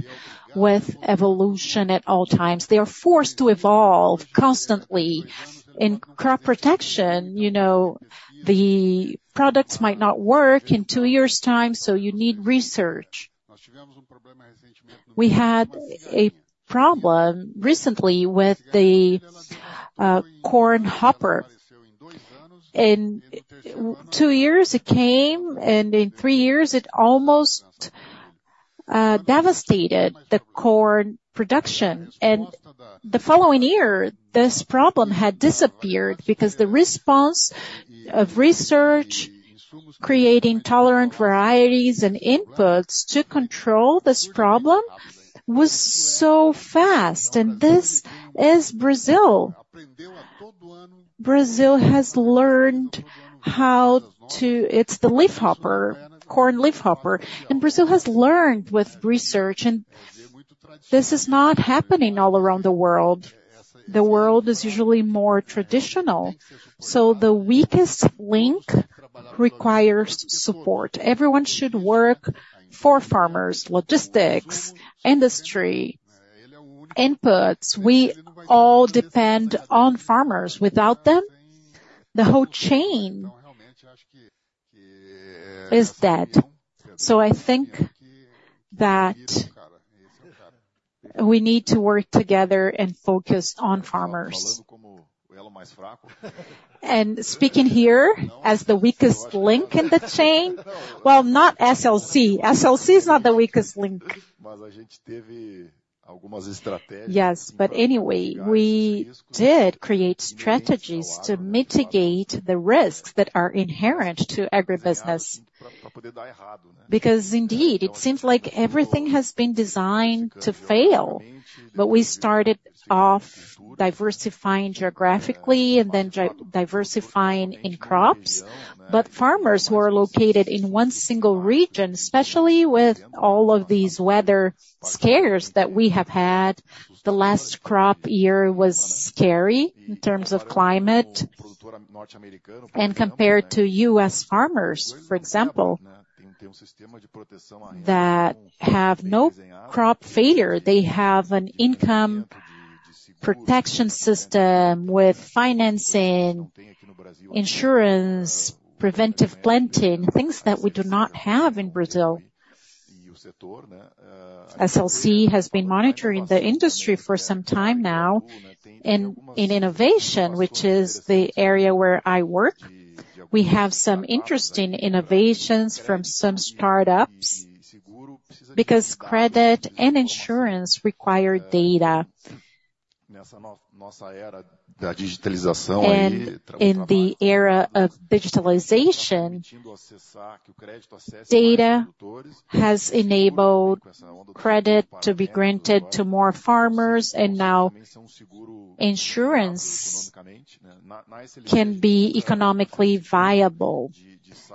with evolution at all times. They are forced to evolve constantly. In crop protection, you know, the products might not work in two years' time, so you need research. We had a problem recently with the corn hopper. In two years, it came, and in three years, it almost devastated the corn production. The following year, this problem had disappeared because the response of research creating tolerant varieties and inputs to control this problem was so fast. This is Brazil. Brazil has learned how to; it's the corn leafhopper. Brazil has learned with research, and this is not happening all around the world. The world is usually more traditional. The weakest link requires support. Everyone should work for farmers, logistics, industry, inputs. We all depend on farmers. Without them, the whole chain is dead. So I think that we need to work together and focus on farmers. And speaking here as the weakest link in the chain, well, not SLC. SLC is not the weakest link. Yes, but anyway, we did create strategies to mitigate the risks that are inherent to agribusiness because indeed, it seems like everything has been designed to fail. But we started off diversifying geographically and then diversifying in crops. But farmers who are located in one single region, especially with all of these weather scares that we have had, the last crop year was scary in terms of climate. And compared to U.S. farmers, for example, that have no crop failure, they have an income protection system with financing, insurance, preventive planting, things that we do not have in Brazil. SLC has been monitoring the industry for some time now, and in innovation, which is the area where I work, we have some interesting innovations from some startups because credit and insurance require data. In the era of digitalization, data has enabled credit to be granted to more farmers, and now insurance can be economically viable.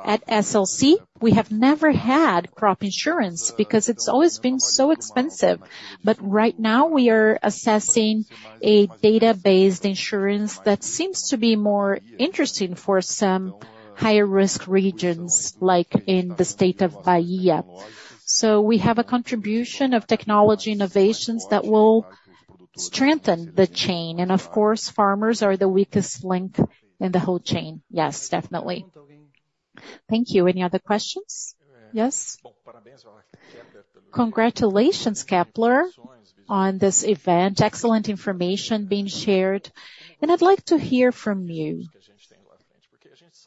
At SLC, we have never had crop insurance because it's always been so expensive, but right now, we are assessing a data-based insurance that seems to be more interesting for some higher-risk regions, like in the state of Bahia. So we have a contribution of technology innovations that will strengthen the chain, and of course, farmers are the weakest link in the whole chain. Yes, definitely. Thank you. Any other questions? Yes? Congratulations, Kepler, on this event. Excellent information being shared, and I'd like to hear from you.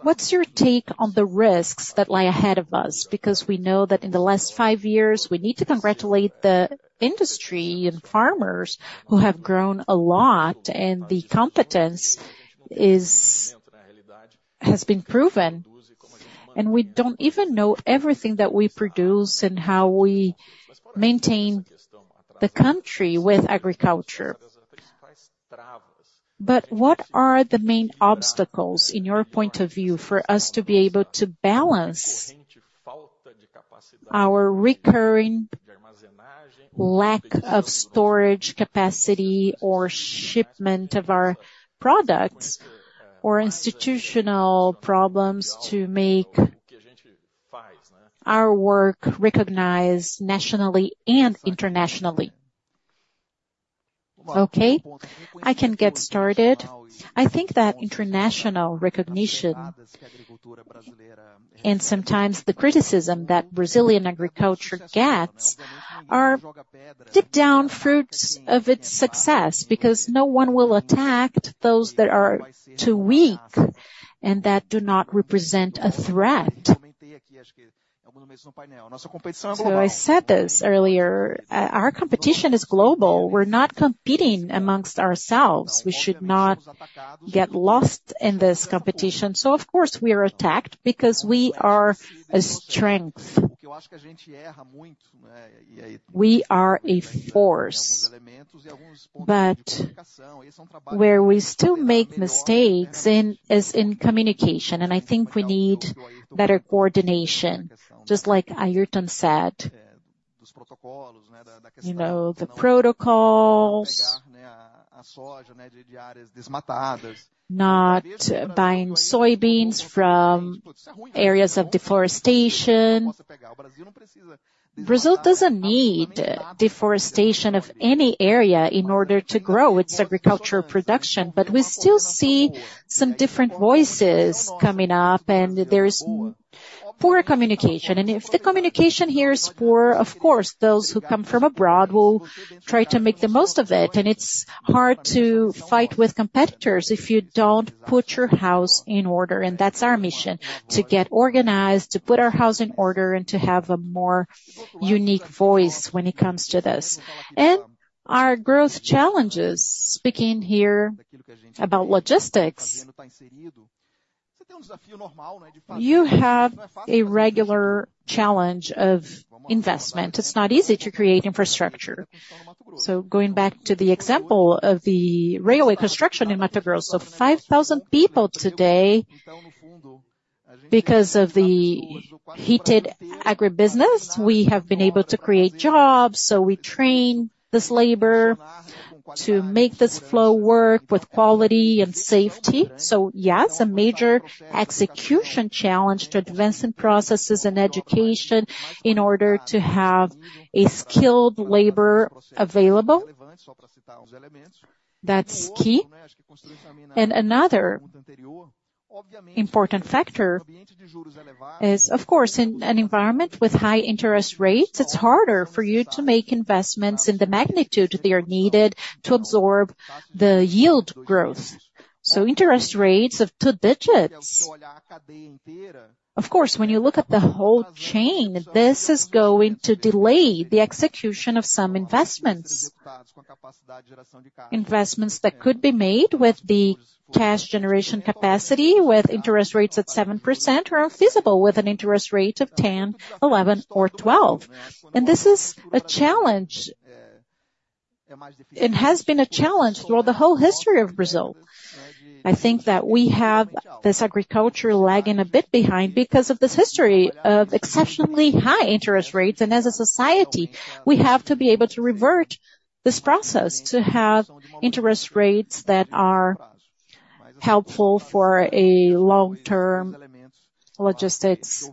What's your take on the risks that lie ahead of us? Because we know that in the last five years, we need to congratulate the industry and farmers who have grown a lot, and the competence has been proven. And we don't even know everything that we produce and how we maintain the country with agriculture. But what are the main obstacles, in your point of view, for us to be able to balance our recurring lack of storage capacity or shipment of our products or institutional problems to make our work recognized nationally and internationally? Okay, I can get started. I think that international recognition and sometimes the criticism that Brazilian agriculture gets are deep-down fruits of its success because no one will attack those that are too weak and that do not represent a threat. So I said this earlier. Our competition is global. We're not competing amongst ourselves. We should not get lost in this competition, so of course, we are attacked because we are a strength. We are a force, but where we still make mistakes is in communication, and I think we need better coordination, just like Airton said. The protocols not buying soybeans from areas of deforestation. Brazil doesn't need deforestation of any area in order to grow its agricultural production, but we still see some different voices coming up, and there's poor communication. And if the communication here is poor, of course, those who come from abroad will try to make the most of it. And it's hard to fight with competitors if you don't put your house in order. And that's our mission, to get organized, to put our house in order, and to have a more unique voice when it comes to this. Our growth challenges, speaking here about logistics, you have a regular challenge of investment. It's not easy to create infrastructure. So going back to the example of the railway construction in Mato Grosso, 5,000 people today. Because of the heated agribusiness, we have been able to create jobs. So we train this labor to make this flow work with quality and safety. So yes, a major execution challenge to advancing processes and education in order to have a skilled labor available. That's key. And another important factor is, of course, in an environment with high interest rates, it's harder for you to make investments in the magnitude they are needed to absorb the yield growth. So interest rates of two digits. Of course, when you look at the whole chain, this is going to delay the execution of some investments. Investments that could be made with the cash generation capacity with interest rates at 7% are unfeasible with an interest rate of 10%, 11%, or 12%. This is a challenge. It has been a challenge throughout the whole history of Brazil. I think that we have this agriculture lagging a bit behind because of this history of exceptionally high interest rates. As a society, we have to be able to revert this process to have interest rates that are helpful for a long-term logistics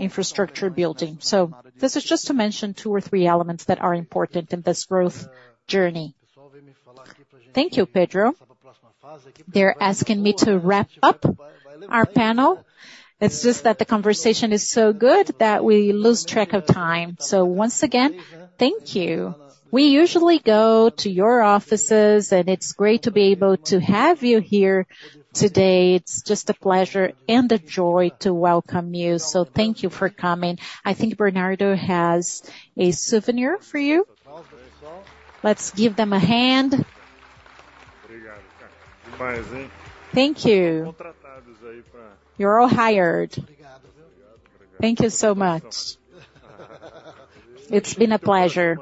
infrastructure building. This is just to mention two or three elements that are important in this growth journey. Thank you, Pedro. They're asking me to wrap up our panel. It's just that the conversation is so good that we lose track of time. Once again, thank you. We usually go to your offices, and it's great to be able to have you here today. It's just a pleasure and a joy to welcome you. So thank you for coming. I think Bernardo has a souvenir for you. Let's give them a hand. Thank you. You're all hired. Thank you so much. It's been a pleasure.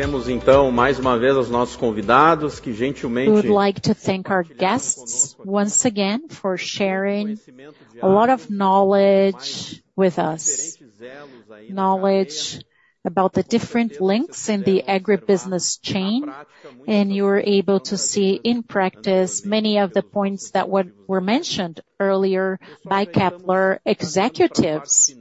We would like to thank our guests once again for sharing a lot of knowledge with us, knowledge about the different links in the agribusiness chain. And you were able to see in practice many of the points that were mentioned earlier by Kepler executives.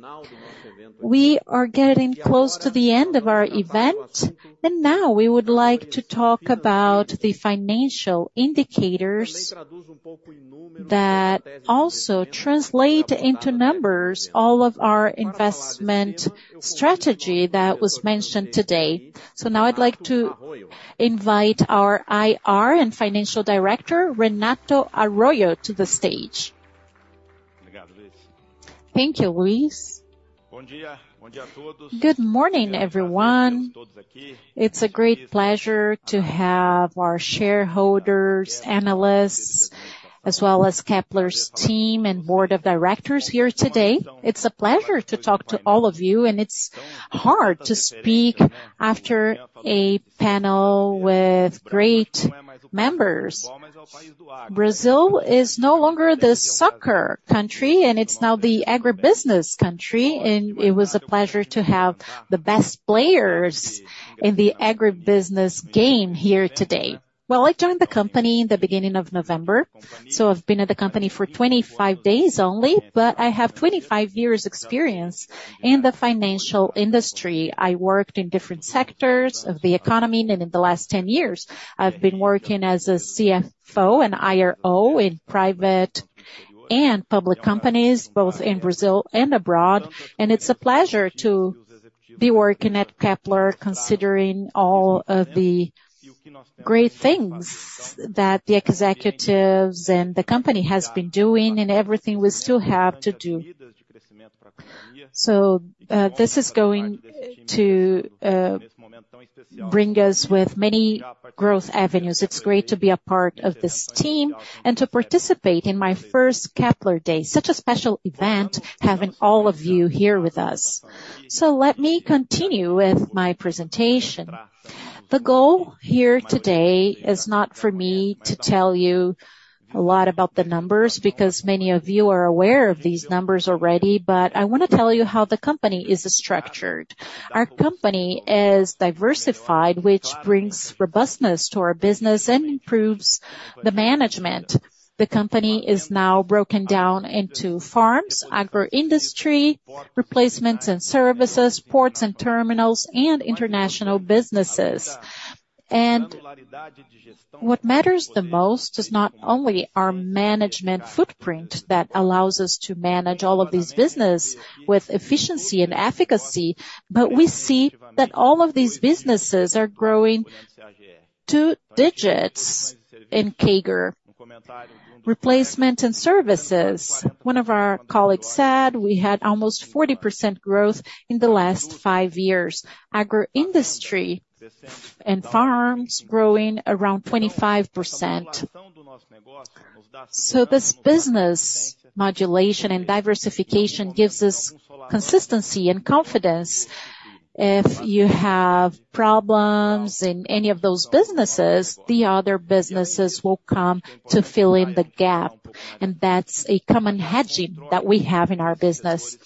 We are getting close to the end of our event. And now we would like to talk about the financial indicators that also translate into numbers all of our investment strategy that was mentioned today. Now I'd like to invite our IR and financial director, Renato Arroyo, to the stage. Thank you, Luís. Good morning, everyone. It's a great pleasure to have our shareholders, analysts, as well as Kepler's team and board of directors here today. It's a pleasure to talk to all of you. It's hard to speak after a panel with great members. Brazil is no longer the soccer country, and it's now the agribusiness country. It was a pleasure to have the best players in the agribusiness game here today. I joined the company in the beginning of November. I've been at the company for 25 days only, but I have 25 years' experience in the financial industry. I worked in different sectors of the economy. In the last 10 years, I've been working as a CFO and IRO in private and public companies, both in Brazil and abroad. It's a pleasure to be working at Kepler, considering all of the great things that the executives and the company have been doing and everything we still have to do. This is going to bring us with many growth avenues. It's great to be a part of this team and to participate in my first Kepler Day, such a special event, having all of you here with us. Let me continue with my presentation. The goal here today is not for me to tell you a lot about the numbers because many of you are aware of these numbers already. I want to tell you how the company is structured. Our company is diversified, which brings robustness to our business and improves the management. The company is now broken down into farms, agro-industry, replacements and services, ports and terminals, and international businesses. And what matters the most is not only our management footprint that allows us to manage all of these businesses with efficiency and efficacy, but we see that all of these businesses are growing two digits in CAGR, replacement and services. One of our colleagues said we had almost 40% growth in the last five years. Agro-industry and farms growing around 25%. So this business modulation and diversification gives us consistency and confidence. If you have problems in any of those businesses, the other businesses will come to fill in the gap. And that's a common hedging that we have in our business.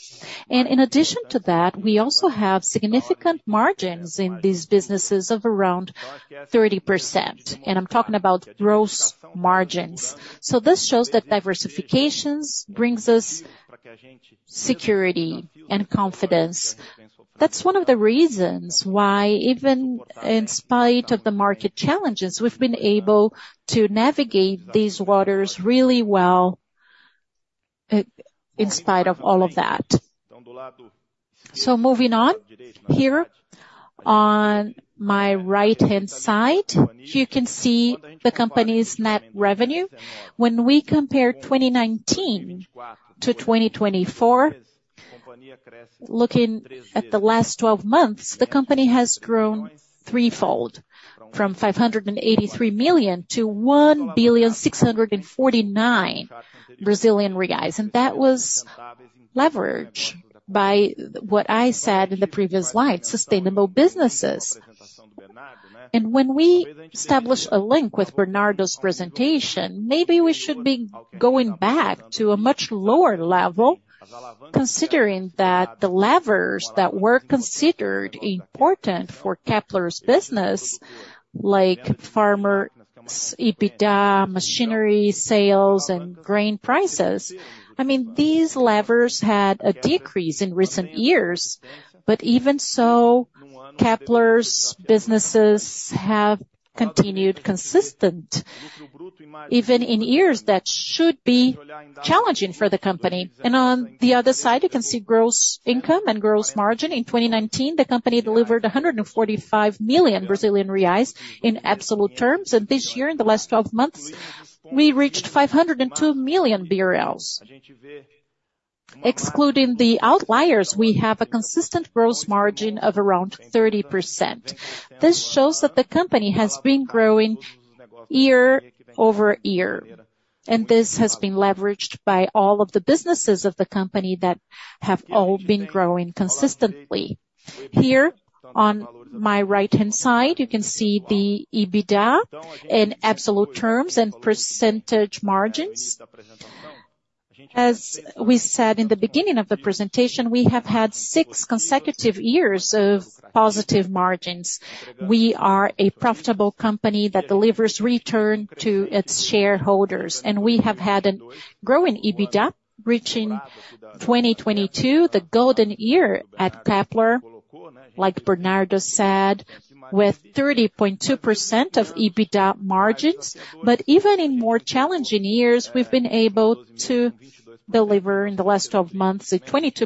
In addition to that, we also have significant margins in these businesses of around 30%. And I'm talking about gross margins. So this shows that diversification brings us security and confidence. That's one of the reasons why, even in spite of the market challenges, we've been able to navigate these waters really well in spite of all of that. So moving on, here on my right-hand side, you can see the company's net revenue. When we compare 2019 to 2024, looking at the last 12 months, the company has grown threefold from 583 million to 1.649 billion. And that was leveraged by what I said in the previous slide, sustainable businesses. When we establish a link with Bernardo's presentation, maybe we should be going back to a much lower level, considering that the levers that were considered important for Kepler's business, like farmer EBITDA, machinery sales, and grain prices, I mean, these levers had a decrease in recent years. But even so, Kepler's businesses have continued consistent, even in years that should be challenging for the company. And on the other side, you can see gross income and gross margin. In 2019, the company delivered 145 million Brazilian reais in absolute terms. And this year, in the last 12 months, we reached 502 million BRL. Excluding the outliers, we have a consistent gross margin of around 30%. This shows that the company has been growing year over year. And this has been leveraged by all of the businesses of the company that have all been growing consistently. Here, on my right-hand side, you can see the EBITDA in absolute terms and percentage margins. As we said in the beginning of the presentation, we have had six consecutive years of positive margins. We are a profitable company that delivers return to its shareholders. And we have had a growing EBITDA, reaching 2022, the golden year at Kepler, like Bernardo said, with 30.2% of EBITDA margins. But even in more challenging years, we've been able to deliver in the last 12 months a 22%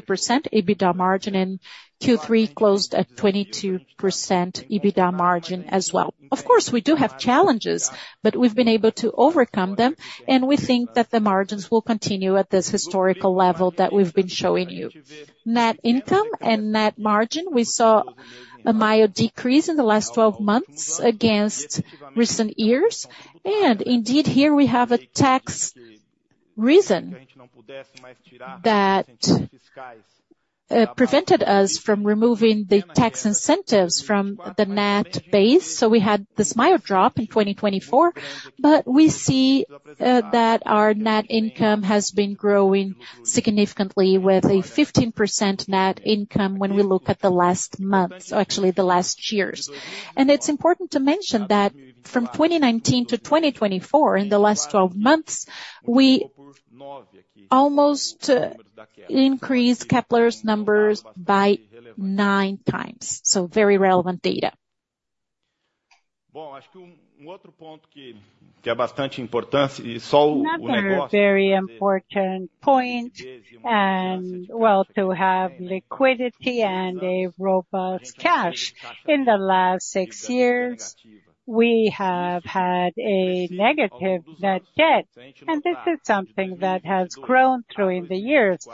EBITDA margin and Q3 closed at 22% EBITDA margin as well. Of course, we do have challenges, but we've been able to overcome them. And we think that the margins will continue at this historical level that we've been showing you. Net income and net margin, we saw a mild decrease in the last 12 months against recent years. Indeed, here we have a tax reason that prevented us from removing the tax incentives from the net base. We had this mild drop in 2024. We see that our net income has been growing significantly with a 15% net income when we look at the last months, or actually the last years. It is important to mention that from 2019 to 2024, in the last 12 months, we almost increased Kepler's numbers by 9x. Very relevant data. Not a very important point. It is important to have liquidity and a robust cash. In the last six years, we have had a negative net debt. This is something that has grown through the years.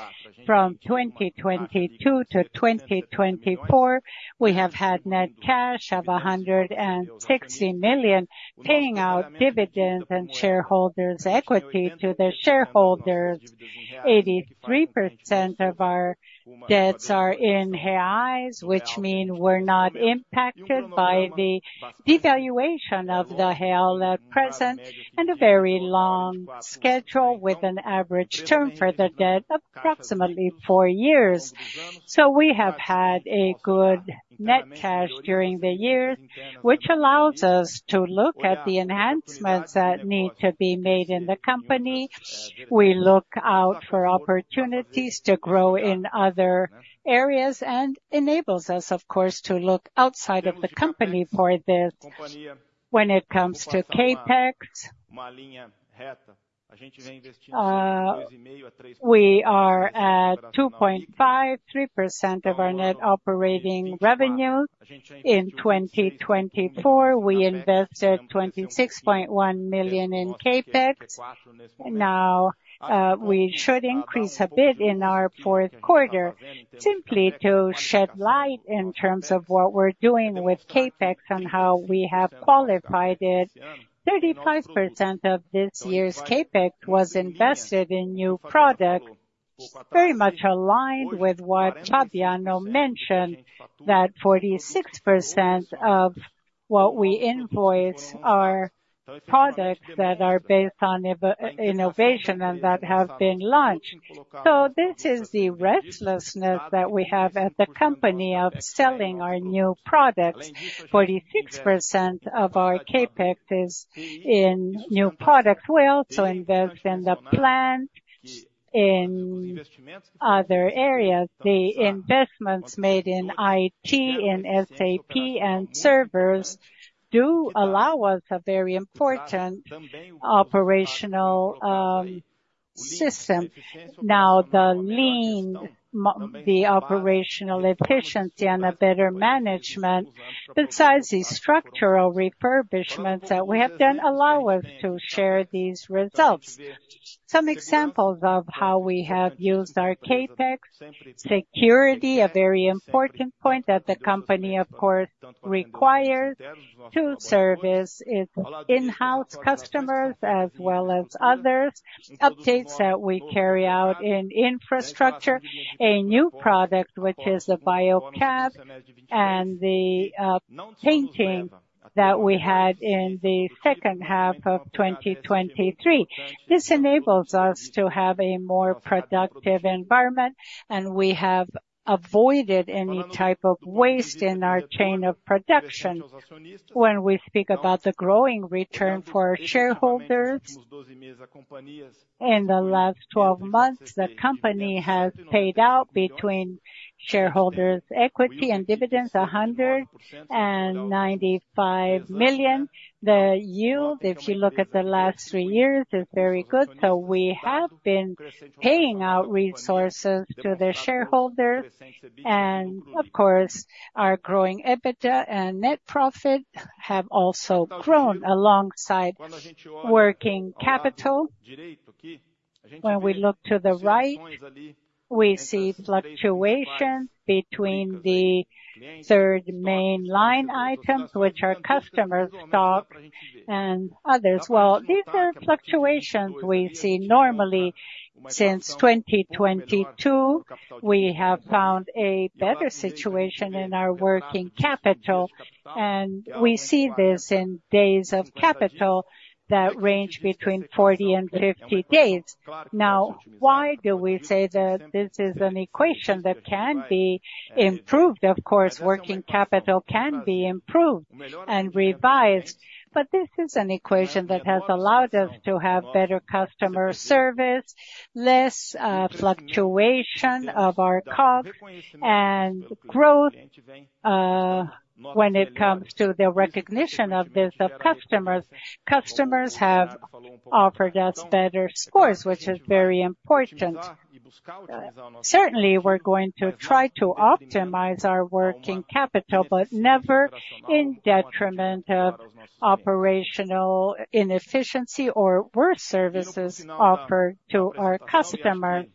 From 2022 to 2024, we have had net cash of 160 million paying out dividends and shareholders' equity to the shareholders. 83% of our debts are in reais, which means we're not impacted by the devaluation of the real at present and a very long schedule with an average term for the debt of approximately four years. So we have had a good net cash during the years, which allows us to look at the enhancements that need to be made in the company. We look out for opportunities to grow in other areas and enables us, of course, to look outside of the company for this when it comes to CapEx. We are at 2.5%-3% of our net operating revenue. In 2024, we invested 26.1 million in CapEx. Now, we should increase a bit in our fourth quarter simply to shed light in terms of what we're doing with CapEx and how we have qualified it. 35% of this year's CapEx was invested in new products, very much aligned with what Fabiano mentioned, that 46% of what we invoice are products that are based on innovation and that have been launched. So this is the restlessness that we have at the company of selling our new products. 46% of our CapEx is in new products. We also invest in the plant in other areas. The investments made in IT, in SAP, and servers do allow us a very important operational system. Now, the lean, the operational efficiency, and a better management besides the structural refurbishments that we have done allow us to share these results. Some examples of how we have used our CapEx: security, a very important point that the company, of course, requires to service its in-house customers as well as others. Updates that we carry out in infrastructure: a new product, which is the BioCap, and the painting that we had in the second half of 2023. This enables us to have a more productive environment, and we have avoided any type of waste in our chain of production. When we speak about the growing return for our shareholders in the last 12 months, the company has paid out between shareholders' equity and dividends 195 million. The yield, if you look at the last three years, is very good. We have been paying out resources to the shareholders. Of course, our growing EBITDA and net profit have also grown alongside working capital. When we look to the right, we see fluctuation between the third main line items, which are customers, stock, and others. These are fluctuations we see normally since 2022. We have found a better situation in our working capital, and we see this in days of capital that range between 40 and 50 days. Now, why do we say that this is an equation that can be improved? Of course, working capital can be improved and revised, but this is an equation that has allowed us to have better customer service, less fluctuation of our costs, and growth when it comes to the recognition of this of customers. Customers have offered us better scores, which is very important. Certainly, we're going to try to optimize our working capital, but never in detriment of operational inefficiency or worse services offered to our customer.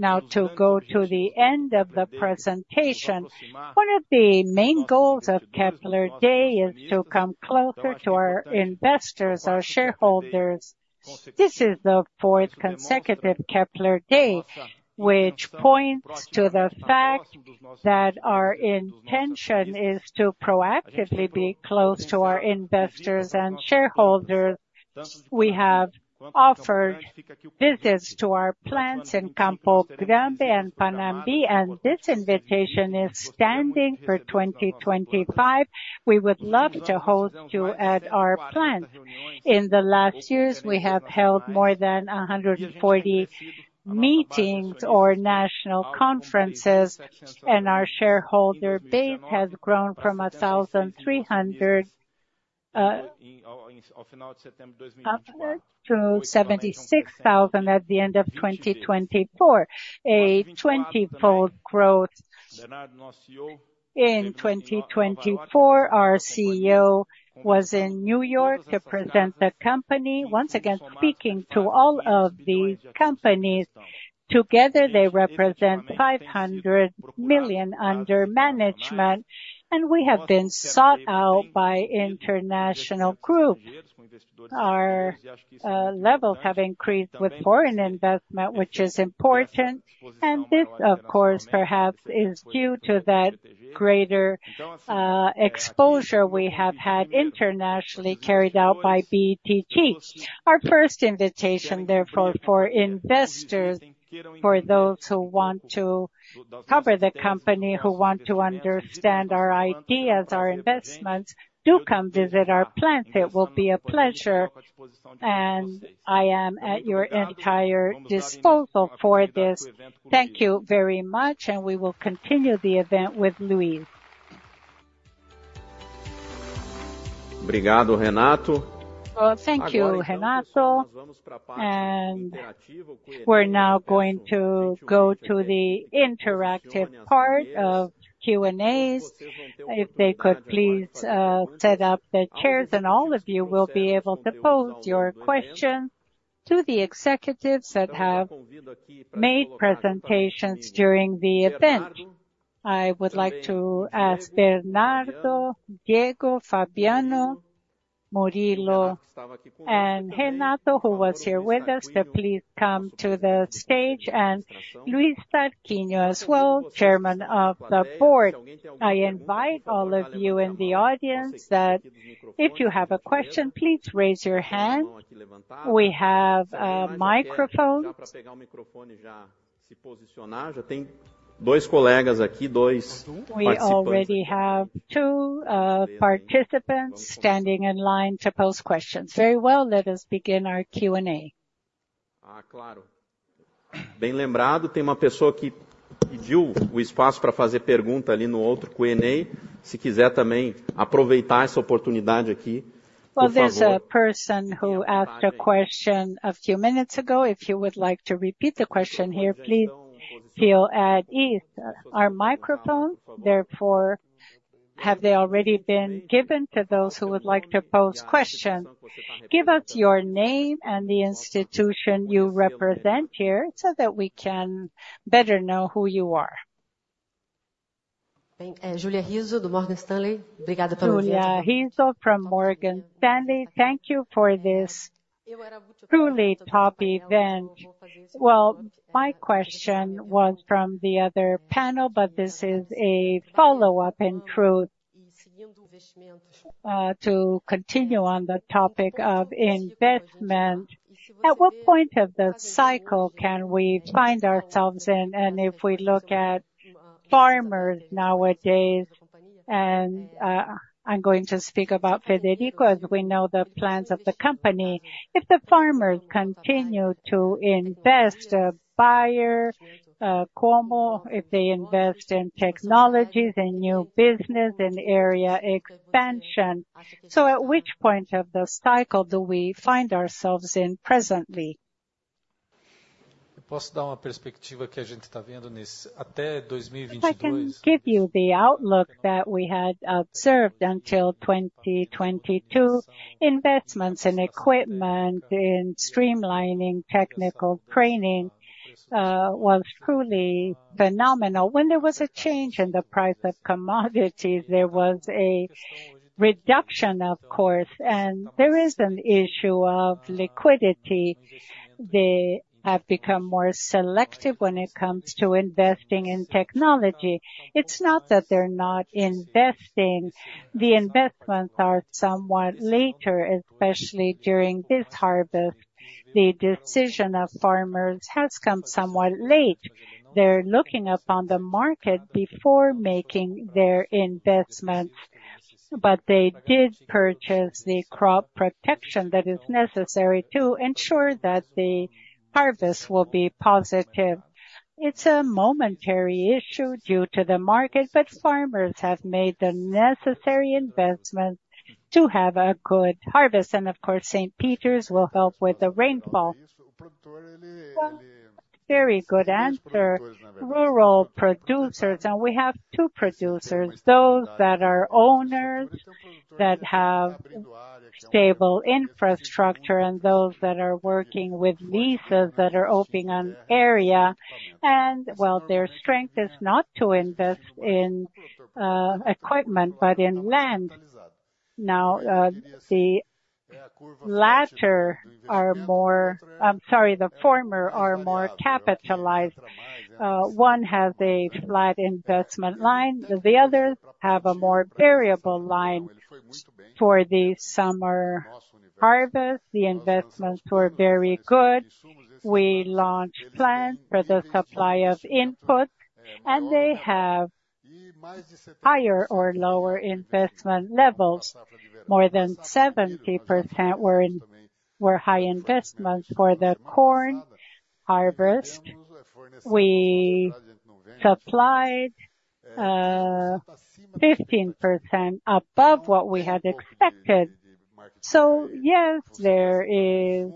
Now, to go to the end of the presentation, one of the main goals of Kepler Day is to come closer to our investors, our shareholders. This is the fourth consecutive Kepler Day, which points to the fact that our intention is to proactively be close to our investors and shareholders. We have offered visits to our plants in Campo Grande and Panambi, and this invitation is standing for 2025. We would love to host you at our plants. In the last years, we have held more than 140 meetings or national conferences, and our shareholder base has grown from 1,300 to 76,000 at the end of 2024, a 20-fold growth. In 2024, our CEO was in New York to present the company, once again speaking to all of these companies. Together, they represent $500 million under management, and we have been sought out by international groups. Our levels have increased with foreign investment, which is important, and this, of course, perhaps is due to that greater exposure we have had internationally carried out by BTG. Our first invitation, therefore, for investors, for those who want to cover the company, who want to understand our ideas, our investments, do come visit our plants. It will be a pleasure, and I am at your entire disposal for this. Thank you very much, and we will continue the event with Luís. Thank you, Renato. We're now going to go to the interactive part of Q&As. If they could please set up the chairs, and all of you will be able to pose your questions to the executives that have made presentations during the event. I would like to ask Bernardo, Diego, Fabiano, Murilo, and Renato, who was here with us, to please come to the stage. Luiz Tarquínio as well, Chairman of the Board. I invite all of you in the audience that if you have a question, please raise your hand. We have a microphone. We already have two participants standing in line to pose questions. Very well, let us begin our Q&A. Well, there's a person who asked a question a few minutes ago. If you would like to repeat the question here, please feel at ease. Our microphones, therefore, have they already been given to those who would like to pose questions? Give us your name and the institution you represent here so that we can better know who you are. Julia Rizzo from Morgan Stanley. Thank you for this truly top event. Well, my question was from the other panel, but this is a follow-up in truth to continue on the topic of investment. At what point of the cycle can we find ourselves in? If we look at farmers nowadays, and I'm going to speak about Frederico, as we know the plans of the company, if the farmers continue to invest, the buyer, Coamo, if they invest in technologies, in new business, in area expansion. At which point of the cycle do we find ourselves in presently? I can give you the outlook that we had observed until 2022. Investments in equipment, in streamlining technical training was truly phenomenal. When there was a change in the price of commodities, there was a reduction, of course. There is an issue of liquidity. They have become more selective when it comes to investing in technology. It's not that they're not investing. The investments are somewhat later, especially during this harvest. The decision of farmers has come somewhat late. They're looking upon the market before making their investments, but they did purchase the crop protection that is necessary to ensure that the harvest will be positive. It's a momentary issue due to the market, but farmers have made the necessary investments to have a good harvest, and of course, Saint Peter will help with the rainfall. Very good answer. Rural producers, and we have two producers, those that are owners that have stable infrastructure and those that are working with leases that are opening an area. Their strength is not to invest in equipment, but in land. Now, the latter are more, I'm sorry, the former are more capitalized. One has a flat investment line. The others have a more variable line for the summer harvest. The investments were very good. We launched plans for the supply of inputs, and they have higher or lower investment levels. More than 70% were high investments for the corn harvest. We supplied 15% above what we had expected. So yes, there is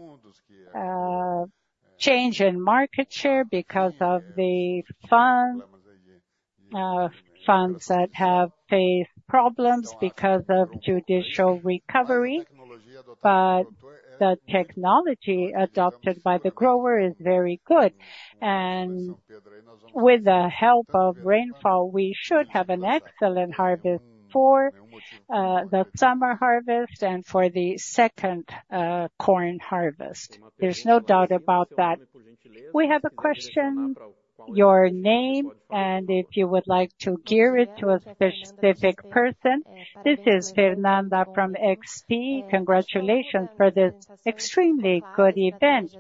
change in market share because of the funds that have faced problems because of judicial recovery. But the technology adopted by the grower is very good. And with the help of rainfall, we should have an excellent harvest for the summer harvest and for the second corn harvest. There's no doubt about that. We have a question. Your name, and if you would like to gear it to a specific person. This is Fernanda from XP. Congratulations for this extremely good event.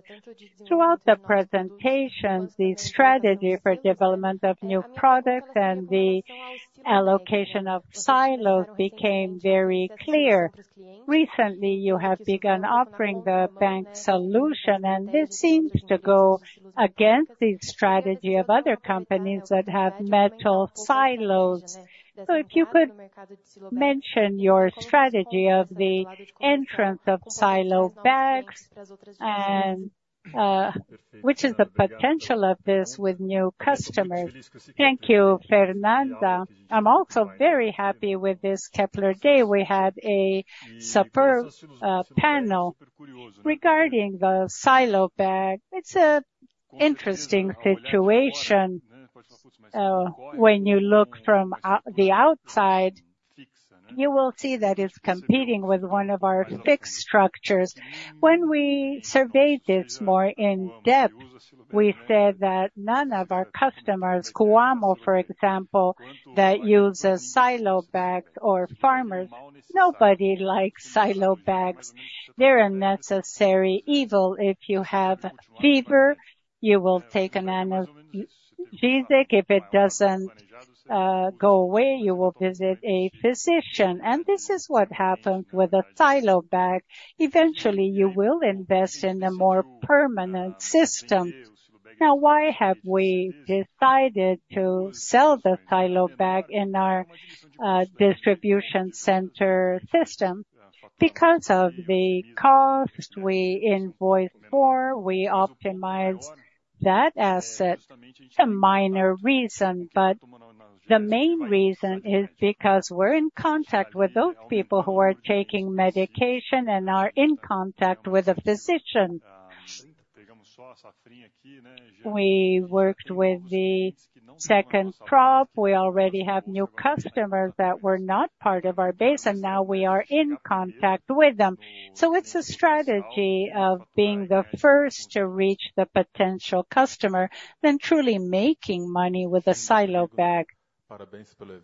Throughout the presentation, the strategy for development of new products and the allocation of silos became very clear. Recently, you have begun offering the bank solution, and this seems to go against the strategy of other companies that have metal silos. So if you could mention your strategy of the entrance of silo bags, which is the potential of this with new customers. Thank you, Fernanda. I'm also very happy with this Kepler Day. We had a superb panel regarding the silo bag. It's an interesting situation. When you look from the outside, you will see that it's competing with one of our fixed structures. When we surveyed this more in depth, we said that none of our customers, Coamo, for example, that uses silo bags or farmers, nobody likes silo bags. They're a necessary evil. If you have fever, you will take an analgesic. If it doesn't go away, you will visit a physician. And this is what happens with a silo bag. Eventually, you will invest in a more permanent system. Now, why have we decided to sell the silo bag in our distribution center system? Because of the cost we invoice for, we optimize that asset. It's a minor reason, but the main reason is because we're in contact with those people who are taking medication and are in contact with a physician. We worked with the second crop. We already have new customers that were not part of our base, and now we are in contact with them. So it's a strategy of being the first to reach the potential customer, then truly making money with a silo bag. Cila,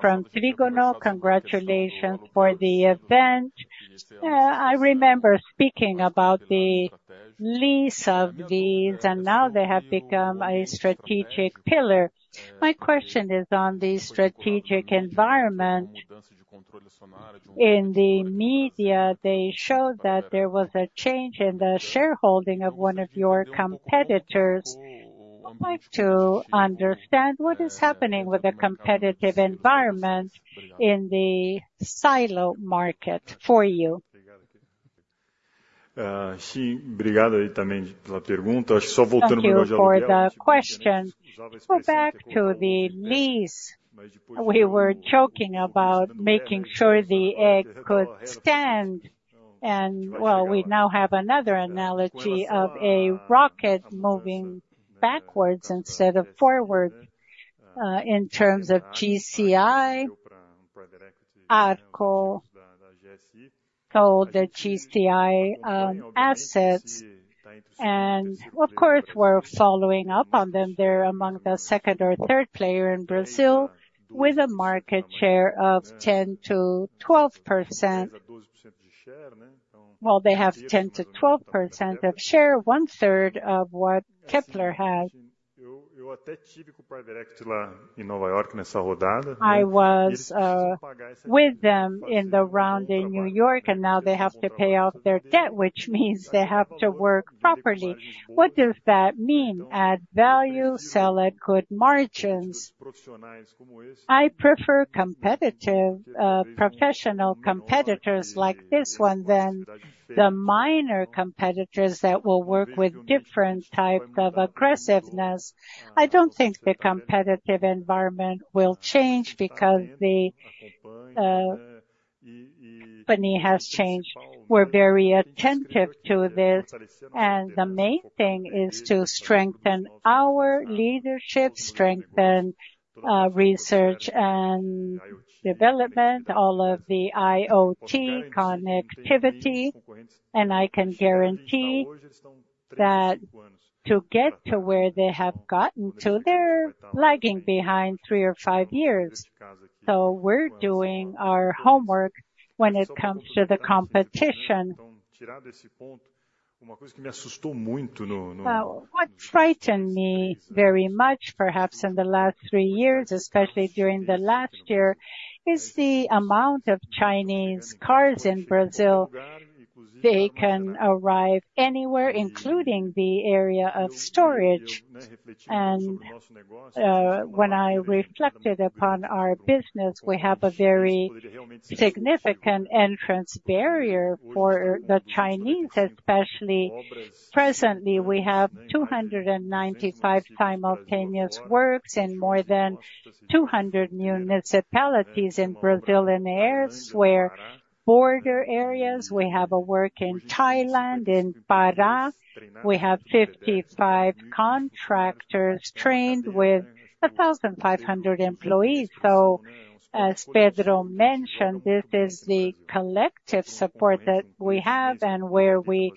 from Trígono, congratulations for the event. I remember speaking about the lease of these, and now they have become a strategic pillar. My question is on the strategic environment. In the media, they showed that there was a change in the shareholding of one of your competitors. I'd like to understand what is happening with the competitive environment in the silo market for you. Thank you for the question. Back to the lease. We were joking about making sure the egg could stand. We now have another analogy of a rocket moving backwards instead of forwards in terms of GSI. AGCO sold the GSI assets. Of course, we're following up on them. They're among the second or third player in Brazil with a market share of 10%-12%. They have 10%-12% of share, one third of what Kepler has. I was with them in the round in New York, and now they have to pay off their debt, which means they have to work properly. What does that mean? Add value, sell at good margins. I prefer competitive professional competitors like this one than the minor competitors that will work with different types of aggressiveness. I don't think the competitive environment will change because the company has changed. We're very attentive to this. And the main thing is to strengthen our leadership, strengthen research and development, all of the IoT connectivity. And I can guarantee that to get to where they have gotten to, they're lagging behind three or five years. So we're doing our homework when it comes to the competition. What frightened me very much, perhaps in the last three years, especially during the last year, is the amount of Chinese cars in Brazil. They can arrive anywhere, including the area of storage. And when I reflected upon our business, we have a very significant entrance barrier for the Chinese, especially presently. We have 295 simultaneous works in more than 200 municipalities in Brazil and elsewhere, border areas. We have a work in Tailândia, in Pará. We have 55 contractors trained with 1,500 employees. As Pedro mentioned, this is the collective support that we have and where we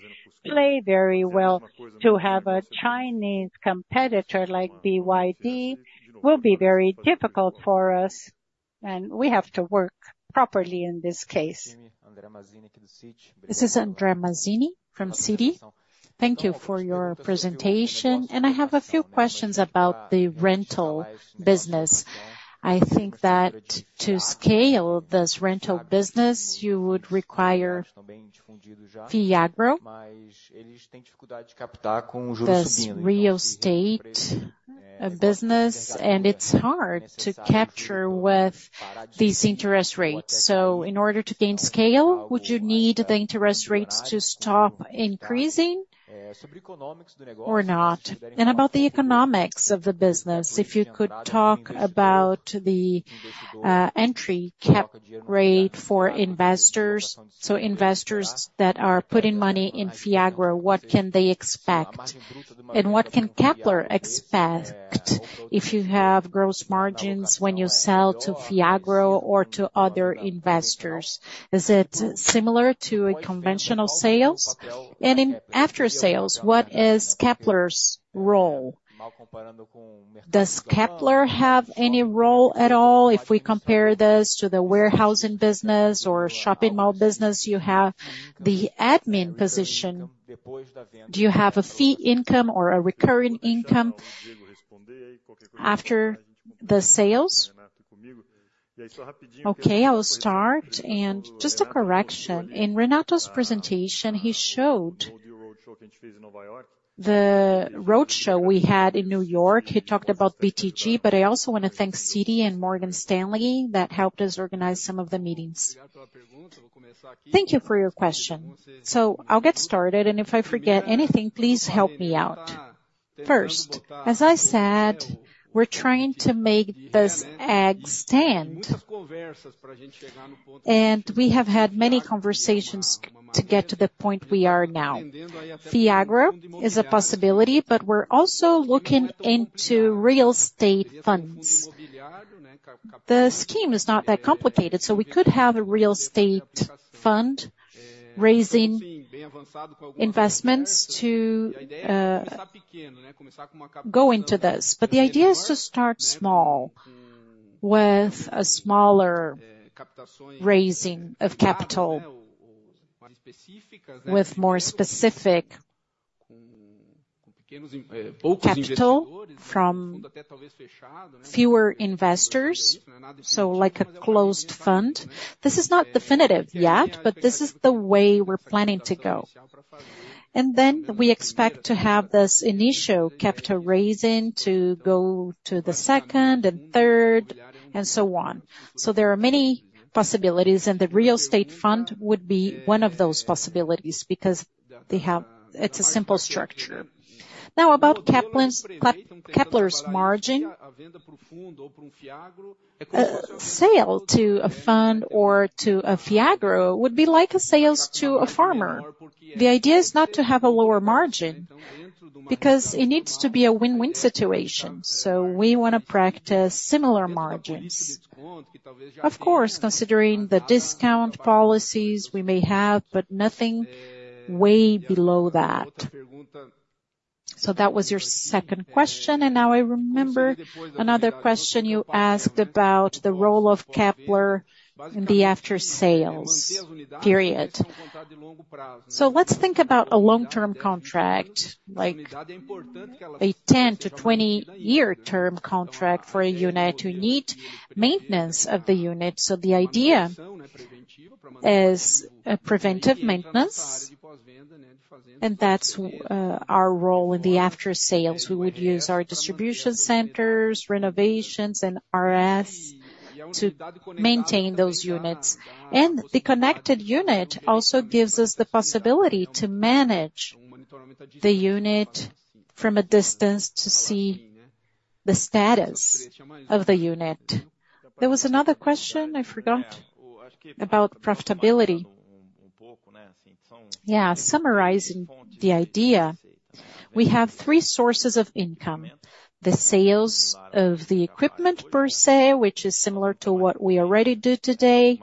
play very well. To have a Chinese competitor like BYD will be very difficult for us, and we have to work properly in this case. This is André Mazini from Citi. Thank you for your presentation. I have a few questions about the rental business. I think that to scale this rental business, you would require Fiagro. This real estate business, and it's hard to capture with these interest rates. In order to gain scale, would you need the interest rates to stop increasing or not? About the economics of the business, if you could talk about the entry cap rate for investors. Investors that are putting money in Fiagro, what can they expect? What can Kepler expect if you have gross margins when you sell to Fiagro or to other investors? Is it similar to a conventional sales? And after sales, what is Kepler's role? Does Kepler have any role at all? If we compare this to the warehousing business or shopping mall business, you have the admin position. Do you have a fee income or a recurring income after the sales? Okay, I'll start. And just a correction. In Renato's presentation, he showed the roadshow we had in New York. He talked about BTG, but I also want to thank Citi and Morgan Stanley that helped us organize some of the meetings. Thank you for your question. So, I'll get started. And if I forget anything, please help me out. First, as I said, we're trying to make this egg stand. We have had many conversations to get to the point we are now. Fiagro is a possibility, but we're also looking into real estate funds. The scheme is not that complicated, so we could have a real estate fund raising investments to go into this. The idea is to start small with a smaller raising of capital with more specific capital, fewer investors, so like a closed fund. This is not definitive yet, but this is the way we're planning to go. Then we expect to have this initial capital raising to go to the second and third and so on. There are many possibilities, and the real estate fund would be one of those possibilities because it's a simple structure. Now, about Kepler's margin, a sale to a fund or to a Fiagro would be like a sale to a farmer. The idea is not to have a lower margin because it needs to be a win-win situation, so we want to practice similar margins. Of course, considering the discount policies we may have, but nothing way below that, so that was your second question. Now I remember another question you asked about the role of Kepler in the after-sales period, so let's think about a long-term contract, like a 10-20-year term contract for a unit who needs maintenance of the unit. The idea is preventive maintenance, and that's our role in the after-sales. We would use our distribution centers, renovations, and RS to maintain those units. The connected unit also gives us the possibility to manage the unit from a distance to see the status of the unit. There was another question I forgot about profitability. Yeah, summarizing the idea, we have three sources of income: the sales of the equipment per se, which is similar to what we already do today,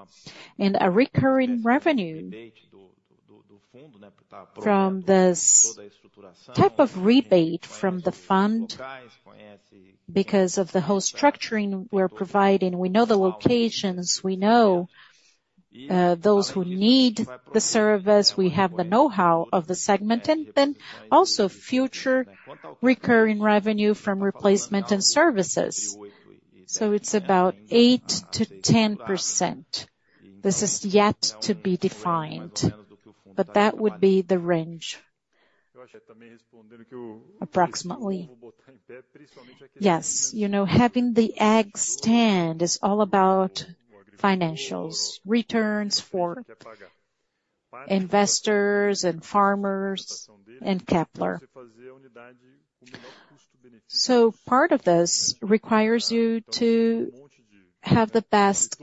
and a recurring revenue from this type of rebate from the fund because of the whole structuring we're providing. We know the locations, we know those who need the service, we have the know-how of the segment, and then also future recurring revenue from replacement and services. So, it's about 8%-10%. This is yet to be defined, but that would be the range, approximately. Yes, you know, having the egg stand is all about financials, returns for investors and farmers and Kepler. So, part of this requires you to have the best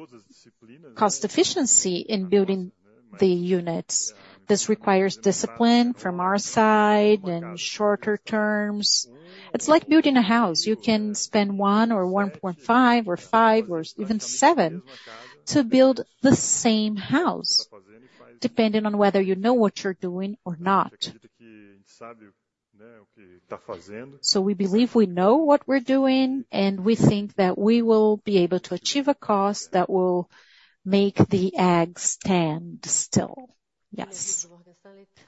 cost efficiency in building the units. This requires discipline from our side and shorter terms. It's like building a house. You can spend one or 1.5 or five or even seven to build the same house, depending on whether you know what you're doing or not. So, we believe we know what we're doing, and we think that we will be able to achieve a cost that will make the egg stand still. Yes.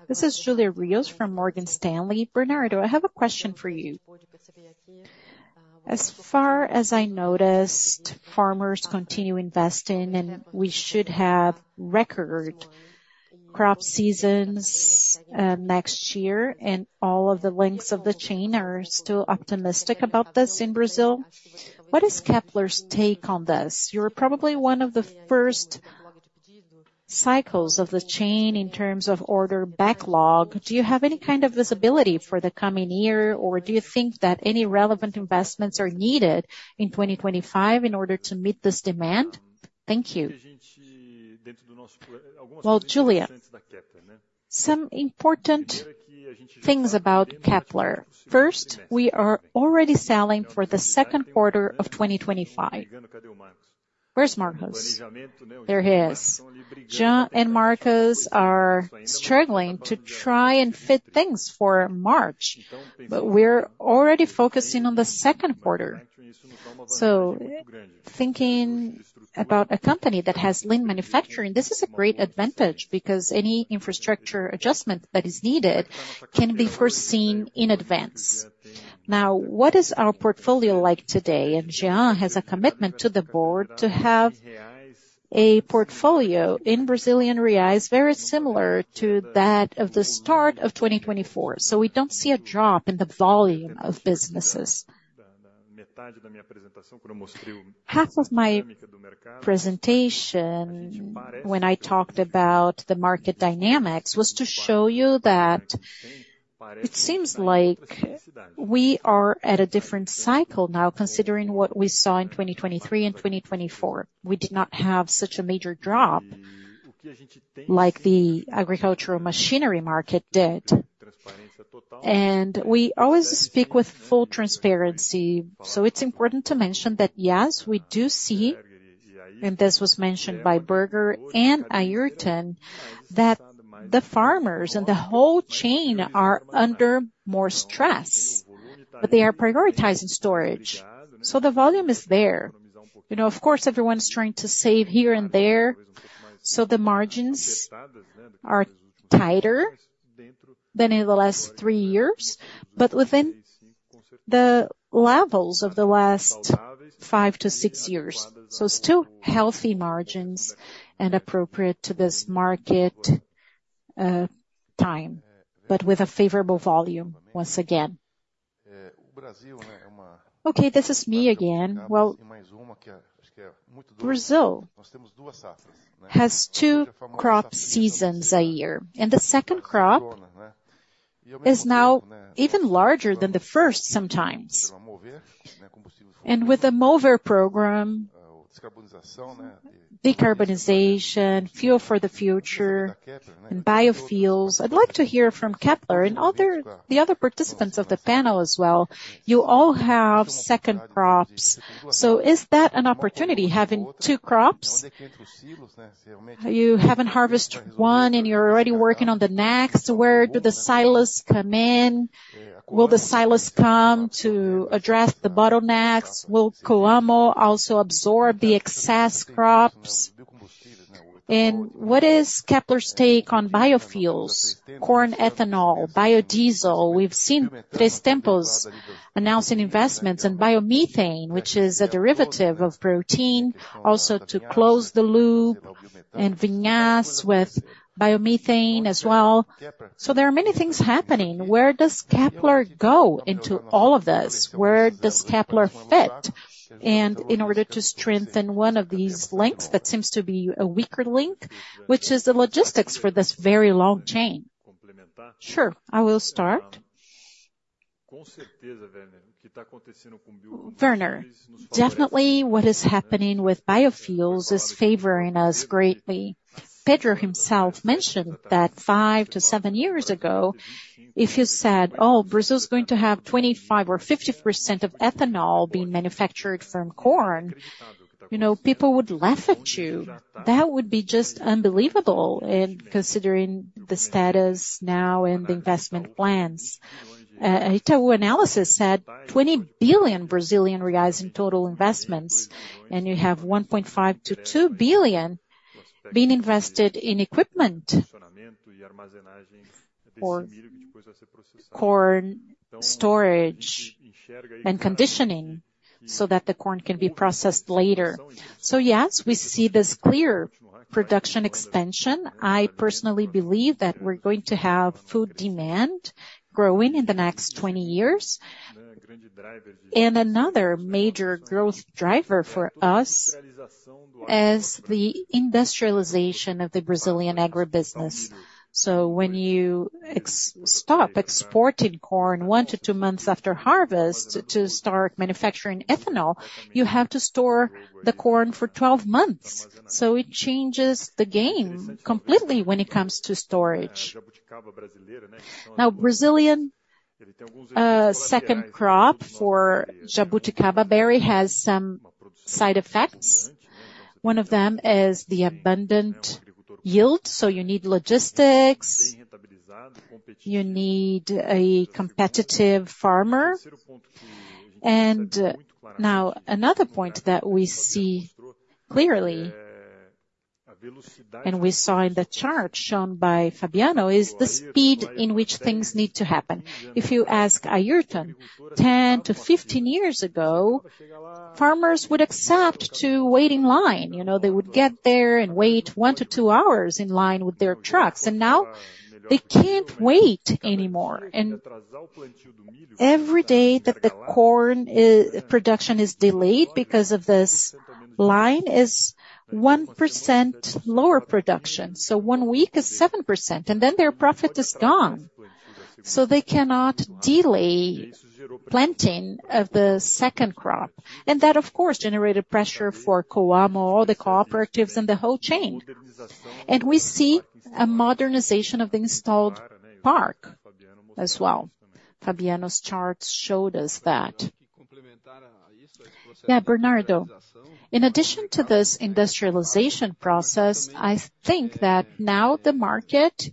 This is Julia Rizzo from Morgan Stanley. Bernardo, I have a question for you. As far as I noticed, farmers continue investing, and we should have record crop seasons next year, and all of the links of the chain are still optimistic about this in Brazil. What is Kepler's take on this? You're probably one of the first cycles of the chain in terms of order backlog. Do you have any kind of visibility for the coming year, or do you think that any relevant investments are needed in 2025 in order to meet this demand? Thank you. Well, Julia, some important things about Kepler. First, we are already selling for the second quarter of 2025. Where's Marcos? There he is. Jean and Marcos are struggling to try and fit things for March, but we're already focusing on the second quarter. So, thinking about a company that has Lean Manufacturing, this is a great advantage because any infrastructure adjustment that is needed can be foreseen in advance. Now, what is our portfolio like today? And Jean has a commitment to the board to have a portfolio in Brazilian reais very similar to that of the start of 2024. So, we don't see a drop in the volume of businesses. Half of my presentation when I talked about the market dynamics was to show you that it seems like we are at a different cycle now, considering what we saw in 2023 and 2024. We did not have such a major drop like the agricultural machinery market did. And we always speak with full transparency. So, it's important to mention that, yes, we do see, and this was mentioned by Berger and Airton, that the farmers and the whole chain are under more stress, but they are prioritizing storage. So, the volume is there. You know, of course, everyone's trying to save here and there, so the margins are tighter than in the last three years, but within the levels of the last five to six years. So, still healthy margins and appropriate to this market time, but with a favorable volume once again. Okay, this is me again. Brazil has two crop seasons a year, and the second crop is now even larger than the first sometimes. With the Mover Program, decarbonization, Fuel for the Future, and biofuels, I'd like to hear from Kepler and the other participants of the panel as well. You all have second crops. Is that an opportunity having two crops? You haven't harvested one, and you're already working on the next. Where do the silos come in? Will the silos come to address the bottlenecks? Will Coamo also absorb the excess crops? And what is Kepler's take on biofuels? Corn ethanol, biodiesel. We've seen 3tentos announcing investments in biomethane, which is a derivative of protein, also to close the loop in biomass with biomethane as well. There are many things happening. Where does Kepler go into all of this? Where does Kepler fit? And in order to strengthen one of these links that seems to be a weaker link, which is the logistics for this very long chain. Sure, I will start. Berger, definitely what is happening with biofuels is favoring us greatly. Pedro himself mentioned that five-to-seven years ago, if you said, "Oh, Brazil is going to have 25% or 50% of ethanol being manufactured from corn," you know, people would laugh at you. That would be just unbelievable in considering the status now and the investment plans. Itaú Analysis said 20 billion Brazilian reais in total investments, and you have 1.5 billion-2 billion being invested in equipment, corn storage, and conditioning so that the corn can be processed later. Yes, we see this clear production expansion. I personally believe that we're going to have food demand growing in the next 20 years, and another major growth driver for us is the industrialization of the Brazilian agribusiness. When you stop exporting corn one to two months after harvest to start manufacturing ethanol, you have to store the corn for 12 months. It changes the game completely when it comes to storage. Now, the Brazilian safrinha has some side effects. One of them is the abundant yield. You need logistics, you need a competitive farmer. Another point that we see clearly, and we saw in the chart shown by Fabiano, is the speed in which things need to happen. If you ask Airton, 10-15 years ago, farmers would accept to wait in line. You know, they would get there and wait one to two hours in line with their trucks. Now they can't wait anymore. Every day that the corn production is delayed because of this line is 1% lower production. One week is 7%, and then their profit is gone. They cannot delay planting of the second crop. That, of course, generated pressure for Coamo or the cooperatives and the whole chain. We see a modernization of the installed park as well. Fabiano's charts showed us that. Yeah, Bernardo, in addition to this industrialization process, I think that now the market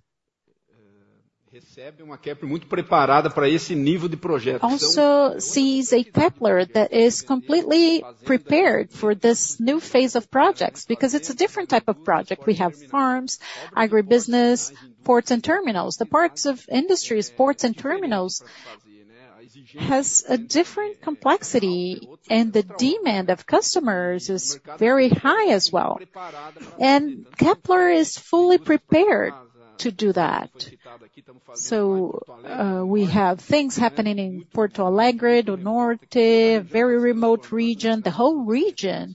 also sees a Kepler that is completely prepared for this new phase of projects because it's a different type of project. We have farms, agribusiness, ports, and terminals. The parts of industry, ports, and terminals have a different complexity, and the demand of customers is very high as well. Kepler is fully prepared to do that. We have things happening in Porto Alegre do Norte, a very remote region. The whole region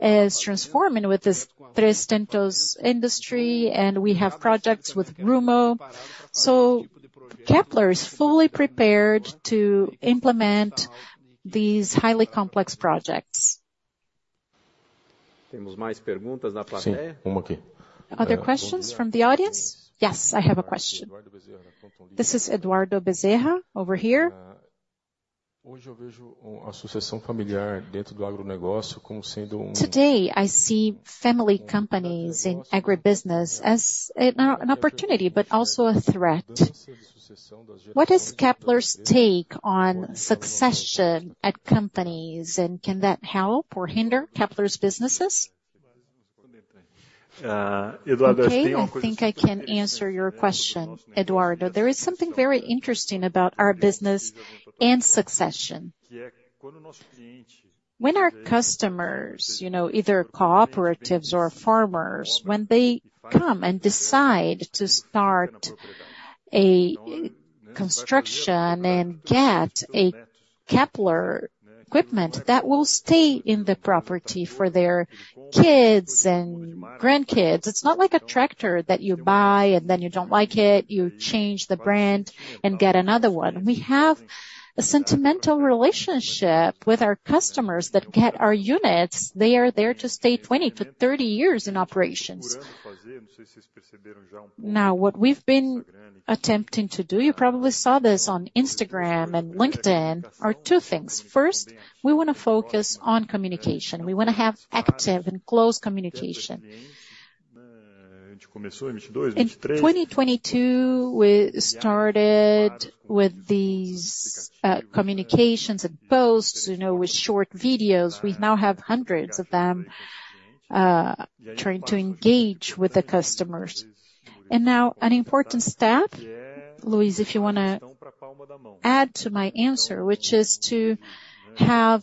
is transforming with this 3tentos industry, and we have projects with Rumo. So, Kepler is fully prepared to implement these highly complex projects. Other questions from the audience? Yes, I have a question. This is Eduardo Bezerra over here. Today, I see family companies in agribusiness as an opportunity, but also a threat. What is Kepler's take on succession at companies, and can that help or hinder Kepler's businesses? I think I can answer your question, Eduardo. There is something very interesting about our business and succession. When our customers, you know, either cooperatives or farmers, when they come and decide to start a construction and get a Kepler equipment that will stay in the property for their kids and grandkids, it's not like a tractor that you buy and then you don't like it, you change the brand and get another one. We have a sentimental relationship with our customers that get our units. They are there to stay 20-30 years in operations. Now, what we've been attempting to do, you probably saw this on Instagram and LinkedIn, are two things. First, we want to focus on communication. We want to have active and close communication. In 2022, we started with these communications and posts, you know, with short videos. We now have hundreds of them trying to engage with the customers. And now, an important step, Luís, if you want to add to my answer, which is to have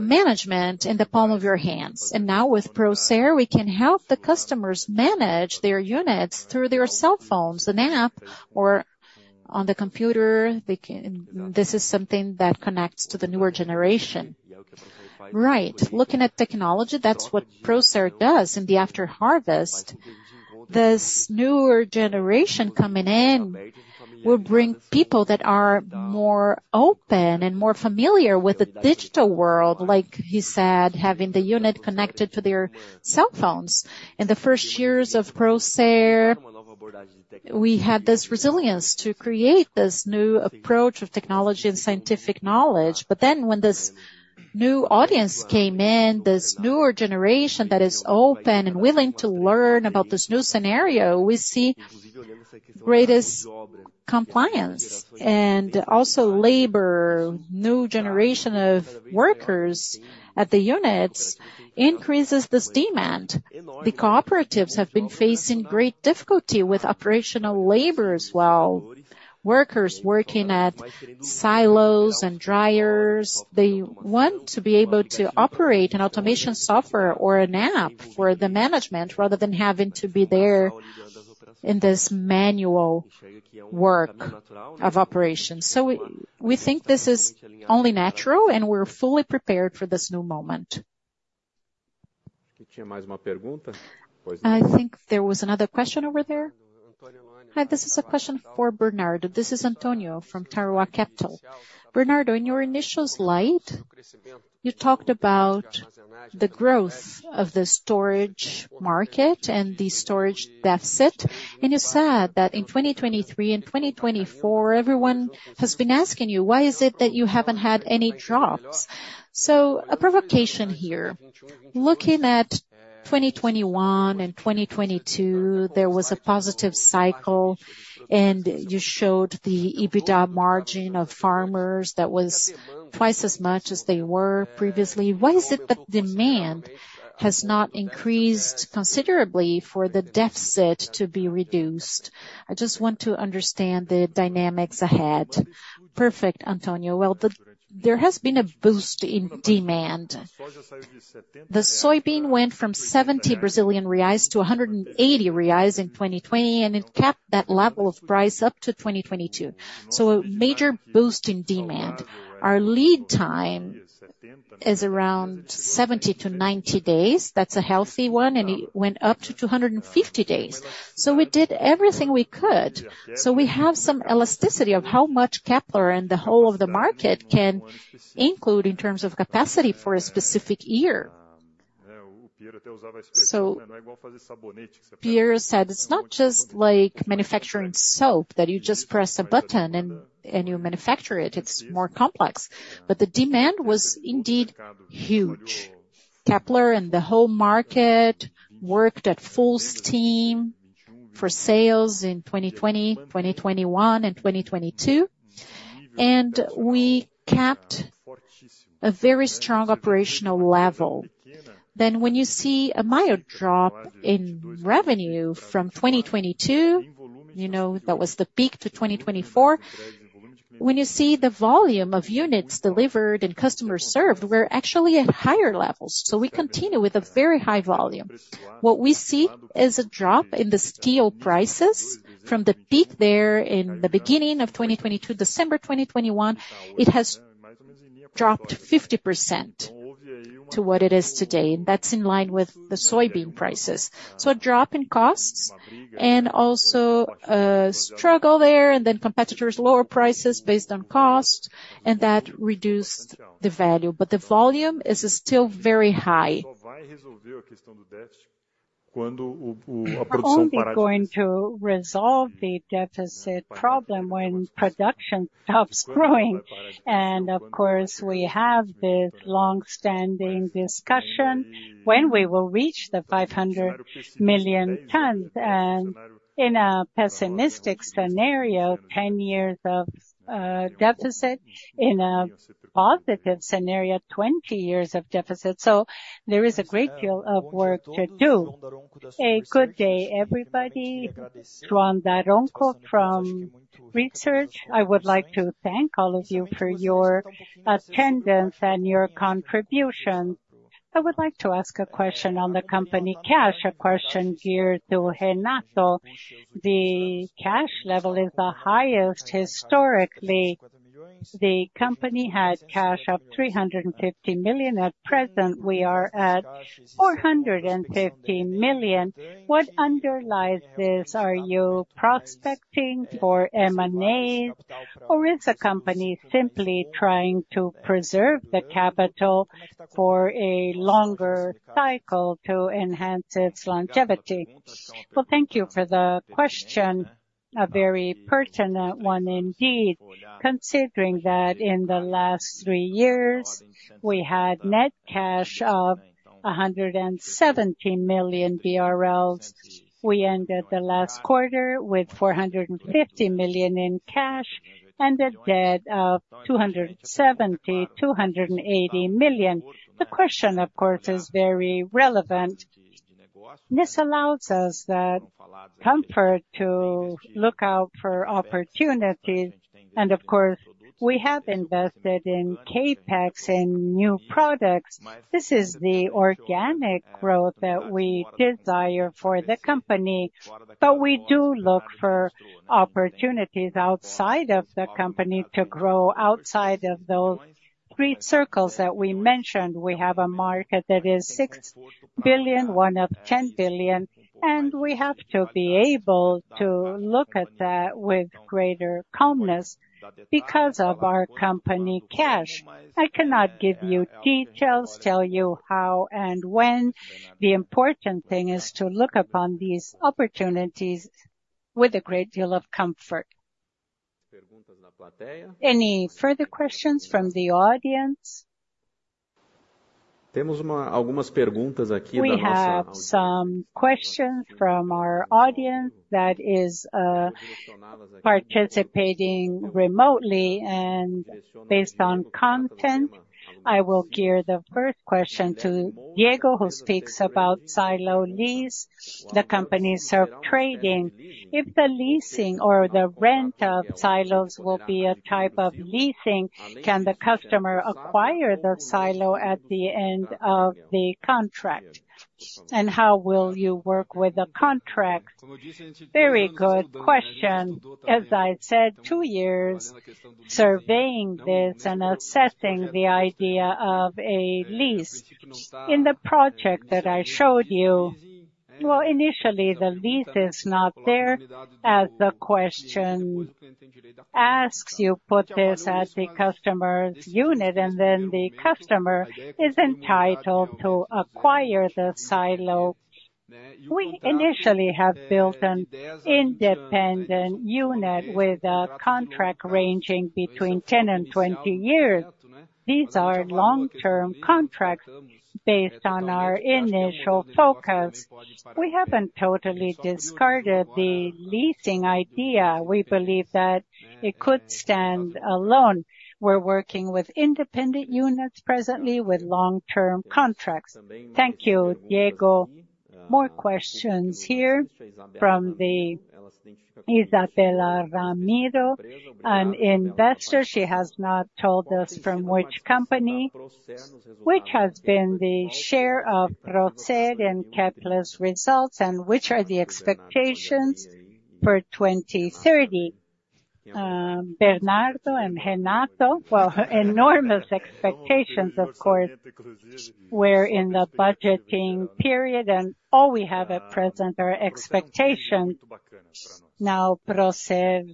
management in the palm of your hands. And now, with Procer, we can help the customers manage their units through their cell phones, an app, or on the computer. This is something that connects to the newer generation. Right, looking at technology, that's what Procer does in the after harvest. This newer generation coming in will bring people that are more open and more familiar with the digital world, like he said, having the unit connected to their cell phones. In the first years of Procer, we had this resilience to create this new approach of technology and scientific knowledge. But then, when this new audience came in, this newer generation that is open and willing to learn about this new scenario, we see greatest compliance. And also, labor, new generation of workers at the units increases this demand. The cooperatives have been facing great difficulty with operational labor as well. Workers working at silos and dryers, they want to be able to operate an automation software or an app for the management rather than having to be there in this manual work of operations. So, we think this is only natural, and we're fully prepared for this new moment. I think there was another question over there. Hi, this is a question for Bernardo. This is Antônio from Tavola Capital. Bernardo, in your initial slide, you talked about the growth of the storage market and the storage deficit. And you said that in 2023 and 2024, everyone has been asking you, why is it that you haven't had any drops? So, a provocation here. Looking at 2021 and 2022, there was a positive cycle, and you showed the EBITDA margin of farmers that was twice as much as they were previously. Why is it that demand has not increased considerably for the deficit to be reduced? I just want to understand the dynamics ahead. Perfect, Antônio. Well, there has been a boost in demand. The soybean went from 70 Brazilian reais to 180 reais in 2020, and it kept that level of price up to 2022. A major boost in demand. Our lead time is around 70-90 days. That's a healthy one, and it went up to 250 days. We did everything we could. We have some elasticity of how much Kepler and the whole of the market can include in terms of capacity for a specific year. Piero said it's not just like manufacturing soap that you just press a button and you manufacture it. It's more complex. But the demand was indeed huge. Kepler and the whole market worked at full steam for sales in 2020, 2021, and 2022. We kept a very strong operational level. Then, when you see a mild drop in revenue from 2022, you know, that was the peak to 2024. When you see the volume of units delivered and customers served, we're actually at higher levels. So, we continue with a very high volume. What we see is a drop in the steel prices from the peak there in the beginning of 2022, December 2021. It has dropped 50% to what it is today. And that's in line with the soybean prices. So, a drop in costs and also a struggle there, and then competitors' lower prices based on cost, and that reduced the value. But the volume is still very high. When are we going to resolve the deficit problem when production stops growing? And of course, we have this long-standing discussion when we will reach the 500 million tons. And in a pessimistic scenario, 10 years of deficit. In a positive scenario, 20 years of deficit. So, there is a great deal of work to do. Good day, everybody. João Daronco from Suno Research. I would like to thank all of you for your attendance and your contribution. I would like to ask a question on the company cash, a question geared to Renato. The cash level is the highest historically. The company had cash of 350 million. At present, we are at 450 million. What underlies this? Are you prospecting for M&As, or is the company simply trying to preserve the capital for a longer cycle to enhance its longevity? Thank you for the question. A very pertinent one indeed. Considering that in the last three years, we had net cash of 170 million BRL. We ended the last quarter with 450 million in cash and a debt of 270 million-280 million. The question, of course, is very relevant. This allows us that comfort to look out for opportunities. And of course, we have invested in CapEx in new products. This is the organic growth that we desire for the company, but we do look for opportunities outside of the company to grow outside of those three circles that we mentioned. We have a market that is 6 billion, one of 10 billion, and we have to be able to look at that with greater calmness because of our company cash. I cannot give you details, tell you how and when. The important thing is to look upon these opportunities with a great deal of comfort. Any further questions from the audience? We have some questions from our audience that is participating remotely, and based on content, I will gear the first question to Diego, who speaks about silo lease, the company's self-trading. If the leasing or the rent of silos will be a type of leasing, can the customer acquire the silo at the end of the contract? And how will you work with the contract? Very good question. As I said, two years surveying this and assessing the idea of a lease. In the project that I showed you, well, initially, the lease is not there. As the question asks, you put this at the customer's unit, and then the customer is entitled to acquire the silo. We initially have built an independent unit with a contract ranging between 10 and 20 years. These are long-term contracts based on our initial focus. We haven't totally discarded the leasing idea. We believe that it could stand alone. We're working with independent units presently with long-term contracts. Thank you, Diego. More questions here from the Isabela Ramiro, an investor. She has not told us from which company. Which has been the share of Procer and Kepler's results, and which are the expectations for 2030? Bernardo and Renato, well, enormous expectations, of course. We're in the budgeting period, and all we have at present are expectations. Now, Procer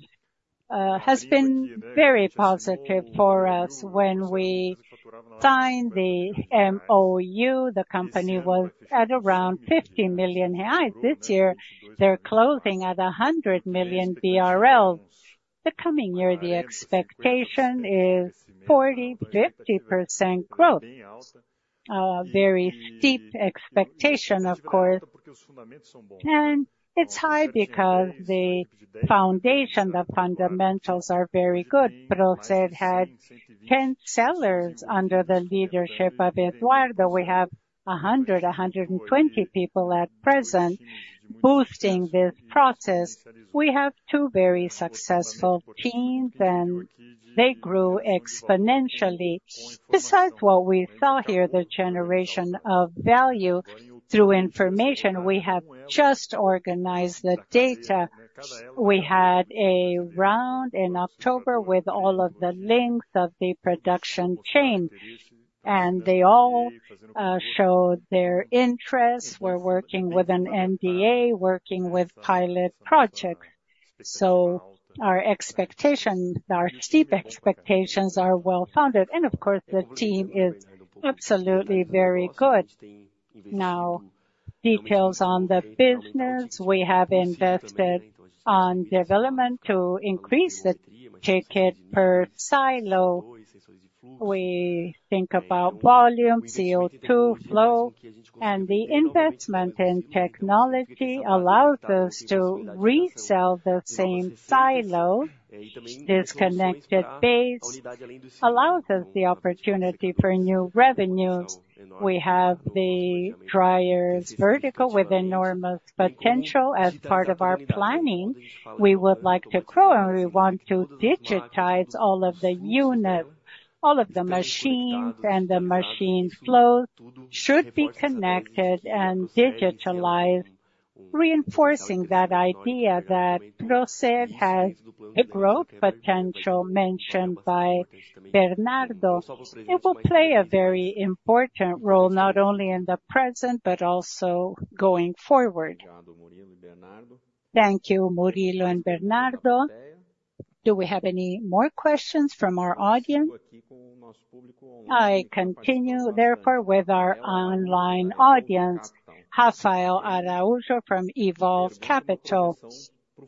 has been very positive for us. When we signed the MOU, the company was at around 50 million this year. They're closing at 100 million BRL. The coming year, the expectation is 40%-50% growth. A very steep expectation, of course, and it's high because the foundation, the fundamentals are very good. Procer had 10 sellers under the leadership of Eduardo. We have 100-120 people at present boosting this process. We have two very successful teams, and they grew exponentially. Besides what we saw here, the generation of value through information, we have just organized the data. We had a round in October with all of the links of the production chain, and they all showed their interest. We're working with an NDA, working with pilot projects. So our expectations, our steep expectations are well-founded. And of course, the team is absolutely very good. Now, details on the business. We have invested on development to increase the ticket per silo. We think about volume, CO2 flow, and the investment in technology allows us to resell the same silo. Disconnected base allows us the opportunity for new revenues. We have the dryers vertical with enormous potential as part of our planning. We would like to grow, and we want to digitize all of the units, all of the machines, and the machine flows should be connected and digitalized, reinforcing that idea that Procer has the growth potential mentioned by Bernardo. It will play a very important role not only in the present but also going forward. Thank you, Murilo and Bernardo. Do we have any more questions from our audience? I continue, therefore, with our online audience. Rafael Araújo from Evolve Capital.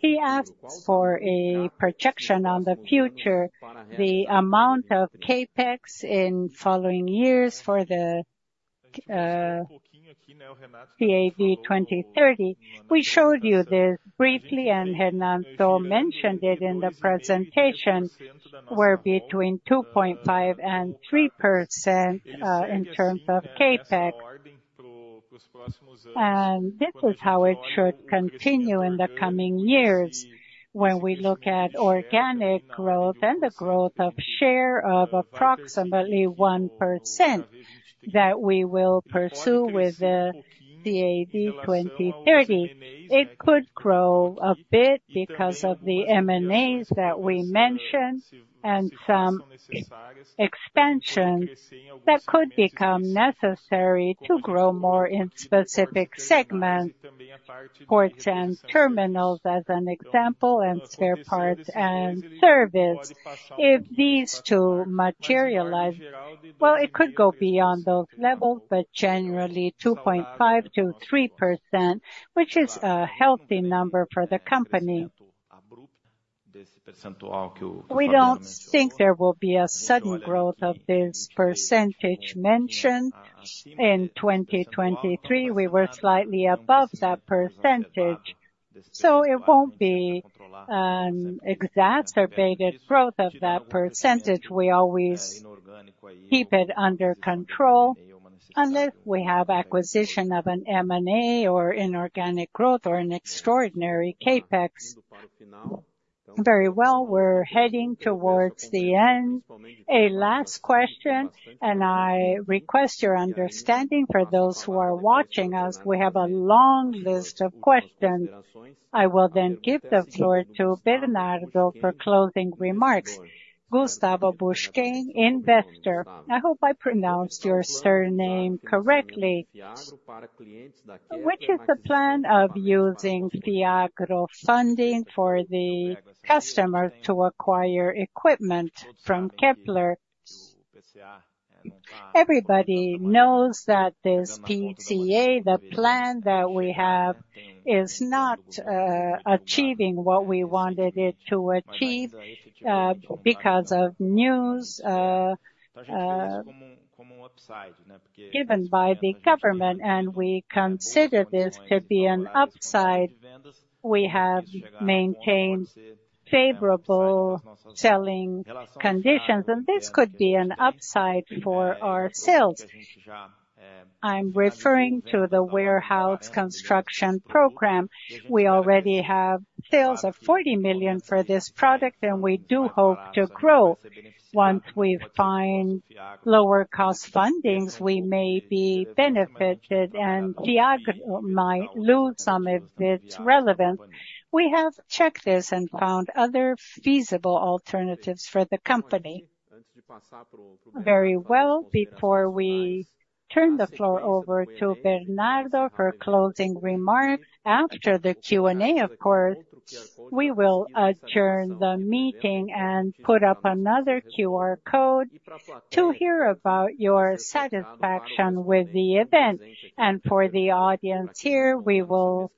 He asks for a projection on the future, the amount of CapEx in following years for the KW2030. We showed you this briefly, and Renato mentioned it in the presentation, where between 2.5%-3% in terms of CapEx, and this is how it should continue in the coming years when we look at organic growth and the growth of share of approximately 1% that we will pursue with the KW2030. It could grow a bit because of the M&As that we mentioned and some expansions that could become necessary to grow more in specific segments, ports and terminals as an example, and spare parts and service. If these two materialize, well, it could go beyond those levels, but generally 2.5%-3%, which is a healthy number for the company. We don't think there will be a sudden growth of this percentage mentioned. In 2023, we were slightly above that percentage. So it won't be an exacerbated growth of that percentage. We always keep it under control unless we have acquisition of an M&A or inorganic growth or an extraordinary CapEx. Very well, we're heading towards the end. A last question, and I request your understanding for those who are watching us. We have a long list of questions. I will then give the floor to Bernardo for closing remarks. Gustavo Bursztyn, investor. I hope I pronounced your surname correctly. Which is the plan of using Fiagro funding for the customers to acquire equipment from Kepler? Everybody knows that this PCA, the plan that we have, is not achieving what we wanted it to achieve because of news given by the government, and we consider this to be an upside. We have maintained favorable selling conditions, and this could be an upside for our sales. I'm referring to the warehouse construction program. We already have sales of 40 million for this product, and we do hope to grow. Once we find lower-cost fundings, we may be benefited, and Fiagro might lose some of its relevance. We have checked this and found other feasible alternatives for the company. Very well, before we turn the floor over to Bernardo for closing remarks after the Q&A, of course, we will adjourn the meeting and put up another QR code to hear about your satisfaction with the event. For the audience here, we will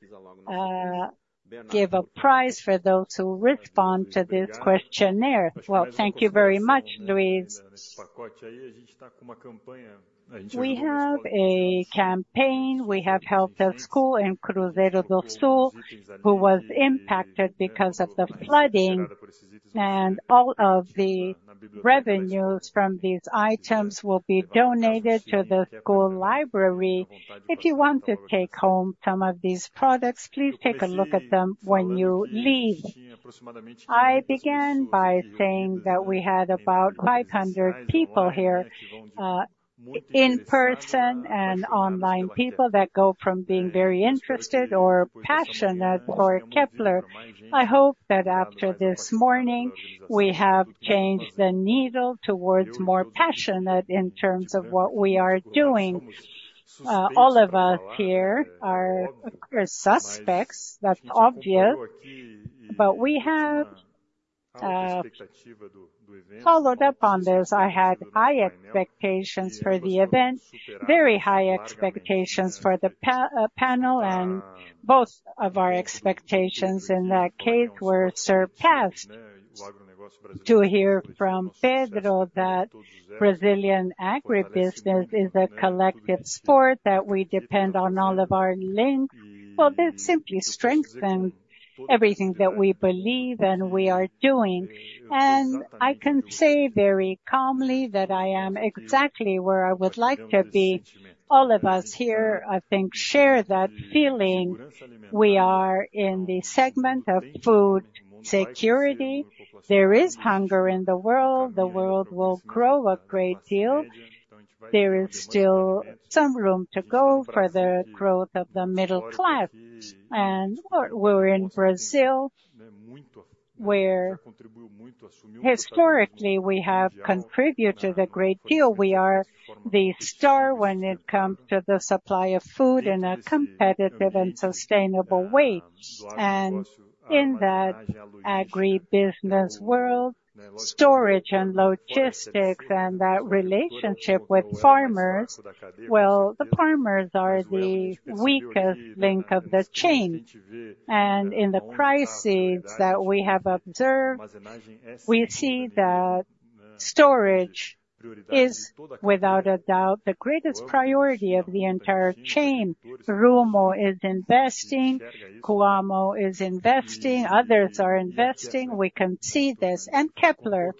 give a prize for those who respond to this questionnaire. Thank you very much, Luís. We have a campaign. We have helped a school in Cruzeiro do Sul who was impacted because of the flooding. All of the revenues from these items will be donated to the school library. If you want to take home some of these products, please take a look at them when you leave. I began by saying that we had about 500 people here in person and online people that go from being very interested or passionate for Kepler. I hope that after this morning, we have changed the needle towards more passionate in terms of what we are doing. All of us here are suspects, that's obvious. We have followed up on this. I had high expectations for the event, very high expectations for the panel, and both of our expectations in that case were surpassed. To hear from Pedro that Brazilian agribusiness is a collective sport, that we depend on all of our links, well, this simply strengthens everything that we believe and we are doing, and I can say very calmly that I am exactly where I would like to be. All of us here, I think, share that feeling. We are in the segment of food security. There is hunger in the world. The world will grow a great deal. There is still some room to go for the growth of the middle class, and we're in Brazil, where historically we have contributed a great deal. We are the star when it comes to the supply of food in a competitive and sustainable way. And in that agribusiness world, storage and logistics and that relationship with farmers, well, the farmers are the weakest link of the chain. And in the crises that we have observed, we see that storage is, without a doubt, the greatest priority of the entire chain. Rumo is investing. Coamo is investing. Others are investing. We can see this. And Kepler,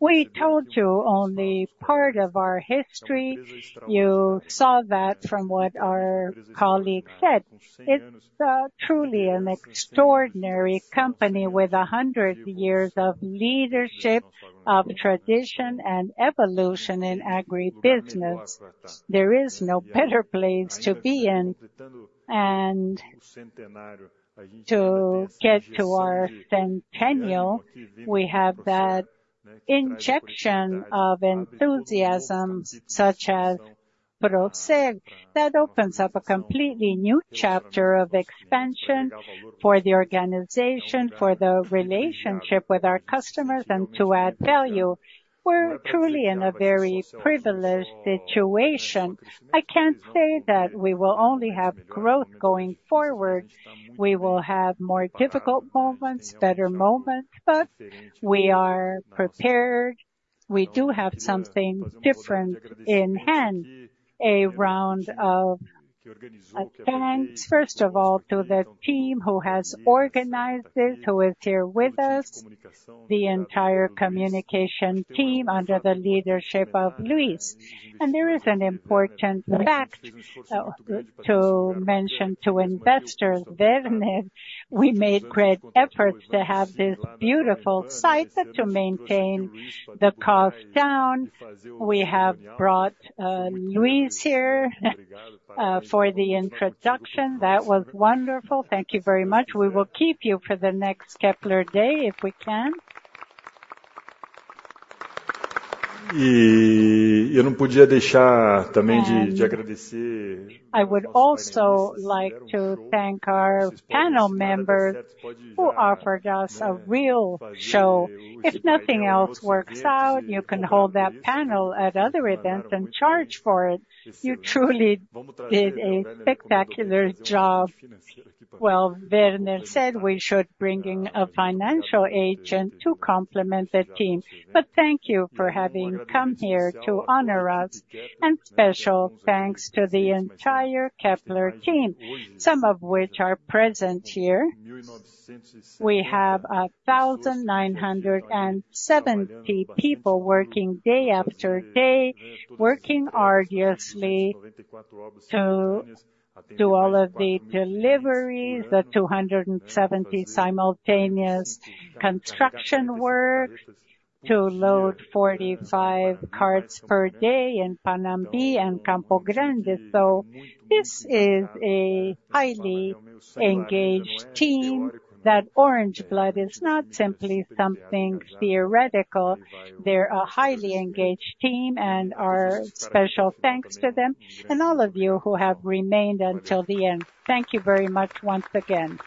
we told you only part of our history. You saw that from what our colleagues said. It's truly an extraordinary company with 100 years of leadership, of tradition and evolution in agribusiness. There is no better place to be in. And to get to our centennial, we have that injection of enthusiasm, such as Procer, that opens up a completely new chapter of expansion for the organization, for the relationship with our customers, and to add value. We're truly in a very privileged situation. I can't say that we will only have growth going forward. We will have more difficult moments, better moments, but we are prepared. We do have something different in hand, a round of thanks, first of all, to the team who has organized this, who is here with us, the entire communication team under the leadership of Luís. And there is an important fact to mention to investors, Berger. We made great efforts to have this beautiful site, but to maintain the cost down. We have brought Luís here for the introduction. That was wonderful. Thank you very much. We will keep you for the next Kepler Day if we can. I would also like to thank our panel members who offered us a real show. If nothing else works out, you can hold that panel at other events and charge for it. You truly did a spectacular job. Werner said we should bring in a financial agent to complement the team. Thank you for having come here to honor us. Special thanks to the entire Kepler team, some of which are present here. We have 1,970 people working day after day, working arduously to do all of the deliveries, the 270 simultaneous construction works, to load 45 carts per day in Panambi and Campo Grande. This is a highly engaged team. That orange blood is not simply something theoretical. They're a highly engaged team, and our special thanks to them and all of you who have remained until the end. Thank you very much once again.